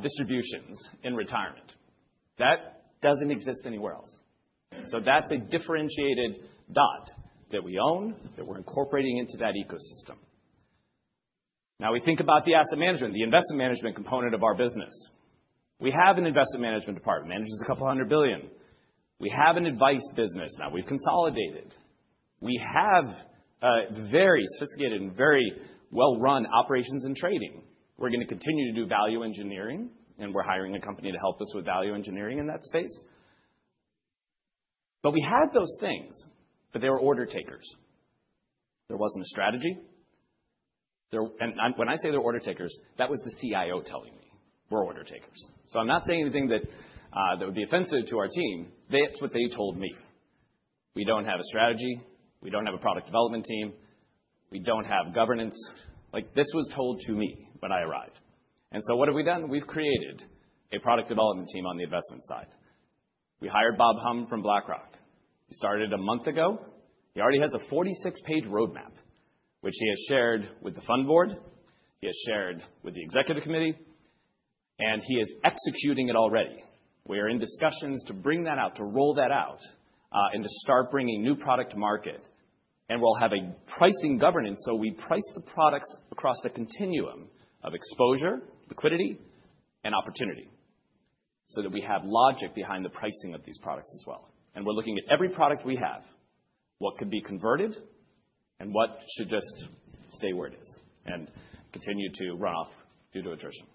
[SPEAKER 6] distributions in retirement. That doesn't exist anywhere else. So that's a differentiated dot that we own that we're incorporating into that ecosystem. Now we think about the asset management, the investment management component of our business. We have an investment management department. Manages a couple hundred billion. We have an advice business. Now we've consolidated. We have very sophisticated and very well-run operations and trading. We're going to continue to do value engineering, and we're hiring a company to help us with value engineering in that space. But we had those things, but they were order takers. There wasn't a strategy. And when I say they're order takers, that was the CIO telling me, "We're order takers." So I'm not saying anything that would be offensive to our team. That's what they told me. We don't have a strategy. We don't have a product development team. We don't have governance. This was told to me when I arrived. And so what have we done? We've created a product development team on the investment side. We hired Bob Hum from BlackRock. He started a month ago. He already has a 46-page roadmap, which he has shared with the fund board. He has shared with the executive committee, and he is executing it already. We are in discussions to bring that out, to roll that out, and to start bringing new product to market, and we'll have a pricing governance, so we price the products across the continuum of exposure, liquidity, and opportunity so that we have logic behind the pricing of these products as well, and we're looking at every product we have, what could be converted, and what should just stay where it is and continue to run off due to attrition,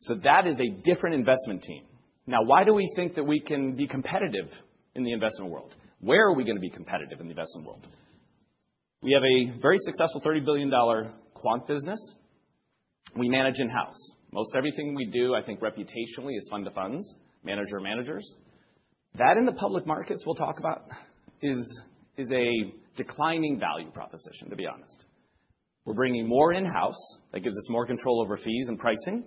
[SPEAKER 6] so that is a different investment team. Now, why do we think that we can be competitive in the investment world? Where are we going to be competitive in the investment world? We have a very successful $30 billion quant business. We manage in-house. Most everything we do, I think reputationally, is fund to funds, manager to managers. That in the public markets we'll talk about is a declining value proposition, to be honest. We're bringing more in-house. That gives us more control over fees and pricing.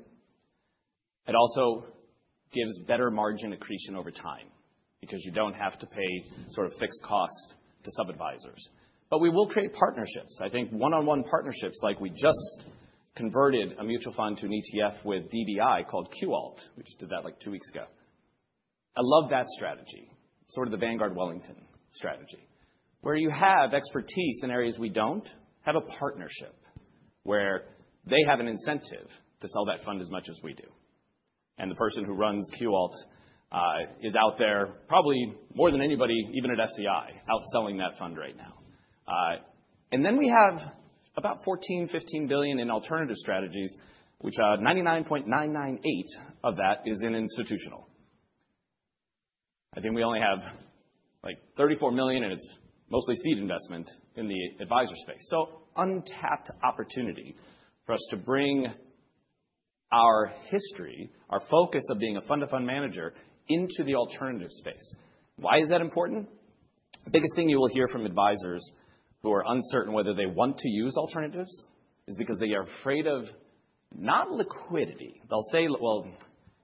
[SPEAKER 6] It also gives better margin accretion over time because you don't have to pay sort of fixed cost to sub-advisors. But we will create partnerships. I think one-on-one partnerships like we just converted a mutual fund to an ETF with DBI called Q-Alt. We just did that like two weeks ago. I love that strategy. It's sort of the Vanguard Wellington strategy, where you have expertise in areas we don't, have a partnership where they have an incentive to sell that fund as much as we do. And the person who runs Q-Alt is out there probably more than anybody, even at SEI, outselling that fund right now. And then we have about $14-$15 billion in alternative strategies, which 99.998% of that is in institutional. I think we only have like $34 million, and it's mostly seed investment in the advisor space. So untapped opportunity for us to bring our history, our focus of being a fund to fund manager into the alternative space. Why is that important? The biggest thing you will hear from advisors who are uncertain whether they want to use alternatives is because they are afraid of illiquidity. They'll say, "Well,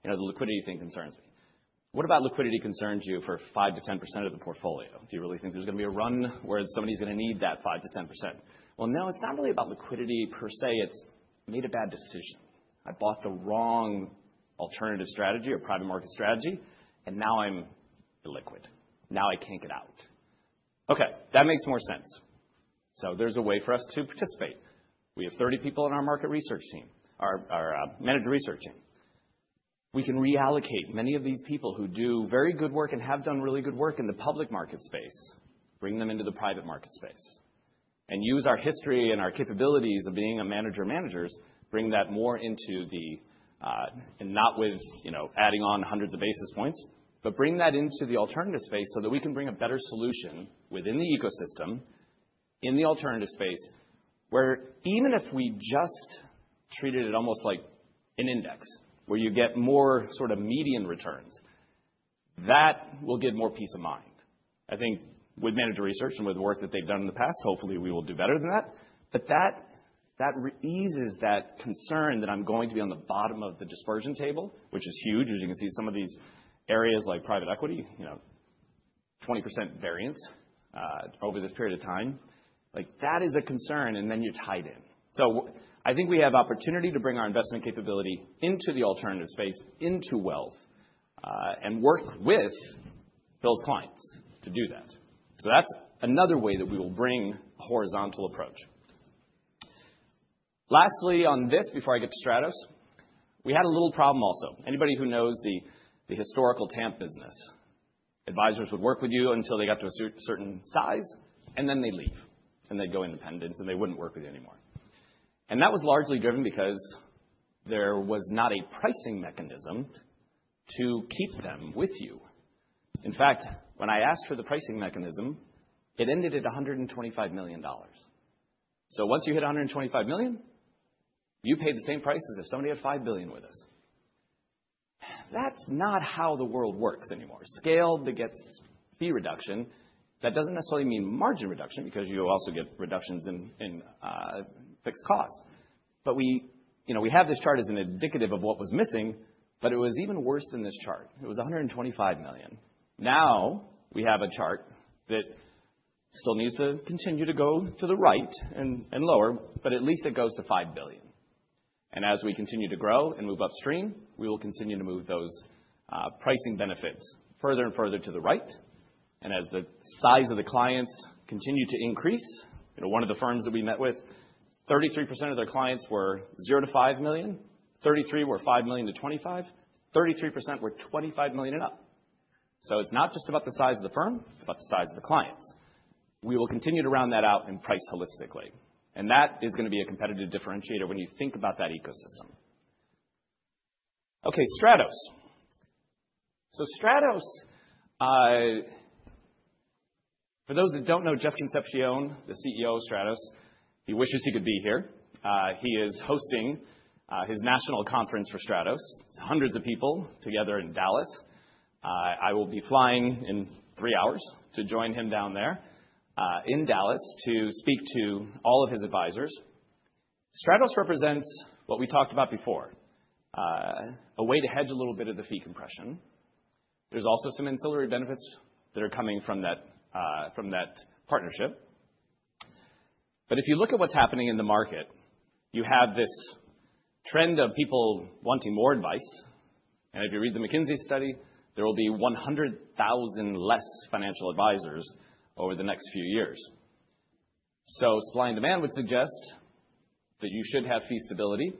[SPEAKER 6] the liquidity thing concerns me." What about liquidity concerns you for 5%-10% of the portfolio? Do you really think there's going to be a run where somebody's going to need that 5%-10%? Well, no, it's not really about liquidity per se. It's, "Made a bad decision. I bought the wrong alternative strategy or private market strategy, and now I'm illiquid. Now I can't get out." Okay, that makes more sense. So there's a way for us to participate. We have 30 people in our market research team, our manager research team. We can reallocate many of these people who do very good work and have done really good work in the public market space, bring them into the private market space, and use our history and our capabilities of being a manager of managers, bring that more into the, and not with adding on hundreds of basis points, but bring that into the alternative space so that we can bring a better solution within the ecosystem in the alternative space where even if we just treated it almost like an index where you get more sort of median returns, that will give more peace of mind. I think with manager research and with work that they've done in the past, hopefully we will do better than that. But that eases that concern that I'm going to be on the bottom of the dispersion table, which is huge, as you can see some of these areas like private equity, 20% variance over this period of time. That is a concern, and then you're tied in. So I think we have opportunity to bring our investment capability into the alternative space, into wealth, and work with Phil's clients to do that. So that's another way that we will bring a horizontal approach. Lastly, on this, before I get to Stratos, we had a little problem also. Anybody who knows the historical TAMP business, advisors would work with you until they got to a certain size, and then they'd leave, and they'd go independent, and they wouldn't work with you anymore. And that was largely driven because there was not a pricing mechanism to keep them with you. In fact, when I asked for the pricing mechanism, it ended at $125 million. So once you hit $125 million, you paid the same price as if somebody had $5 billion with us. That's not how the world works anymore. Scale begets fee reduction. That doesn't necessarily mean margin reduction because you also get reductions in fixed costs. But we have this chart as an indicative of what was missing, but it was even worse than this chart. It was $125 million. Now we have a chart that still needs to continue to go to the right and lower, but at least it goes to $5 billion. And as we continue to grow and move upstream, we will continue to move those pricing benefits further and further to the right. As the size of the clients continue to increase, one of the firms that we met with, 33% of their clients were $0-$5 million, 33% were $5-$25 million, 33% were $25 million and up. It's not just about the size of the firm. It's about the size of the clients. We will continue to round that out and price holistically. That is going to be a competitive differentiator when you think about that ecosystem. Okay, Stratos. Stratos, for those that don't know Jeff Concepcion, the CEO of Stratos, he wishes he could be here. He is hosting his national conference for Stratos. It's hundreds of people together in Dallas. I will be flying in three hours to join him down there in Dallas to speak to all of his advisors. Stratos represents what we talked about before, a way to hedge a little bit of the fee compression. There's also some ancillary benefits that are coming from that partnership, but if you look at what's happening in the market, you have this trend of people wanting more advice, and if you read the McKinsey study, there will be 100,000 less financial advisors over the next few years, so supply and demand would suggest that you should have fee stability.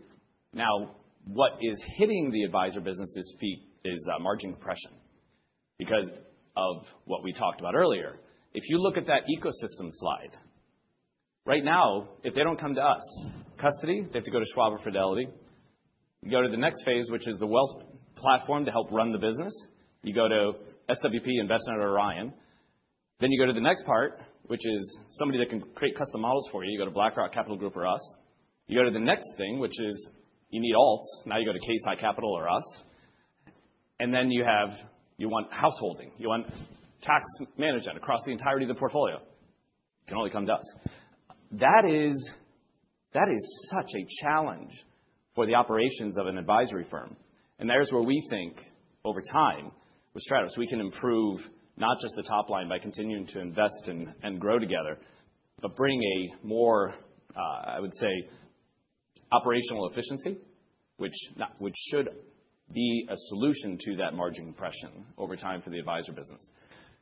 [SPEAKER 6] Now, what is hitting the advisor business's fees is margin compression because of what we talked about earlier. If you look at that ecosystem slide, right now, if they don't come to us, custody, they have to go to Schwab or Fidelity. You go to the next phase, which is the wealth platform to help run the business. You go to SWP Investment or Ryan. Then you go to the next part, which is somebody that can create custom models for you. You go to BlackRock, Capital Group or us. You go to the next thing, which is you need alts. Now you go to CAIS or us, and then you want householding. You want tax management across the entirety of the portfolio. You can only come to us. That is such a challenge for the operations of an advisory firm, and there's where we think over time with Stratos, we can improve not just the top line by continuing to invest and grow together, but bring a more, I would say, operational efficiency, which should be a solution to that margin compression over time for the advisor business,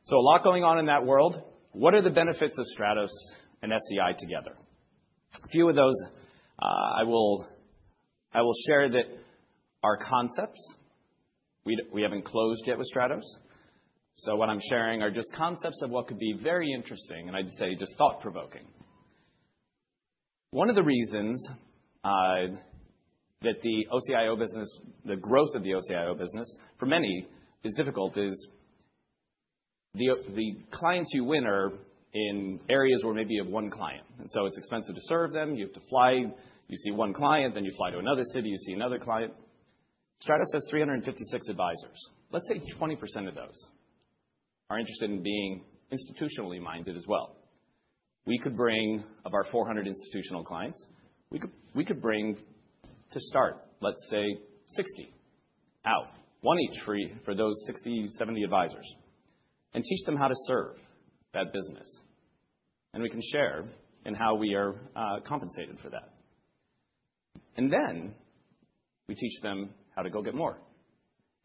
[SPEAKER 6] so a lot going on in that world. What are the benefits of Stratos and SEI together? A few of those I will share that are concepts. We haven't closed yet with Stratos. So what I'm sharing are just concepts of what could be very interesting, and I'd say just thought-provoking. One of the reasons that the OCIO business, the growth of the OCIO business, for many, is difficult is the clients you win are in areas where maybe you have one client. And so it's expensive to serve them. You have to fly. You see one client, then you fly to another city. You see another client. Stratos has 356 advisors. Let's say 20% of those are interested in being institutionally minded as well. We could bring of our 400 institutional clients, we could bring to Stratos, let's say 60 out, one each for those 60, 70 advisors, and teach them how to serve that business. And we can share in how we are compensated for that. And then we teach them how to go get more.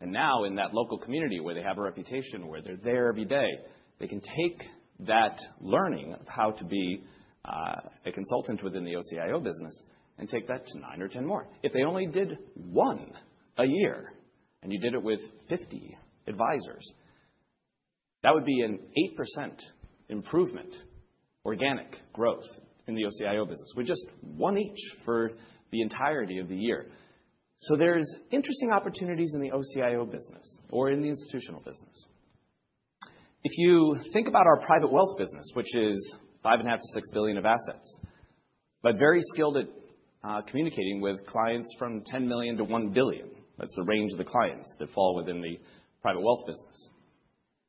[SPEAKER 6] And now in that local community where they have a reputation, where they're there every day, they can take that learning of how to be a consultant within the OCIO business and take that to nine or 10 more. If they only did one a year and you did it with 50 advisors, that would be an 8% improvement, organic growth in the OCIO business with just one each for the entirety of the year. So there's interesting opportunities in the OCIO business or in the institutional business. If you think about our private wealth business, which is $5.5 billion-$6 billion of assets, but very skilled at communicating with clients from $10 million-$1 billion, that's the range of the clients that fall within the private wealth business.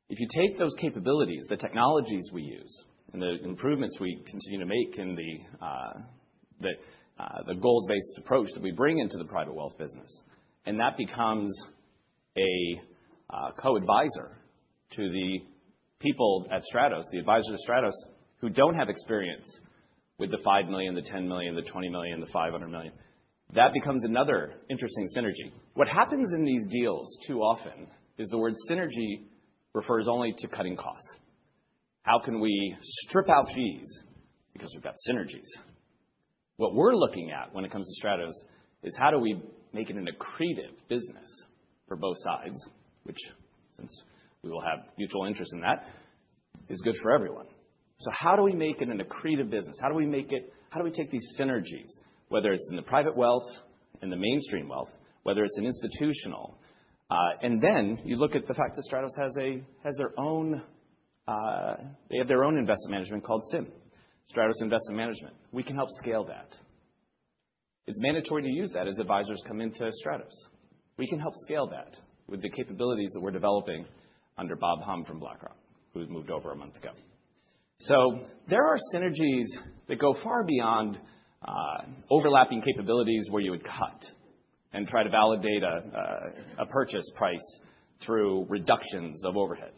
[SPEAKER 6] If you take those capabilities, the technologies we use, and the improvements we continue to make in the goals-based approach that we bring into the private wealth business, and that becomes a co-advisor to the people at Stratos, the advisors at Stratos who don't have experience with the $5 million, the $10 million, the $20 million, the $500 million, that becomes another interesting synergy. What happens in these deals too often is the word synergy refers only to cutting costs. How can we strip out fees? Because we've got synergies. What we're looking at when it comes to Stratos is how do we make it an accretive business for both sides, which since we will have mutual interest in that, is good for everyone. So how do we make it an accretive business? How do we make it? How do we take these synergies, whether it's in the private wealth, in the mainstream wealth, whether it's an institutional? And then you look at the fact that Stratos has their own investment management called SIM, Stratos Investment Management. We can help scale that. It's mandatory to use that as advisors come into Stratos. We can help scale that with the capabilities that we're developing under Bob Hum from BlackRock, who moved over a month ago. So there are synergies that go far beyond overlapping capabilities where you would cut and try to validate a purchase price through reductions of overhead.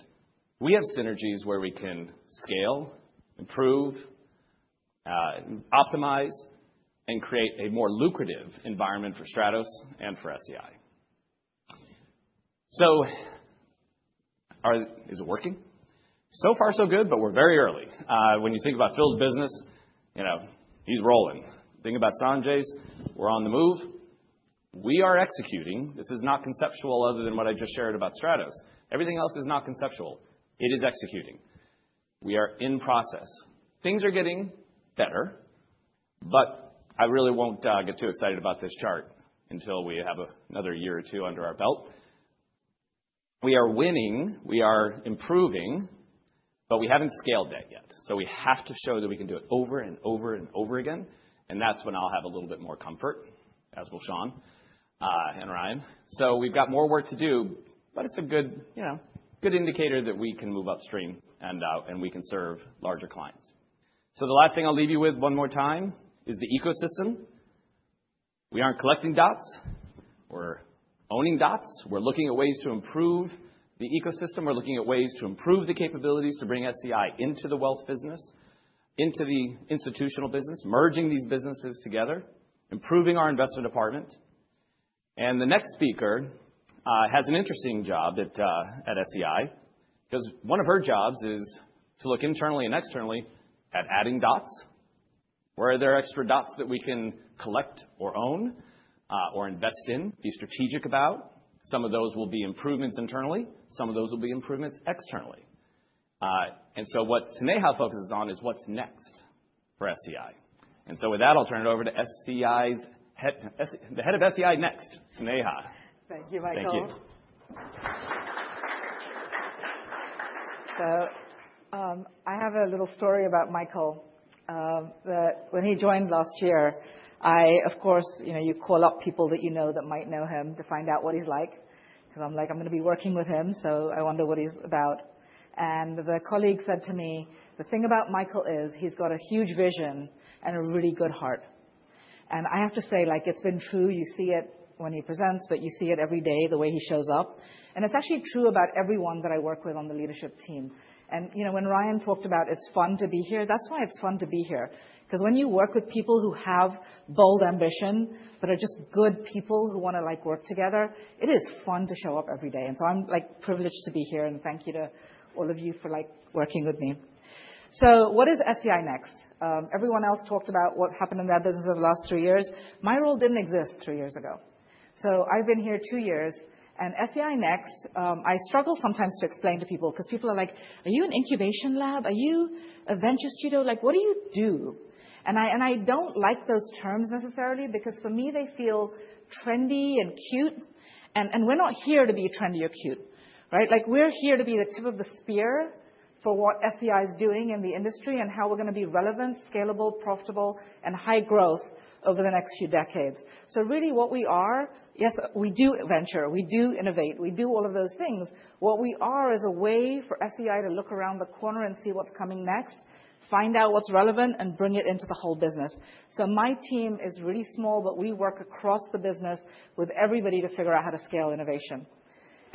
[SPEAKER 6] We have synergies where we can scale, improve, optimize, and create a more lucrative environment for Stratos and for SEI. So is it working? So far, so good, but we're very early. When you think about Phil's business, he's rolling. Think about Sanjay's. We're on the move. We are executing. This is not conceptual other than what I just shared about Stratos. Everything else is not conceptual. It is executing. We are in process. Things are getting better, but I really won't get too excited about this chart until we have another year or two under our belt. We are winning. We are improving, but we haven't scaled that yet. So we have to show that we can do it over and over and over again, and that's when I'll have a little bit more comfort, as will Sean and Ryan. So we've got more work to do, but it's a good indicator that we can move upstream and we can serve larger clients. So the last thing I'll leave you with one more time is the ecosystem. We aren't collecting dots. We're owning dots. We're looking at ways to improve the ecosystem. We're looking at ways to improve the capabilities to bring SEI into the wealth business, into the institutional business, merging these businesses together, improving our investment department. And the next speaker has an interesting job at SEI because one of her jobs is to look internally and externally at adding dots. Where are there extra dots that we can collect or own or invest in, be strategic about? Some of those will be improvements internally. Some of those will be improvements externally. And so what Sneha focuses on is what's next for SEI. And so with that, I'll turn it over to the head of SEI Next, Sneha.
[SPEAKER 7] Thank you, Michael. Thank you. So I have a little story about Michael that when he joined last year, I, of course, you call up people that you know that might know him to find out what he's like because I'm like, "I'm going to be working with him, so I wonder what he's about." And the colleague said to me, "The thing about Michael is he's got a huge vision and a really good heart." And I have to say, it's been true. You see it when he presents, but you see it every day the way he shows up. And it's actually true about everyone that I work with on the leadership team. When Ryan talked about, "It's fun to be here," that's why it's fun to be here because when you work with people who have bold ambition but are just good people who want to work together, it is fun to show up every day. I'm privileged to be here, and thank you to all of you for working with me. What is SEI Next? Everyone else talked about what happened in their business over the last three years. My role didn't exist three years ago. I've been here two years. SEI Next, I struggle sometimes to explain to people because people are like, "Are you an incubation lab? Are you a venture studio? What do you do?" I don't like those terms necessarily because for me, they feel trendy and cute. We're not here to be trendy or cute, right? We're here to be the tip of the spear for what SEI is doing in the industry and how we're going to be relevant, scalable, profitable, and high growth over the next few decades. So really what we are, yes, we do venture. We do innovate. We do all of those things. What we are is a way for SEI to look around the corner and see what's coming next, find out what's relevant, and bring it into the whole business. So my team is really small, but we work across the business with everybody to figure out how to scale innovation.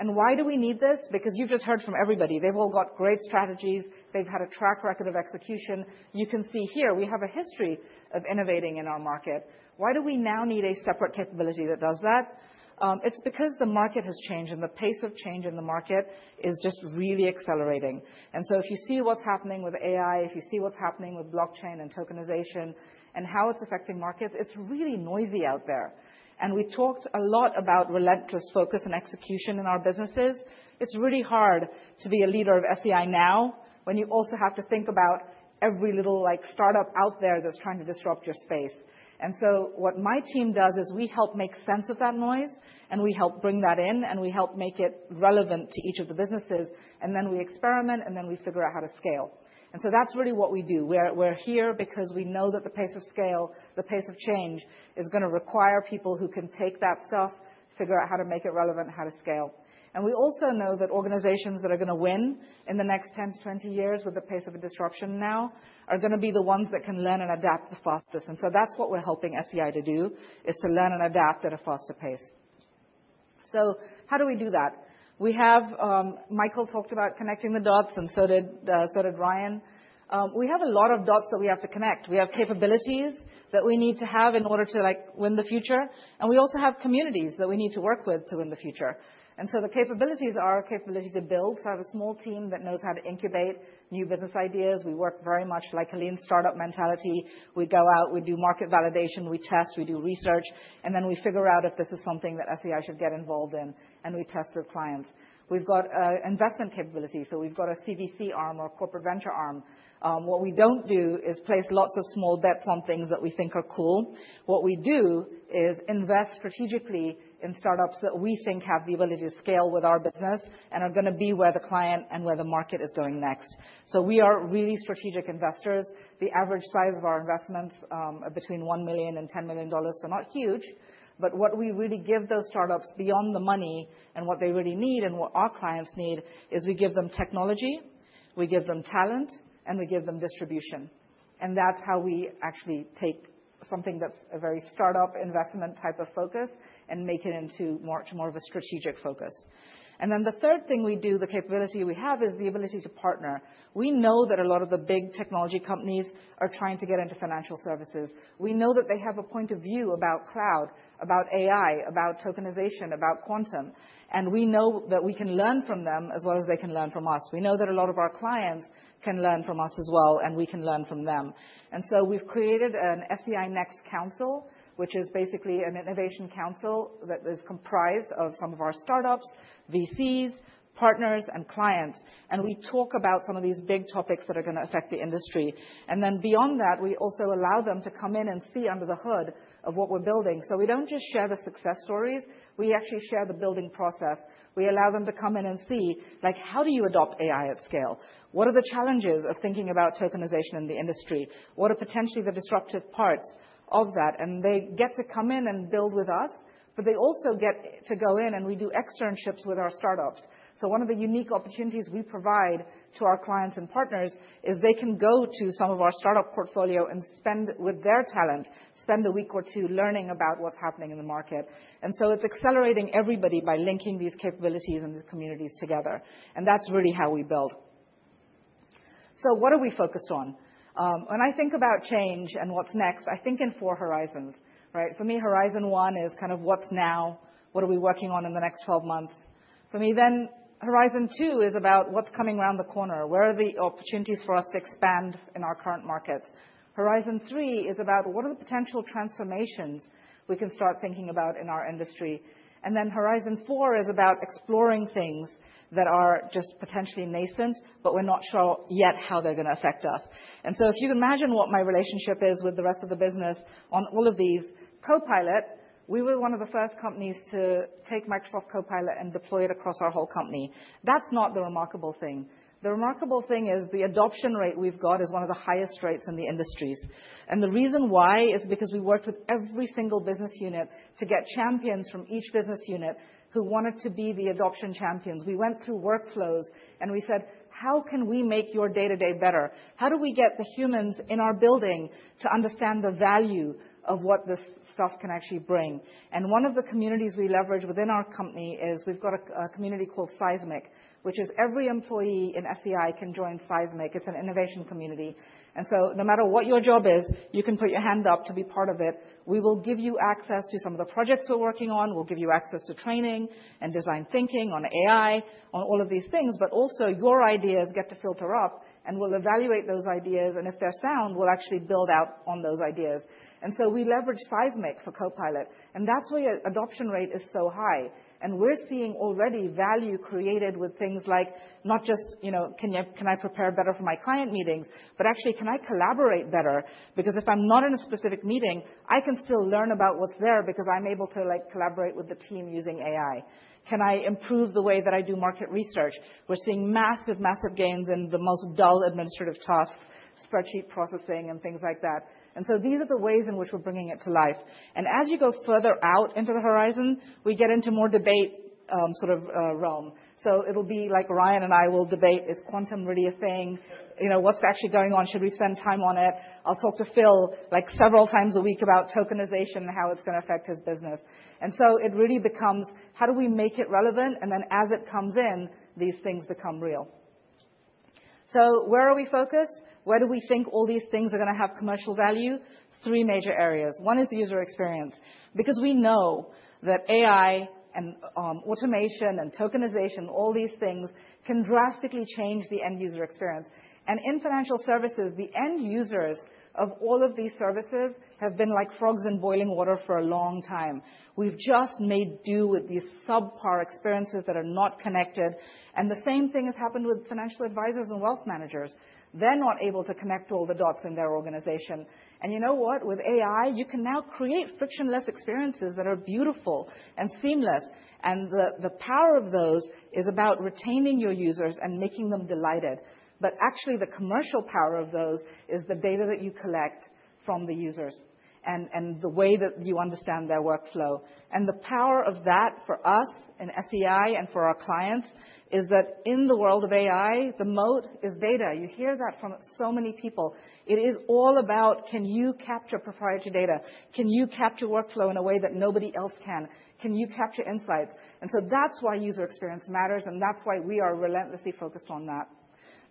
[SPEAKER 7] And why do we need this? Because you've just heard from everybody. They've all got great strategies. They've had a track record of execution. You can see here we have a history of innovating in our market. Why do we now need a separate capability that does that? It's because the market has changed, and the pace of change in the market is just really accelerating. And so if you see what's happening with AI, if you see what's happening with blockchain and tokenization and how it's affecting markets, it's really noisy out there. And we talked a lot about relentless focus and execution in our businesses. It's really hard to be a leader of SEI now when you also have to think about every little startup out there that's trying to disrupt your space. And so what my team does is we help make sense of that noise, and we help bring that in, and we help make it relevant to each of the businesses. And then we experiment, and then we figure out how to scale. And so that's really what we do. We're here because we know that the pace of scale, the pace of change is going to require people who can take that stuff, figure out how to make it relevant, how to scale. And we also know that organizations that are going to win in the next 10-20 years with the pace of disruption now are going to be the ones that can learn and adapt the fastest. And so that's what we're helping SEI to do, is to learn and adapt at a faster pace. So how do we do that? Michael talked about connecting the dots, and so did Ryan. We have a lot of dots that we have to connect. We have capabilities that we need to have in order to win the future. And we also have communities that we need to work with to win the future. And so the capabilities are our capability to build. So I have a small team that knows how to incubate new business ideas. We work very much like a lean startup mentality. We go out, we do market validation, we test, we do research, and then we figure out if this is something that SEI should get involved in, and we test with clients. We've got investment capabilities. So we've got a CVC arm or corporate venture arm. What we don't do is place lots of small bets on things that we think are cool. What we do is invest strategically in startups that we think have the ability to scale with our business and are going to be where the client and where the market is going next. So we are really strategic investors. The average size of our investments is between $1 million and $10 million, so not huge, but what we really give those startups beyond the money and what they really need and what our clients need is we give them technology, we give them talent, and we give them distribution, and that's how we actually take something that's a very startup investment type of focus and make it into much more of a strategic focus, and then the third thing we do, the capability we have, is the ability to partner. We know that a lot of the big technology companies are trying to get into financial services. We know that they have a point of view about cloud, about AI, about tokenization, about quantum, and we know that we can learn from them as well as they can learn from us. We know that a lot of our clients can learn from us as well, and we can learn from them. And so we've created an SEI Next Council, which is basically an innovation council that is comprised of some of our startups, VCs, partners, and clients. And we talk about some of these big topics that are going to affect the industry. And then beyond that, we also allow them to come in and see under the hood of what we're building. So we don't just share the success stories. We actually share the building process. We allow them to come in and see, "How do you adopt AI at scale? What are the challenges of thinking about tokenization in the industry? What are potentially the disruptive parts of that?" And they get to come in and build with us, but they also get to go in and we do externships with our startups. So one of the unique opportunities we provide to our clients and partners is they can go to some of our startup portfolio and spend with their talent, spend a week or two learning about what's happening in the market. And so it's accelerating everybody by linking these capabilities and these communities together. And that's really how we build. So what are we focused on? When I think about change and what's next, I think in four horizons, right? For me, Horizon One is kind of what's now, what are we working on in the next 12 months. For me then, Horizon Two is about what's coming around the corner. Where are the opportunities for us to expand in our current markets? Horizon Three is about what are the potential transformations we can start thinking about in our industry. And then Horizon Four is about exploring things that are just potentially nascent, but we're not sure yet how they're going to affect us. And so if you can imagine what my relationship is with the rest of the business on all of these, Copilot, we were one of the first companies to take Microsoft Copilot and deploy it across our whole company. That's not the remarkable thing. The remarkable thing is the adoption rate we've got is one of the highest rates in the industries. And the reason why is because we worked with every single business unit to get champions from each business unit who wanted to be the adoption champions. We went through workflows and we said, "How can we make your day-to-day better? How do we get the humans in our building to understand the value of what this stuff can actually bring?" And one of the communities we leverage within our company is we've got a community called Seismic, which is every employee in SEI can join Seismic. It's an innovation community. And so no matter what your job is, you can put your hand up to be part of it. We will give you access to some of the projects we're working on. We'll give you access to training and design thinking on AI, on all of these things, but also your ideas get to filter up, and we'll evaluate those ideas. And if they're sound, we'll actually build out on those ideas. And so we leverage Seismic for Copilot, and that's why adoption rate is so high. And we're seeing already value created with things like not just, "Can I prepare better for my client meetings?" but actually, "Can I collaborate better?" Because if I'm not in a specific meeting, I can still learn about what's there because I'm able to collaborate with the team using AI. "Can I improve the way that I do market research?" We're seeing massive, massive gains in the most dull administrative tasks, spreadsheet processing, and things like that. And so these are the ways in which we're bringing it to life. And as you go further out into the horizon, we get into more debate sort of realm. So it'll be like Ryan and I will debate, "Is quantum really a thing? What's actually going on? Should we spend time on it?" I'll talk to Phil several times a week about tokenization and how it's going to affect his business. And so it really becomes, "How do we make it relevant?" And then as it comes in, these things become real. So where are we focused? Where do we think all these things are going to have commercial value? Three major areas. One is user experience because we know that AI and automation and tokenization, all these things can drastically change the end user experience. And in financial services, the end users of all of these services have been like frogs in boiling water for a long time. We've just made do with these subpar experiences that are not connected. And the same thing has happened with financial advisors and wealth managers. They're not able to connect all the dots in their organization. And you know what? With AI, you can now create frictionless experiences that are beautiful and seamless. And the power of those is about retaining your users and making them delighted. But actually, the commercial power of those is the data that you collect from the users and the way that you understand their workflow. And the power of that for us in SEI and for our clients is that in the world of AI, the moat is data. You hear that from so many people. It is all about, "Can you capture proprietary data? Can you capture workflow in a way that nobody else can? Can you capture insights?" And so that's why user experience matters, and that's why we are relentlessly focused on that.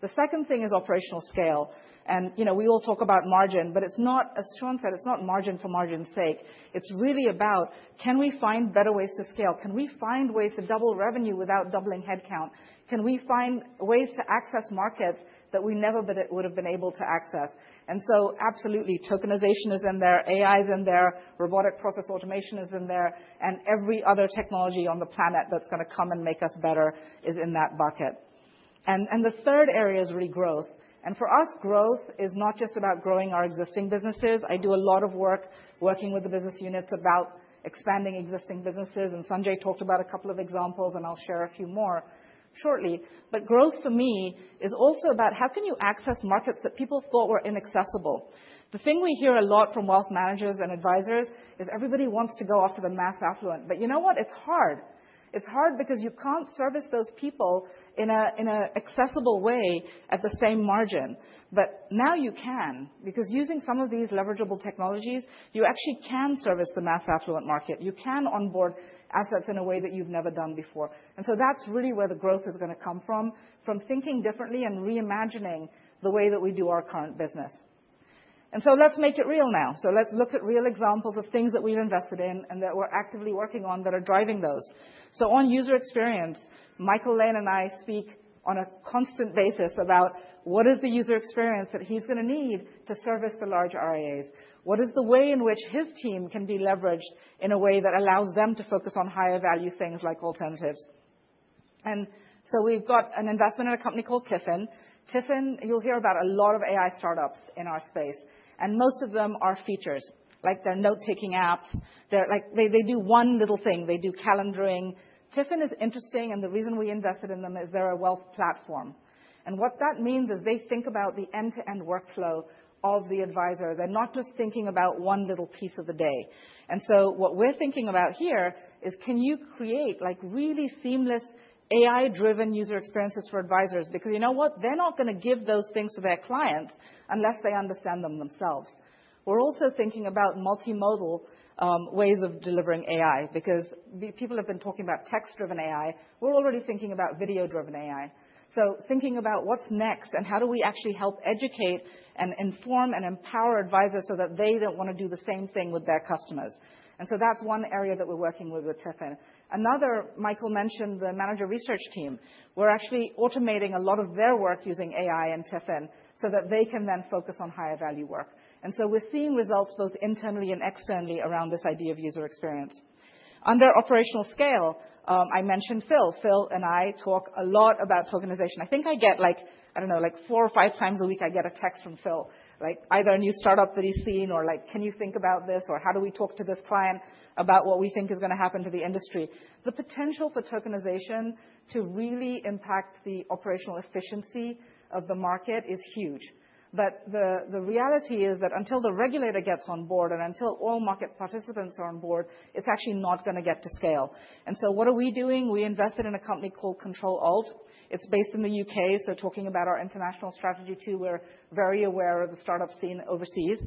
[SPEAKER 7] The second thing is operational scale. And we all talk about margin, but it's not, as Sean said, it's not margin for margin's sake. It's really about, "Can we find better ways to scale? Can we find ways to double revenue without doubling headcount? Can we find ways to access markets that we never would have been able to access?" And so absolutely, tokenization is in there. AI is in there. Robotic process automation is in there. And every other technology on the planet that's going to come and make us better is in that bucket. And the third area is really growth. And for us, growth is not just about growing our existing businesses. I do a lot of work working with the business units about expanding existing businesses. And Sanjay talked about a couple of examples, and I'll share a few more shortly. But growth for me is also about, "How can you access markets that people thought were inaccessible?" The thing we hear a lot from wealth managers and advisors is everybody wants to go after the mass affluent. But you know what? It's hard. It's hard because you can't service those people in an accessible way at the same margin. But now you can because using some of these leverageable technologies, you actually can service the mass affluent market. You can onboard assets in a way that you've never done before. And so that's really where the growth is going to come from, from thinking differently and reimagining the way that we do our current business. And so let's make it real now. So let's look at real examples of things that we've invested in and that we're actively working on that are driving those. So on user experience, Michael Lane and I speak on a constant basis about what is the user experience that he's going to need to service the large RIAs? What is the way in which his team can be leveraged in a way that allows them to focus on higher value things like alternatives? And so we've got an investment in a company called TIFIN. TIFIN, you'll hear about a lot of AI startups in our space. And most of them are features, like they're note-taking apps. They do one little thing. They do calendaring. TIFIN is interesting, and the reason we invested in them is they're a wealth platform. And what that means is they think about the end-to-end workflow of the advisor. They're not just thinking about one little piece of the day. And so what we're thinking about here is, "Can you create really seamless AI-driven user experiences for advisors?" Because you know what? They're not going to give those things to their clients unless they understand them themselves. We're also thinking about multimodal ways of delivering AI because people have been talking about text-driven AI. We're already thinking about video-driven AI. So thinking about what's next and how do we actually help educate and inform and empower advisors so that they don't want to do the same thing with their customers. And so that's one area that we're working with TIFIN. Another, Michael mentioned the manager research team. We're actually automating a lot of their work using AI and TIFIN so that they can then focus on higher value work. And so we're seeing results both internally and externally around this idea of user experience. Under operational scale, I mentioned Phil. Phil and I talk a lot about tokenization. I think I get, I don't know, like four or five times a week, I get a text from Phil. Either a new startup that he's seen or, "Can you think about this?" or, "How do we talk to this client about what we think is going to happen to the industry?" The potential for tokenization to really impact the operational efficiency of the market is huge. But the reality is that until the regulator gets on board and until all market participants are on board, it's actually not going to get to scale, and so what are we doing? We invested in a company called ControlAlt. It's based in the UK, so talking about our international strategy too, we're very aware of the startup scene overseas.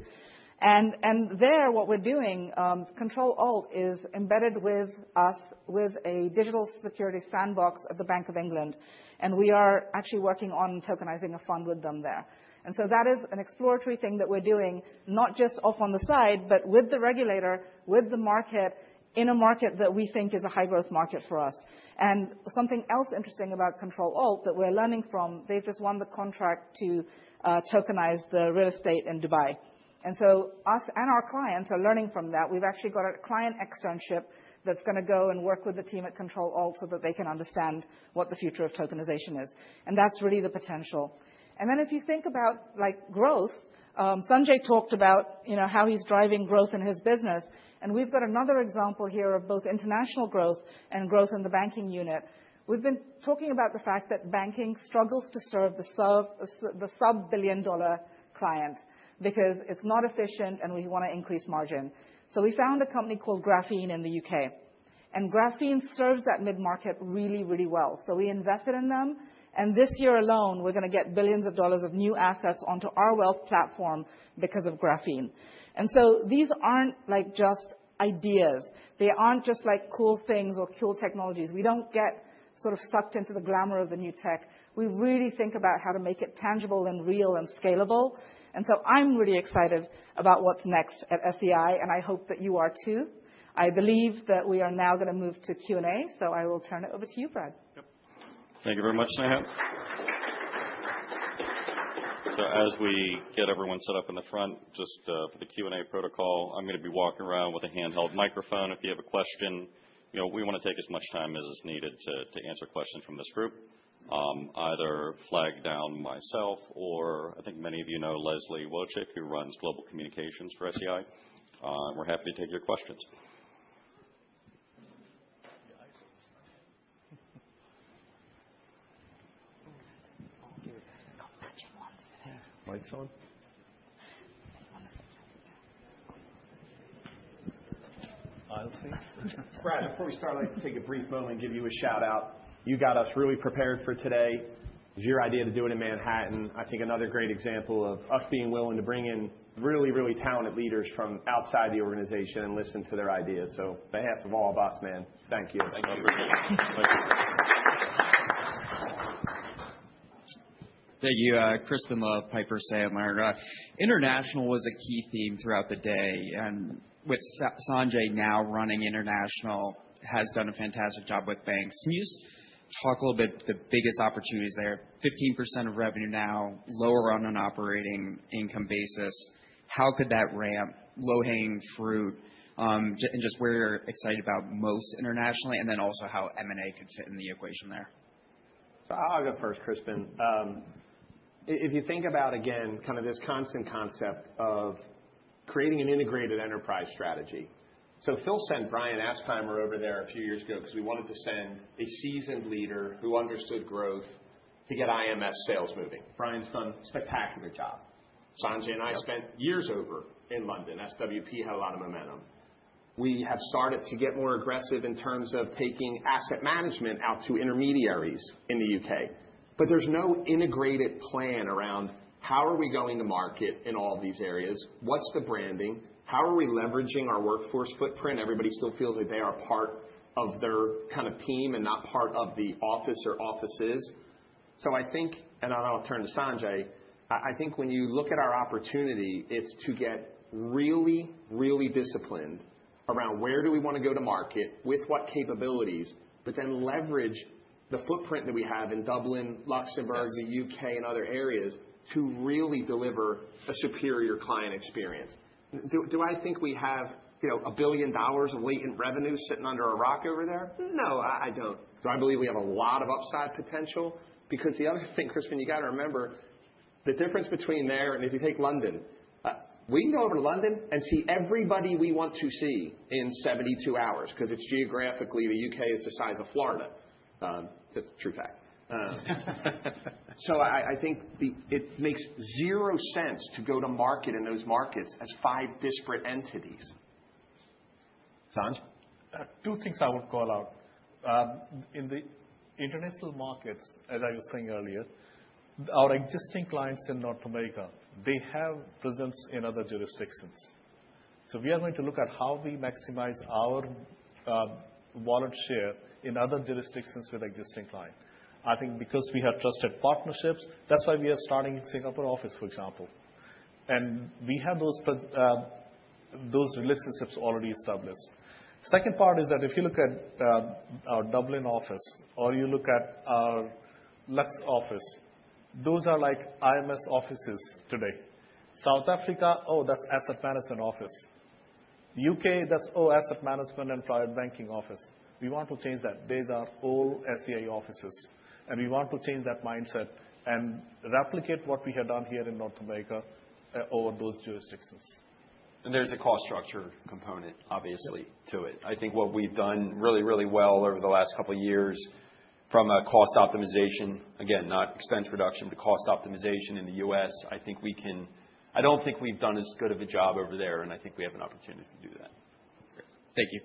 [SPEAKER 7] And there, what we're doing, ControlAlt is embedded with us with a digital security sandbox at the Bank of England. And we are actually working on tokenizing a fund with them there. And so that is an exploratory thing that we're doing, not just off on the side, but with the regulator, with the market, in a market that we think is a high-growth market for us. And something else interesting about ControlAlt that we're learning from, they've just won the contract to tokenize the real estate in Dubai. And so us and our clients are learning from that. We've actually got a client externship that's going to go and work with the team at ControlAlt so that they can understand what the future of tokenization is. And that's really the potential. And then if you think about growth, Sanjay talked about how he's driving growth in his business. We've got another example here of both international growth and growth in the banking unit. We've been talking about the fact that banking struggles to serve the sub-billion-dollar client because it's not efficient and we want to increase margin. We found a company called Griffin in the U.K. Griffin serves that mid-market really, really well. We invested in them. This year alone, we're going to get billions of dollars of new assets onto our wealth platform because of Griffin. These aren't just ideas. They aren't just cool things or cool technologies. We don't get sort of sucked into the glamour of the new tech. We really think about how to make it tangible and real and scalable. I'm really excited about what's next at SEI, and I hope that you are too. I believe that we are now going to move to Q&A, so I will turn it over to you, Brad.
[SPEAKER 1] Yep. Thank you very much, Ryan. So as we get everyone set up in the front, just for the Q&A protocol, I'm going to be walking around with a handheld microphone. If you have a question, we want to take as much time as is needed to answer questions from this group, either flag down myself or I think many of you know Leslie Wojcik, who runs global communications for SEI. We're happy to take your questions. I'll give it a couple of gentle ones.
[SPEAKER 8] Yeah. Lights on? I'll see. Brad, before we start, let's take a brief moment and give you a shout-out. You got us really prepared for today. It was your idea to do it in Manhattan. I think another great example of us being willing to bring in really, really talented leaders from outside the organization and listen to their ideas. So in the hands of all of us, man. Thank you.
[SPEAKER 9] Thank you. Thank you, Chris. The Piper Sandler. M&A international was a key theme throughout the day. And with Sanjay now running international, he has done a fantastic job with banks. Can you just talk a little bit about the biggest opportunities there? 15% of revenue now, lower on an operating income basis. How could that ramp? Low-hanging fruit and just where you're excited about most internationally? And then also how M&A could fit in the equation there.
[SPEAKER 2] I'll go first, Chris. If you think about, again, kind of this constant concept of creating an integrated enterprise strategy. So Phil sent Brian Astheimer over there a few years ago because we wanted to send a seasoned leader who understood growth to get IMS sales moving. Brian's done a spectacular job. Sanjay and I spent years over in London. SWP had a lot of momentum. We have started to get more aggressive in terms of taking asset management out to intermediaries in the UK. But there's no integrated plan around how are we going to market in all of these areas? What's the branding? How are we leveraging our workforce footprint? Everybody still feels like they are part of their kind of team and not part of the office or offices. So I think, and I'll turn to Sanjay, I think when you look at our opportunity, it's to get really, really disciplined around where do we want to go to market with what capabilities, but then leverage the footprint that we have in Dublin, Luxembourg, the U.K., and other areas to really deliver a superior client experience. Do I think we have $1 billion of latent revenue sitting under a rock over there? No, I don't. So I believe we have a lot of upside potential because the other thing, Chris, when you got to remember the difference between there and if you take London, we can go over to London and see everybody we want to see in 72 hours because it's geographically the U.K. is the size of Florida. It's a true fact. I think it makes zero sense to go to market in those markets as five disparate entities. Sanjay?
[SPEAKER 5] Two things I would call out. In the international markets, as I was saying earlier, our existing clients in North America, they have presence in other jurisdictions. So we are going to look at how we maximize our wallet share in other jurisdictions with existing clients. I think because we have trusted partnerships, that's why we are starting in Singapore office, for example. And we have those relationships already established. Second part is that if you look at our Dublin office or you look at our Lux office, those are like IMS offices today. South Africa, oh, that's asset management office. UK, that's, oh, asset management and private banking office. We want to change that. They are all SEI offices. We want to change that mindset and replicate what we have done here in North America over those jurisdictions.
[SPEAKER 3] There's a cost structure component, obviously, to it. I think what we've done really, really well over the last couple of years from a cost optimization, again, not expense reduction, but cost optimization in the US. I think we can. I don't think we've done as good of a job over there, and I think we have an opportunity to do that.
[SPEAKER 10] Thank you.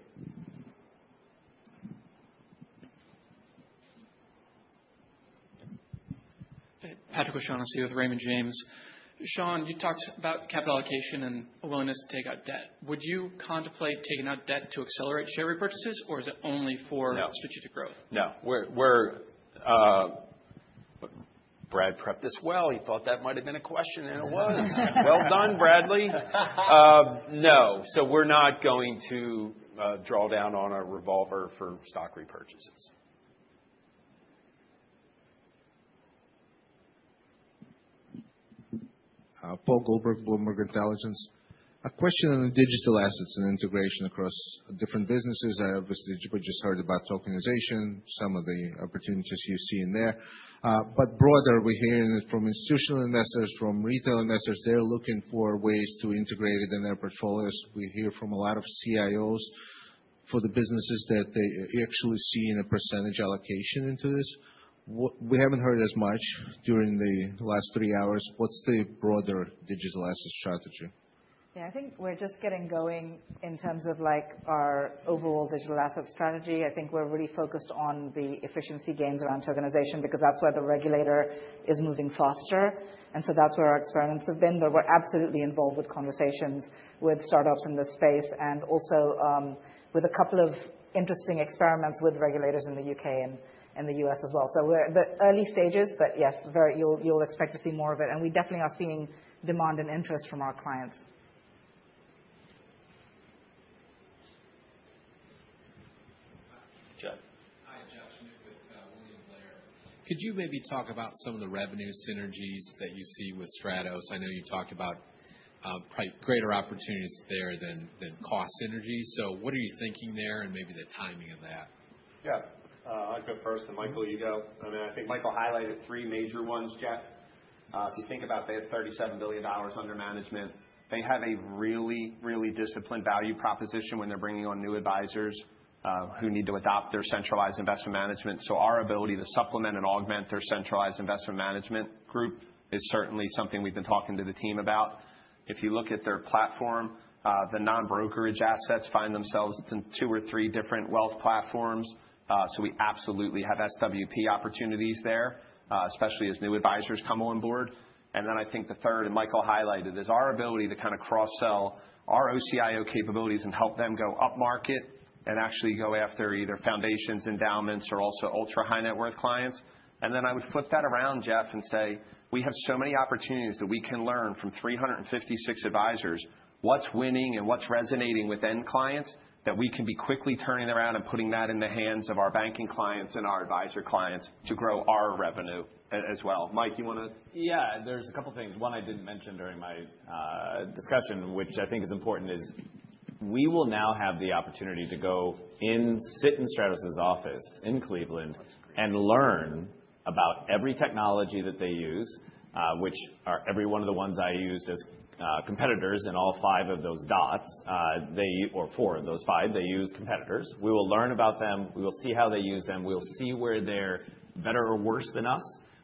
[SPEAKER 10] Patrick O'Shaughnessy here with Raymond James. Sean, you talked about capital allocation and a willingness to take out debt. Would you contemplate taking out debt to accelerate share repurchases, or is it only for strategic growth?
[SPEAKER 3] No.
[SPEAKER 2] Brad prepped this well. He thought that might have been a question, and it was. Well done, Bradley. No. So we're not going to draw down on a revolver for stock repurchases.
[SPEAKER 11] Paul Gulberg, Bloomberg Intelligence. A question on digital assets and integration across different businesses. I obviously just heard about tokenization, some of the opportunities you've seen there. But broader, we're hearing it from institutional investors, from retail investors. They're looking for ways to integrate it in their portfolios. We hear from a lot of CIOs for the businesses that they actually see in a percentage allocation into this. We haven't heard as much during the last three hours. What's the broader digital asset strategy?
[SPEAKER 7] Yeah, I think we're just getting going in terms of our overall digital asset strategy. I think we're really focused on the efficiency gains around tokenization because that's where the regulator is moving faster. And so that's where our experiments have been. But we're absolutely involved with conversations with startups in this space and also with a couple of interesting experiments with regulators in the U.K. and in the U.S. as well. So we're in the early stages, but yes, you'll expect to see more of it. And we definitely are seeing demand and interest from our clients.
[SPEAKER 12] Hi, Jeff Schmitt with William Blair. Could you maybe talk about some of the revenue synergies that you see with Stratos? I know you talked about greater opportunities there than cost synergies. So what are you thinking there and maybe the timing of that?
[SPEAKER 3] Yeah. I'll go first. And Michael, you go. I mean, I think Michael highlighted three major ones, Jeff. If you think about it, they have $37 billion under management. They have a really, really disciplined value proposition when they're bringing on new advisors who need to adopt their centralized investment management. So our ability to supplement and augment their centralized investment management group is certainly something we've been talking to the team about. If you look at their platform, the non-brokerage assets find themselves in two or three different wealth platforms. So we absolutely have SWP opportunities there, especially as new advisors come on board. And then I think the third, and Michael highlighted, is our ability to kind of cross-sell our OCIO capabilities and help them go up market and actually go after either foundations, endowments, or also ultra-high net worth clients. And then I would flip that around, Jeff, and say, we have so many opportunities that we can learn from 356 advisors, what's winning and what's resonating with end clients that we can be quickly turning around and putting that in the hands of our banking clients and our advisor clients to grow our revenue as well. Mike, you want to?
[SPEAKER 6] Yeah, there's a couple of things. One I didn't mention during my discussion, which I think is important, is we will now have the opportunity to go in, sit in Stratos' office in Cleveland and learn about every technology that they use, which are every one of the ones I used as competitors in all five of those dots, or four of those five. They use competitors. We will learn about them. We will see how they use them. We will see where they're better or worse than us.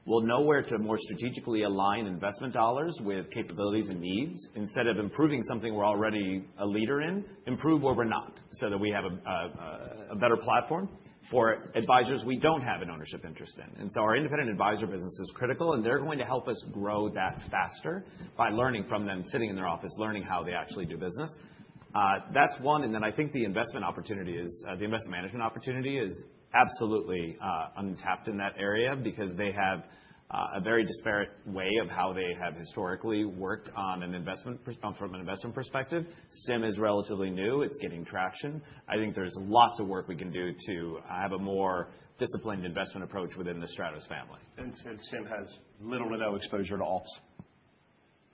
[SPEAKER 6] We'll know where to more strategically align investment dollars with capabilities and needs. Instead of improving something we're already a leader in, improve where we're not so that we have a better platform for advisors we don't have an ownership interest in, and so our independent advisor business is critical, and they're going to help us grow that faster by learning from them, sitting in their office, learning how they actually do business. That's one, and then I think the investment opportunity is, the investment management opportunity is absolutely untapped in that area because they have a very disparate way of how they have historically worked on an investment from an investment perspective. SIM is relatively new. It's getting traction. I think there's lots of work we can do to have a more disciplined investment approach within the Stratos family, and SIM has little to no exposure to alts.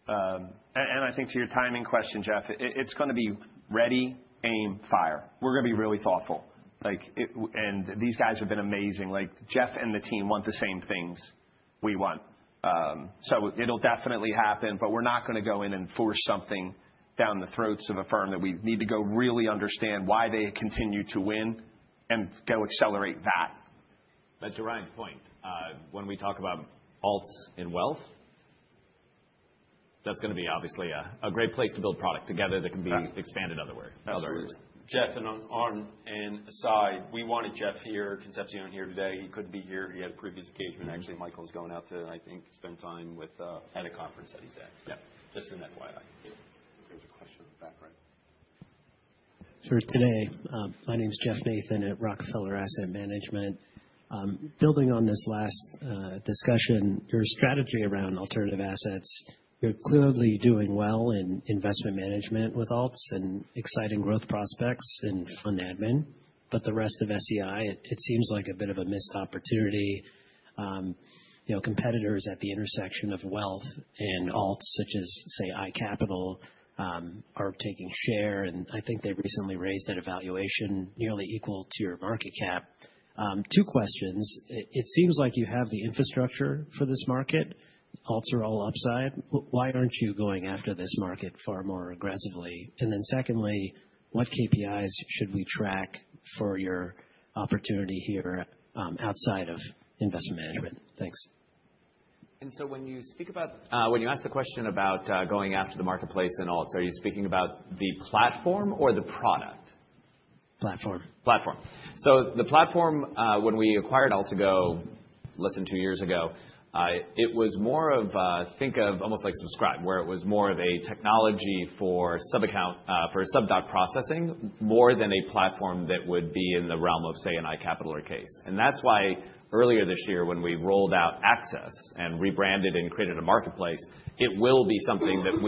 [SPEAKER 6] I think to your timing question, Jeff, it's going to be ready, aim, fire. We're going to be really thoughtful. These guys have been amazing. Jeff and the team want the same things we want. It'll definitely happen, but we're not going to go in and force something down the throats of a firm that we need to go really understand why they continue to win and go accelerate that. To Ryan's point, when we talk about alts in wealth, that's going to be obviously a great place to build product together that can be expanded otherwise. Jeff, and on an aside, we wanted Jeff Concepcion here today. He couldn't be here. He had a previous engagement. Actually, Michael's going out to, I think, spend time at a conference that he's at. Yeah, just an FYI. There's a question in the back, right? Sure.
[SPEAKER 13] Today, my name's Jeff Nathan at Rockefeller Asset Management. Building on this last discussion, your strategy around alternative assets, you're clearly doing well in investment management with alts and exciting growth prospects and fund admin. But the rest of SEI, it seems like a bit of a missed opportunity. Competitors at the intersection of wealth and alts, such as, say, iCapital, are taking share. And I think they recently raised that valuation nearly equal to your market cap. Two questions. It seems like you have the infrastructure for this market. Alts are all upside. Why aren't you going after this market far more aggressively? And then secondly, what KPIs should we track for your opportunity here outside of investment management? Thanks.
[SPEAKER 3] And so when you speak about, when you ask the question about going after the marketplace and alts, are you speaking about the platform or the product?
[SPEAKER 13] Platform.
[SPEAKER 3] Platform. So the platform, when we acquired Altigo, less than two years ago, it was more of, think of almost like SubDoc, where it was more of a technology for sub-doc processing more than a platform that would be in the realm of, say, an iCapital or CAIS, and that's why earlier this year, when we rolled out Access and rebranded and created a marketplace, it will be something that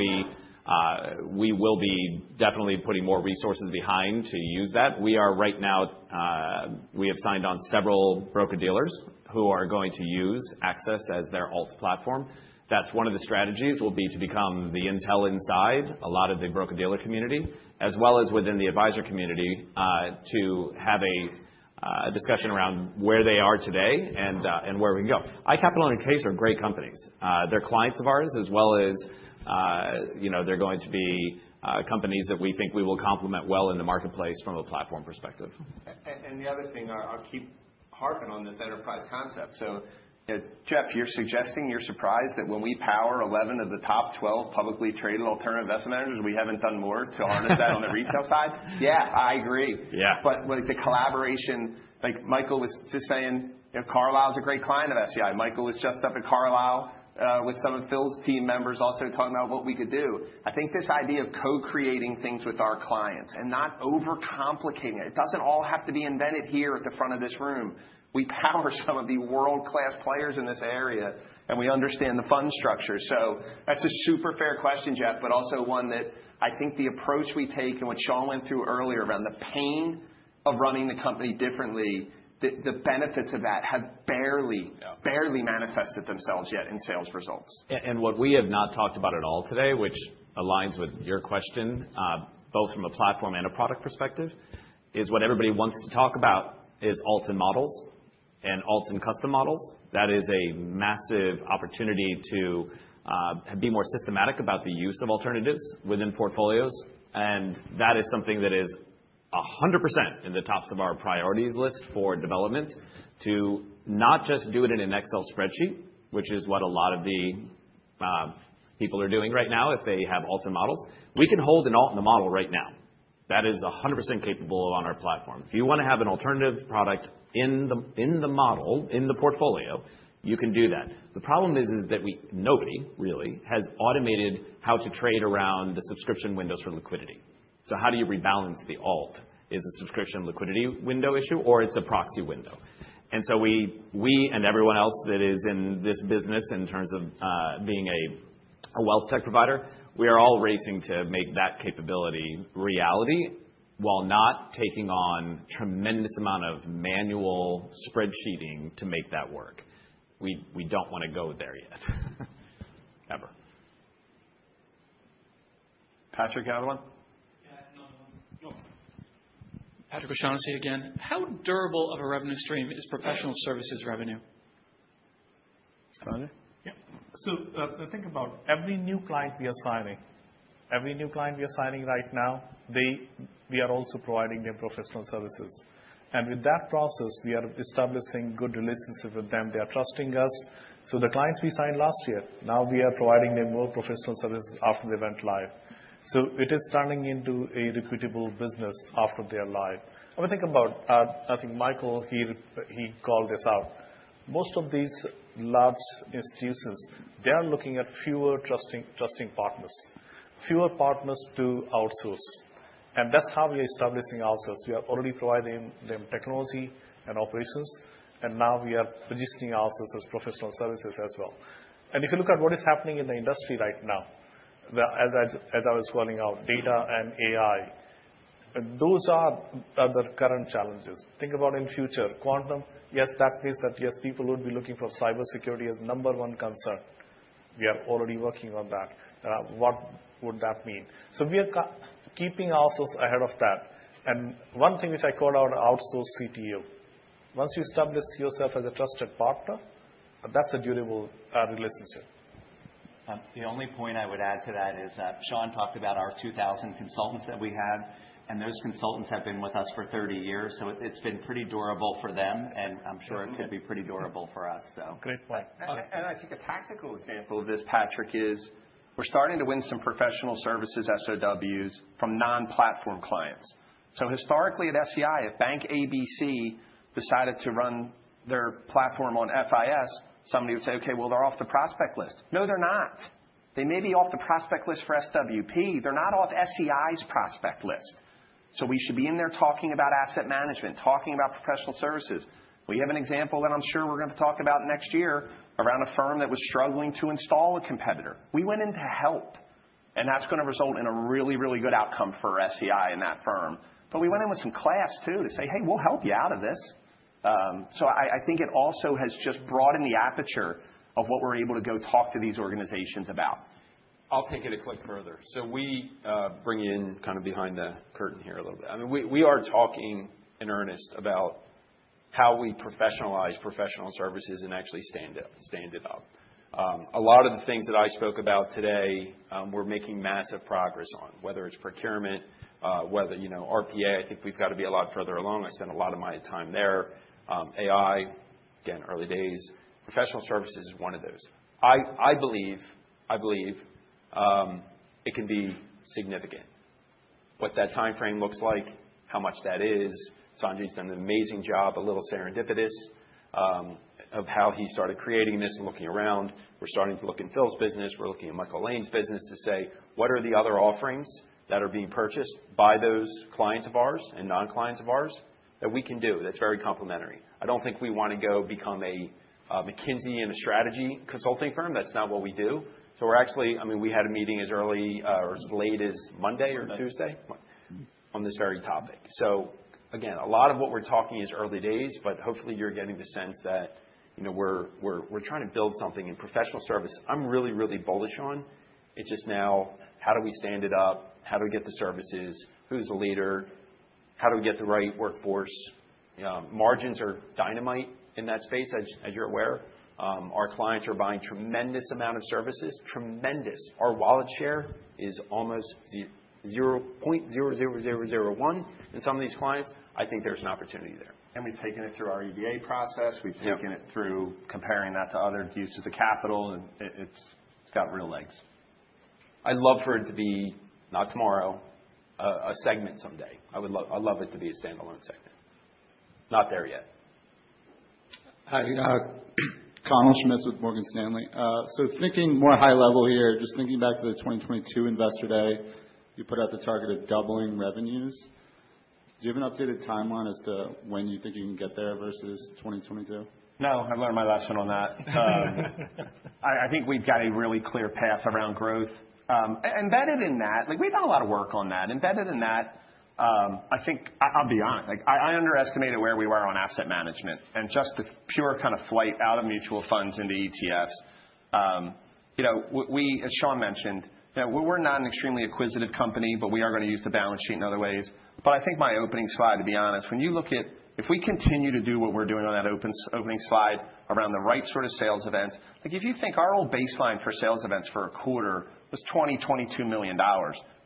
[SPEAKER 3] we will be definitely putting more resources behind to use that. We are right now, we have signed on several broker-dealers who are going to use Access as their alts platform. That's one of the strategies will be to become the intel inside a lot of the broker-dealer community, as well as within the advisor community to have a discussion around where they are today and where we can go. iCapital and CAIS are great companies. They're clients of ours, as well as they're going to be companies that we think we will complement well in the marketplace from a platform perspective,
[SPEAKER 6] and the other thing, I'll keep harping on this enterprise concept. So, Jeff, you're suggesting you're surprised that when we power 11 of the top 12 publicly traded alternative investment managers, we haven't done more to harness that on the retail side?
[SPEAKER 2] Yeah, I agree. Yeah, but the collaboration, like Michael was just saying, Carlyle is a great client of SEI. Michael was just up at Carlyle with some of Phil's team members also talking about what we could do. I think this idea of co-creating things with our clients and not overcomplicating it, it doesn't all have to be invented here at the front of this room. We power some of the world-class players in this area, and we understand the fund structure. So that's a super fair question, Jeff, but also one that I think the approach we take and what Sean went through earlier around the pain of running the company differently, the benefits of that have barely, barely manifested themselves yet in sales results.
[SPEAKER 3] And what we have not talked about at all today, which aligns with your question, both from a platform and a product perspective, is what everybody wants to talk about is alts and models and alts and custom models. That is a massive opportunity to be more systematic about the use of alternatives within portfolios. And that is something that is 100% in the tops of our priorities list for development to not just do it in an Excel spreadsheet, which is what a lot of the people are doing right now if they have alts and models. We can hold an alt and a model right now. That is 100% capable on our platform. If you want to have an alternative product in the model, in the portfolio, you can do that. The problem is that nobody really has automated how to trade around the subscription windows for liquidity. So how do you rebalance the alt? Is a subscription liquidity window issue, or it's a proxy window? And so we and everyone else that is in this business in terms of being a wealth tech provider, we are all racing to make that capability reality while not taking on a tremendous amount of manual spreadsheeting to make that work. We don't want to go there yet. Ever.
[SPEAKER 1] Patrick, you had one?
[SPEAKER 10] Yeah, I had another one. Patrick O'Shaughnessy here again. How durable of a revenue stream is professional services revenue? Yeah.
[SPEAKER 5] So think about every new client we are signing. Every new client we are signing right now, we are also providing them professional services. And with that process, we are establishing good relationships with them. They are trusting us. So the clients we signed last year, now we are providing them more professional services after they went live. So it is turning into a reputable business after they are live. I mean, think about, I think Michael, he called this out. Most of these large institutions, they are looking at fewer trusting partners, fewer partners to outsource. And that's how we are establishing ourselves. We are already providing them technology and operations, and now we are positioning ourselves as professional services as well. And if you look at what is happening in the industry right now, as I was calling out, data and AI, those are the current challenges. Think about in the future quantum. Yes, that means that yes, people would be looking for cybersecurity as number one concern. We are already working on that. What would that mean so we are keeping ourselves ahead of that. And one thing which I called out, outsource CTO. Once you establish yourself as a trusted partner, that's a durable relationship.
[SPEAKER 6] The only point I would add to that is Sean talked about our 2,000 consultants that we have, and those consultants have been with us for 30 years. So it's been pretty durable for them, and I'm sure it could be pretty durable for us, so.
[SPEAKER 3] Great point. And I think a tactical example of this, Patrick, is we're starting to win some professional services SOWs from non-platform clients. So historically at SEI, if Bank ABC decided to run their platform on FIS, somebody would say, "Okay, well, they're off the prospect list." No, they're not. They may be off the prospect list for SWP. They're not off SEI's prospect list. So we should be in there talking about asset management, talking about professional services. We have an example that I'm sure we're going to talk about next year around a firm that was struggling to install a competitor. We went in to help, and that's going to result in a really, really good outcome for SEI and that firm. But we went in with some class too to say, "Hey, we'll help you out of this." So I think it also has just broadened the aperture of what we're able to go talk to these organizations about.
[SPEAKER 6] I'll take it a click further. So we bring you in kind of behind the curtain here a little bit. I mean, we are talking in earnest about how we professionalize professional services and actually stand it up. A lot of the things that I spoke about today, we're making massive progress on, whether it's procurement, whether RPA. I think we've got to be a lot further along. I spent a lot of my time there. AI, again, early days. Professional services is one of those. I believe it can be significant. What that timeframe looks like, how much that is. Sanjay's done an amazing job, a little serendipitous, of how he started creating this and looking around. We're starting to look in Phil's business. We're looking at Michael Lane's business to say, "What are the other offerings that are being purchased by those clients of ours and non-clients of ours that we can do that's very complementary?" I don't think we want to go become a McKinsey and a strategy consulting firm. That's not what we do. So we're actually, I mean, we had a meeting as early or as late as Monday or Tuesday on this very topic. So again, a lot of what we're talking is early days, but hopefully you're getting the sense that we're trying to build something in professional service. I'm really, really bullish on. It's just now, how do we stand it up? How do we get the services? Who's the leader? How do we get the right workforce? Margins are dynamite in that space, as you're aware. Our clients are buying tremendous amount of services, tremendous. Our wallet share is almost 0.00001 in some of these clients. I think there's an opportunity there, and we've taken it through our EBA process. We've taken it through comparing that to other uses of capital, and it's got real legs. I'd love for it to be, not tomorrow, a segment someday. I would love it to be a standalone segment. Not there yet.
[SPEAKER 14] Connor Schmitz with Morgan Stanley. Thinking more high level here, just thinking back to the 2022 Investor Day, you put out the target of doubling revenues. Do you have an updated timeline as to when you think you can get there versus 2022?
[SPEAKER 2] No, I've learned my lesson on that. I think we've got a really clear path around growth. Embedded in that, we've done a lot of work on that. Embedded in that, I think I'll be honest. I underestimated where we were on asset management and just the pure kind of flight out of mutual funds into ETFs. As Sean mentioned, we're not an extremely acquisitive company, but we are going to use the balance sheet in other ways, but I think my opening slide, to be honest, when you look at if we continue to do what we're doing on that opening slide around the right sort of sales events, if you think our old baseline for sales events for a quarter was $20-$22 million,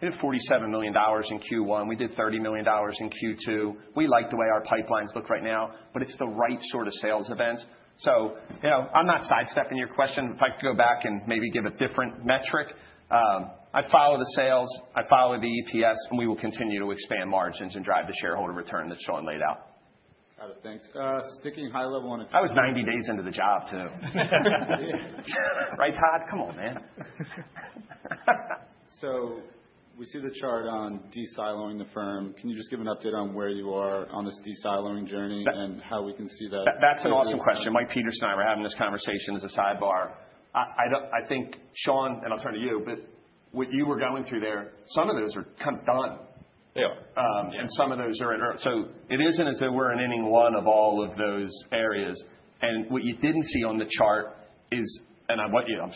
[SPEAKER 2] we did $47 million in Q1, we did $30 million in Q2. We liked the way our pipelines look right now, but it's the right sort of sales events. So I'm not sidestepping your question. If I could go back and maybe give a different metric, I follow the sales, I follow the EPS, and we will continue to expand margins and drive the shareholder return that Sean laid out.
[SPEAKER 14] Got it. Thanks. Sticking high level on a 10-year perspective. I was 90 days into the job too. Right, Todd? Come on, man. So we see the chart on de-siloing the firm. Can you just give an update on where you are on this de-siloing journey and how we can see that? That's an awesome question. Mike Peterson and I were having this conversation as a sidebar. I think, Sean, and I'll turn to you, but what you were going through there, some of those are kind of done. They are. And some of those are at. So it isn't as though we're ending one of all of those areas. What you didn't see on the chart is, and I'm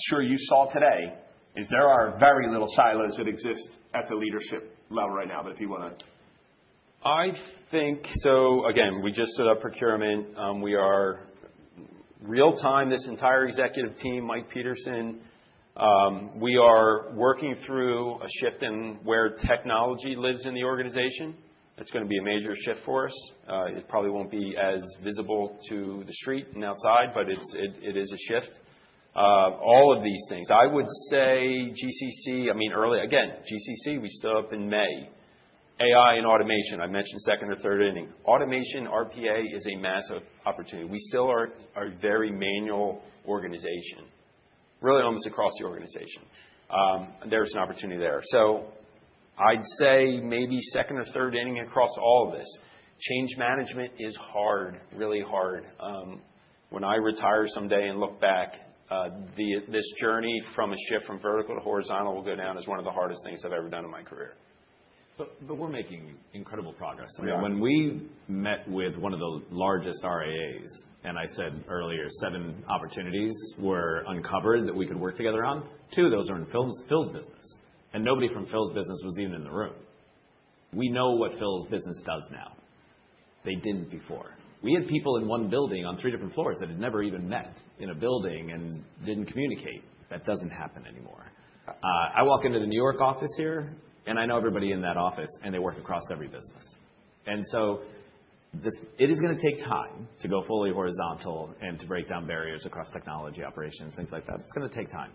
[SPEAKER 14] sure you saw today, there are very little silos that exist at the leadership level right now, but if you want to.
[SPEAKER 3] I think. So again, we just stood up procurement. We are real-time, this entire executive team, Mike Peterson. We are working through a shift in where technology lives in the organization. That's going to be a major shift for us. It probably won't be as visible to the street and outside, but it is a shift. All of these things. I would say GCC, I mean, early, again, GCC, we stood up in May. AI and automation, I mentioned second or third inning. Automation, RPA is a massive opportunity. We still are a very manual organization, really almost across the organization. There's an opportunity there. So I'd say maybe second or third ending across all of this. Change management is hard, really hard. When I retire someday and look back, this journey from a shift from vertical to horizontal will go down as one of the hardest things I've ever done in my career. But we're making incredible progress. When we met with one of the largest RIAs, and I said earlier, seven opportunities were uncovered that we could work together on, two of those are in Phil's business. And nobody from Phil's business was even in the room. We know what Phil's business does now. They didn't before. We had people in one building on three different floors that had never even met in a building and didn't communicate. That doesn't happen anymore. I walk into the New York office here, and I know everybody in that office, and they work across every business. It is going to take time to go fully horizontal and to break down barriers across technology operations, things like that. It's going to take time.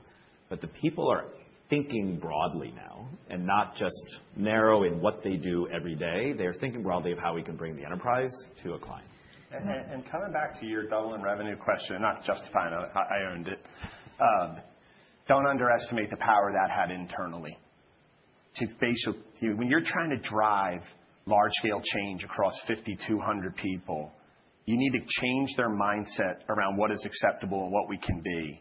[SPEAKER 3] The people are thinking broadly now and not just narrowing what they do every day. They are thinking broadly of how we can bring the enterprise to a client. Coming back to your doubling revenue question, not justifying it, I earned it. Don't underestimate the power that had internally. When you're trying to drive large-scale change across 5,200 people, you need to change their mindset around what is acceptable and what we can be.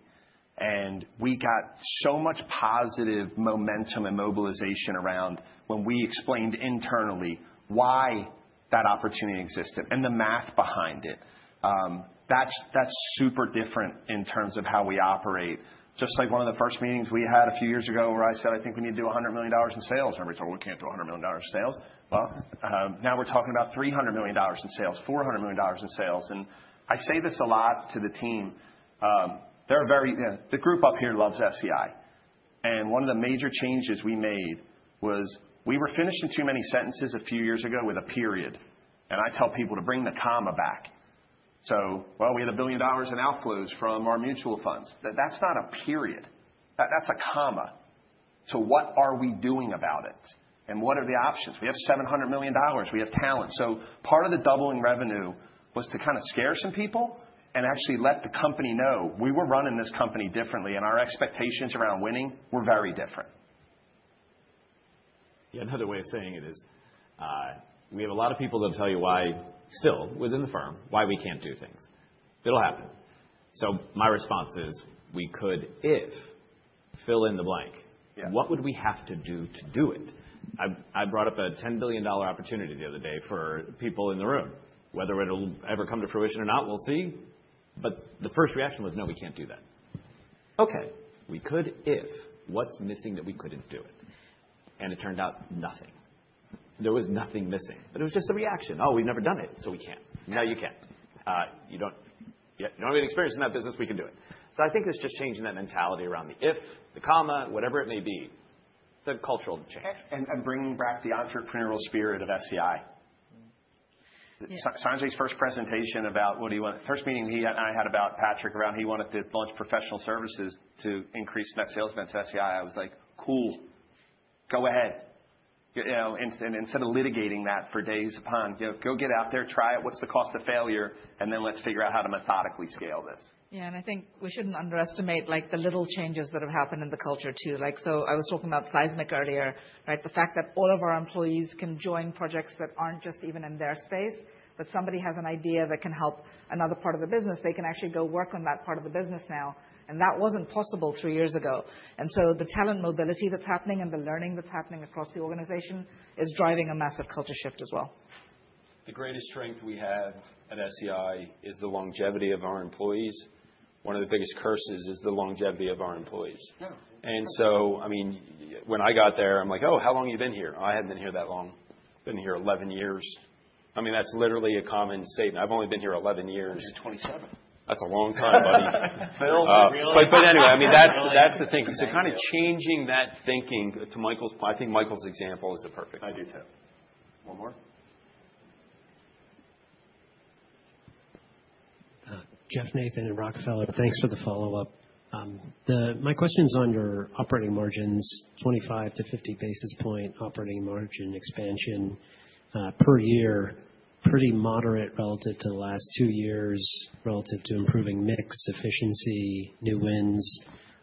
[SPEAKER 3] We got so much positive momentum and mobilization around when we explained internally why that opportunity existed and the math behind it. That's super different in terms of how we operate. Just like one of the first meetings we had a few years ago where I said, "I think we need to do $100 million in sales." Everybody told me, "We can't do $100 million in sales." Well, now we're talking about $300 million in sales, $400 million in sales. And I say this a lot to the team. The group up here loves SEI. And one of the major changes we made was we were finished in too many sentences a few years ago with a period. And I tell people to bring the comma back. So, well, we had $1 billion in outflows from our mutual funds. That's not a period. That's a comma. So what are we doing about it? And what are the options? We have $700 million. We have talent. So part of the doubling revenue was to kind of scare some people and actually let the company know we were running this company differently and our expectations around winning were very different.
[SPEAKER 6] Yeah, another way of saying it is we have a lot of people that'll tell you why still within the firm, why we can't do things. It'll happen. So my response is we could, if fill in the blank. What would we have to do to do it? I brought up a $10 billion opportunity the other day for people in the room. Whether it'll ever come to fruition or not, we'll see. But the first reaction was, "No, we can't do that." Okay. We could, if what's missing that we couldn't do it? And it turned out nothing. There was nothing missing. But it was just a reaction. Oh, we've never done it, so we can't." No, you can't. You don't have any experience in that business. We can do it. So I think it's just changing that mentality around the if, the comma, whatever it may be. It's a cultural change. And bringing back the entrepreneurial spirit of SEI. Sanjay's first presentation about what he wanted, the first meeting he and I had about Patrick around he wanted to launch professional services to increase net sales meant to SEI, I was like, "Cool. Go ahead." Instead of litigating that for days upon, go get out there, try it, what's the cost of failure, and then let's figure out how to methodically scale this.
[SPEAKER 7] Yeah, and I think we shouldn't underestimate the little changes that have happened in the culture too. So, I was talking about seismic earlier, the fact that all of our employees can join projects that aren't just even in their space, but somebody has an idea that can help another part of the business. They can actually go work on that part of the business now. And that wasn't possible three years ago. And so, the talent mobility that's happening and the learning that's happening across the organization is driving a massive culture shift as well.
[SPEAKER 2] The greatest strength we have at SEI is the longevity of our employees. One of the biggest curses is the longevity of our employees. And so, I mean, when I got there, I'm like, "Oh, how long have you been here?" I hadn't been here that long. I've been here 11 years. I mean, that's literally a common statement. I've only been here 11 years. You're 27. That's a long time, buddy. But anyway, I mean, that's the thing. So kind of changing that thinking to Michael's, I think Michael's example is a perfect one. I do too. One more?
[SPEAKER 13] Jeff Nathan from Rockefeller, thanks for the follow-up. My question is on your operating margins, 25-50 basis points operating margin expansion per year, pretty moderate relative to the last two years, relative to improving mix efficiency, new wins.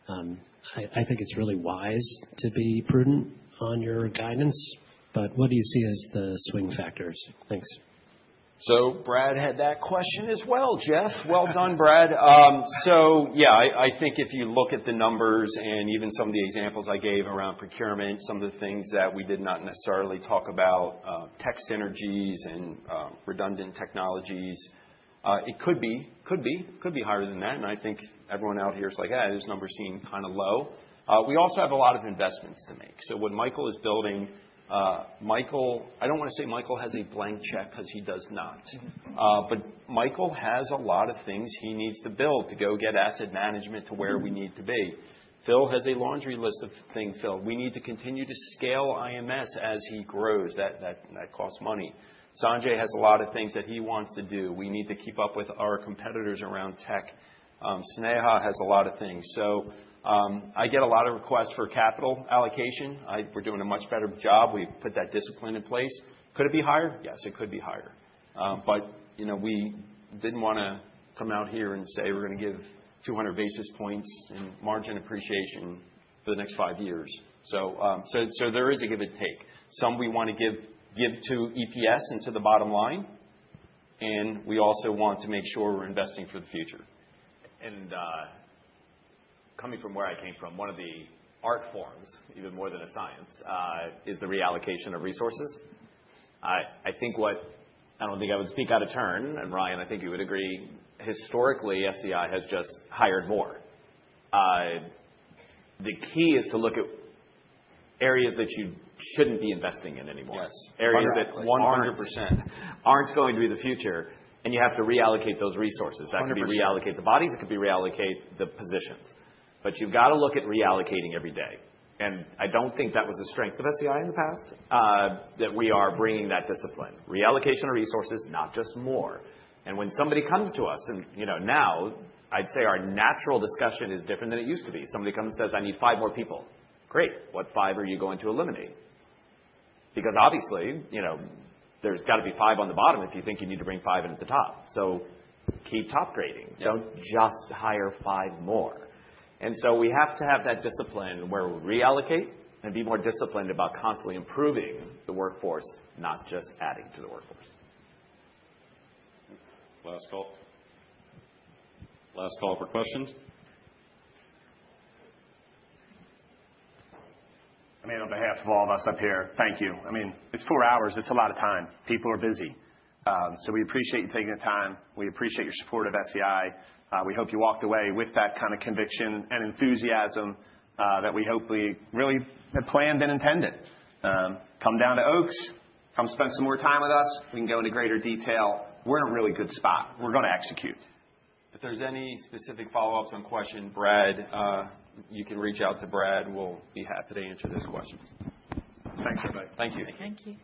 [SPEAKER 13] I think it's really wise to be prudent on your guidance, but what do you see as the swing factors? Thanks.
[SPEAKER 2] So Brad had that question as well. Jeff, well done, Brad. So yeah, I think if you look at the numbers and even some of the examples I gave around procurement, some of the things that we did not necessarily talk about, tech synergies and redundant technologies, it could be higher than that. I think everyone out here is like, "Hey, this number seemed kind of low." We also have a lot of investments to make. What Michael is building, Michael, I don't want to say Michael has a blank check because he does not, but Michael has a lot of things he needs to build to go get asset management to where we need to be. Phil has a laundry list of things, Phil. We need to continue to scale IMS as he grows. That costs money. Sanjay has a lot of things that he wants to do. We need to keep up with our competitors around tech. Sneha has a lot of things. I get a lot of requests for capital allocation. We're doing a much better job. We've put that discipline in place. Could it be higher? Yes, it could be higher. But we didn't want to come out here and say we're going to give 200 basis points in margin appreciation for the next five years. So there is a give and take. Some we want to give to EPS and to the bottom line, and we also want to make sure we're investing for the future.
[SPEAKER 6] And coming from where I came from, one of the art forms, even more than a science, is the reallocation of resources. I don't think I would speak out of turn, and Ryan, I think you would agree. Historically, SEI has just hired more. The key is to look at areas that you shouldn't be investing in anymore. Areas that 100% aren't going to be the future, and you have to reallocate those resources. That could be reallocate the bodies. It could be reallocate the positions. But you've got to look at reallocating every day. And I don't think that was a strength of SEI in the past, that we are bringing that discipline. Reallocation of resources, not just more. And when somebody comes to us, and now I'd say our natural discussion is different than it used to be. Somebody comes and says, "I need five more people." Great. What five are you going to eliminate? Because obviously, there's got to be five on the bottom if you think you need to bring five in at the top. So keep top grading. Don't just hire five more. And so we have to have that discipline where we reallocate and be more disciplined about constantly improving the workforce, not just adding to the workforce.
[SPEAKER 1] Last call. Last call for questions.
[SPEAKER 6] I mean, on behalf of all of us up here, thank you. I mean, it's four hours. It's a lot of time. People are busy. So we appreciate you taking the time. We appreciate your support of SEI. We hope you walked away with that kind of conviction and enthusiasm that we hopefully really had planned and intended. Come down to Oaks. Come spend some more time with us. We can go into greater detail. We're in a really good spot. We're going to execute. If there's any specific follow-ups on question, Brad, you can reach out to Brad. We'll be happy to answer those questions. Thanks, everybody. Thank you. Thank you.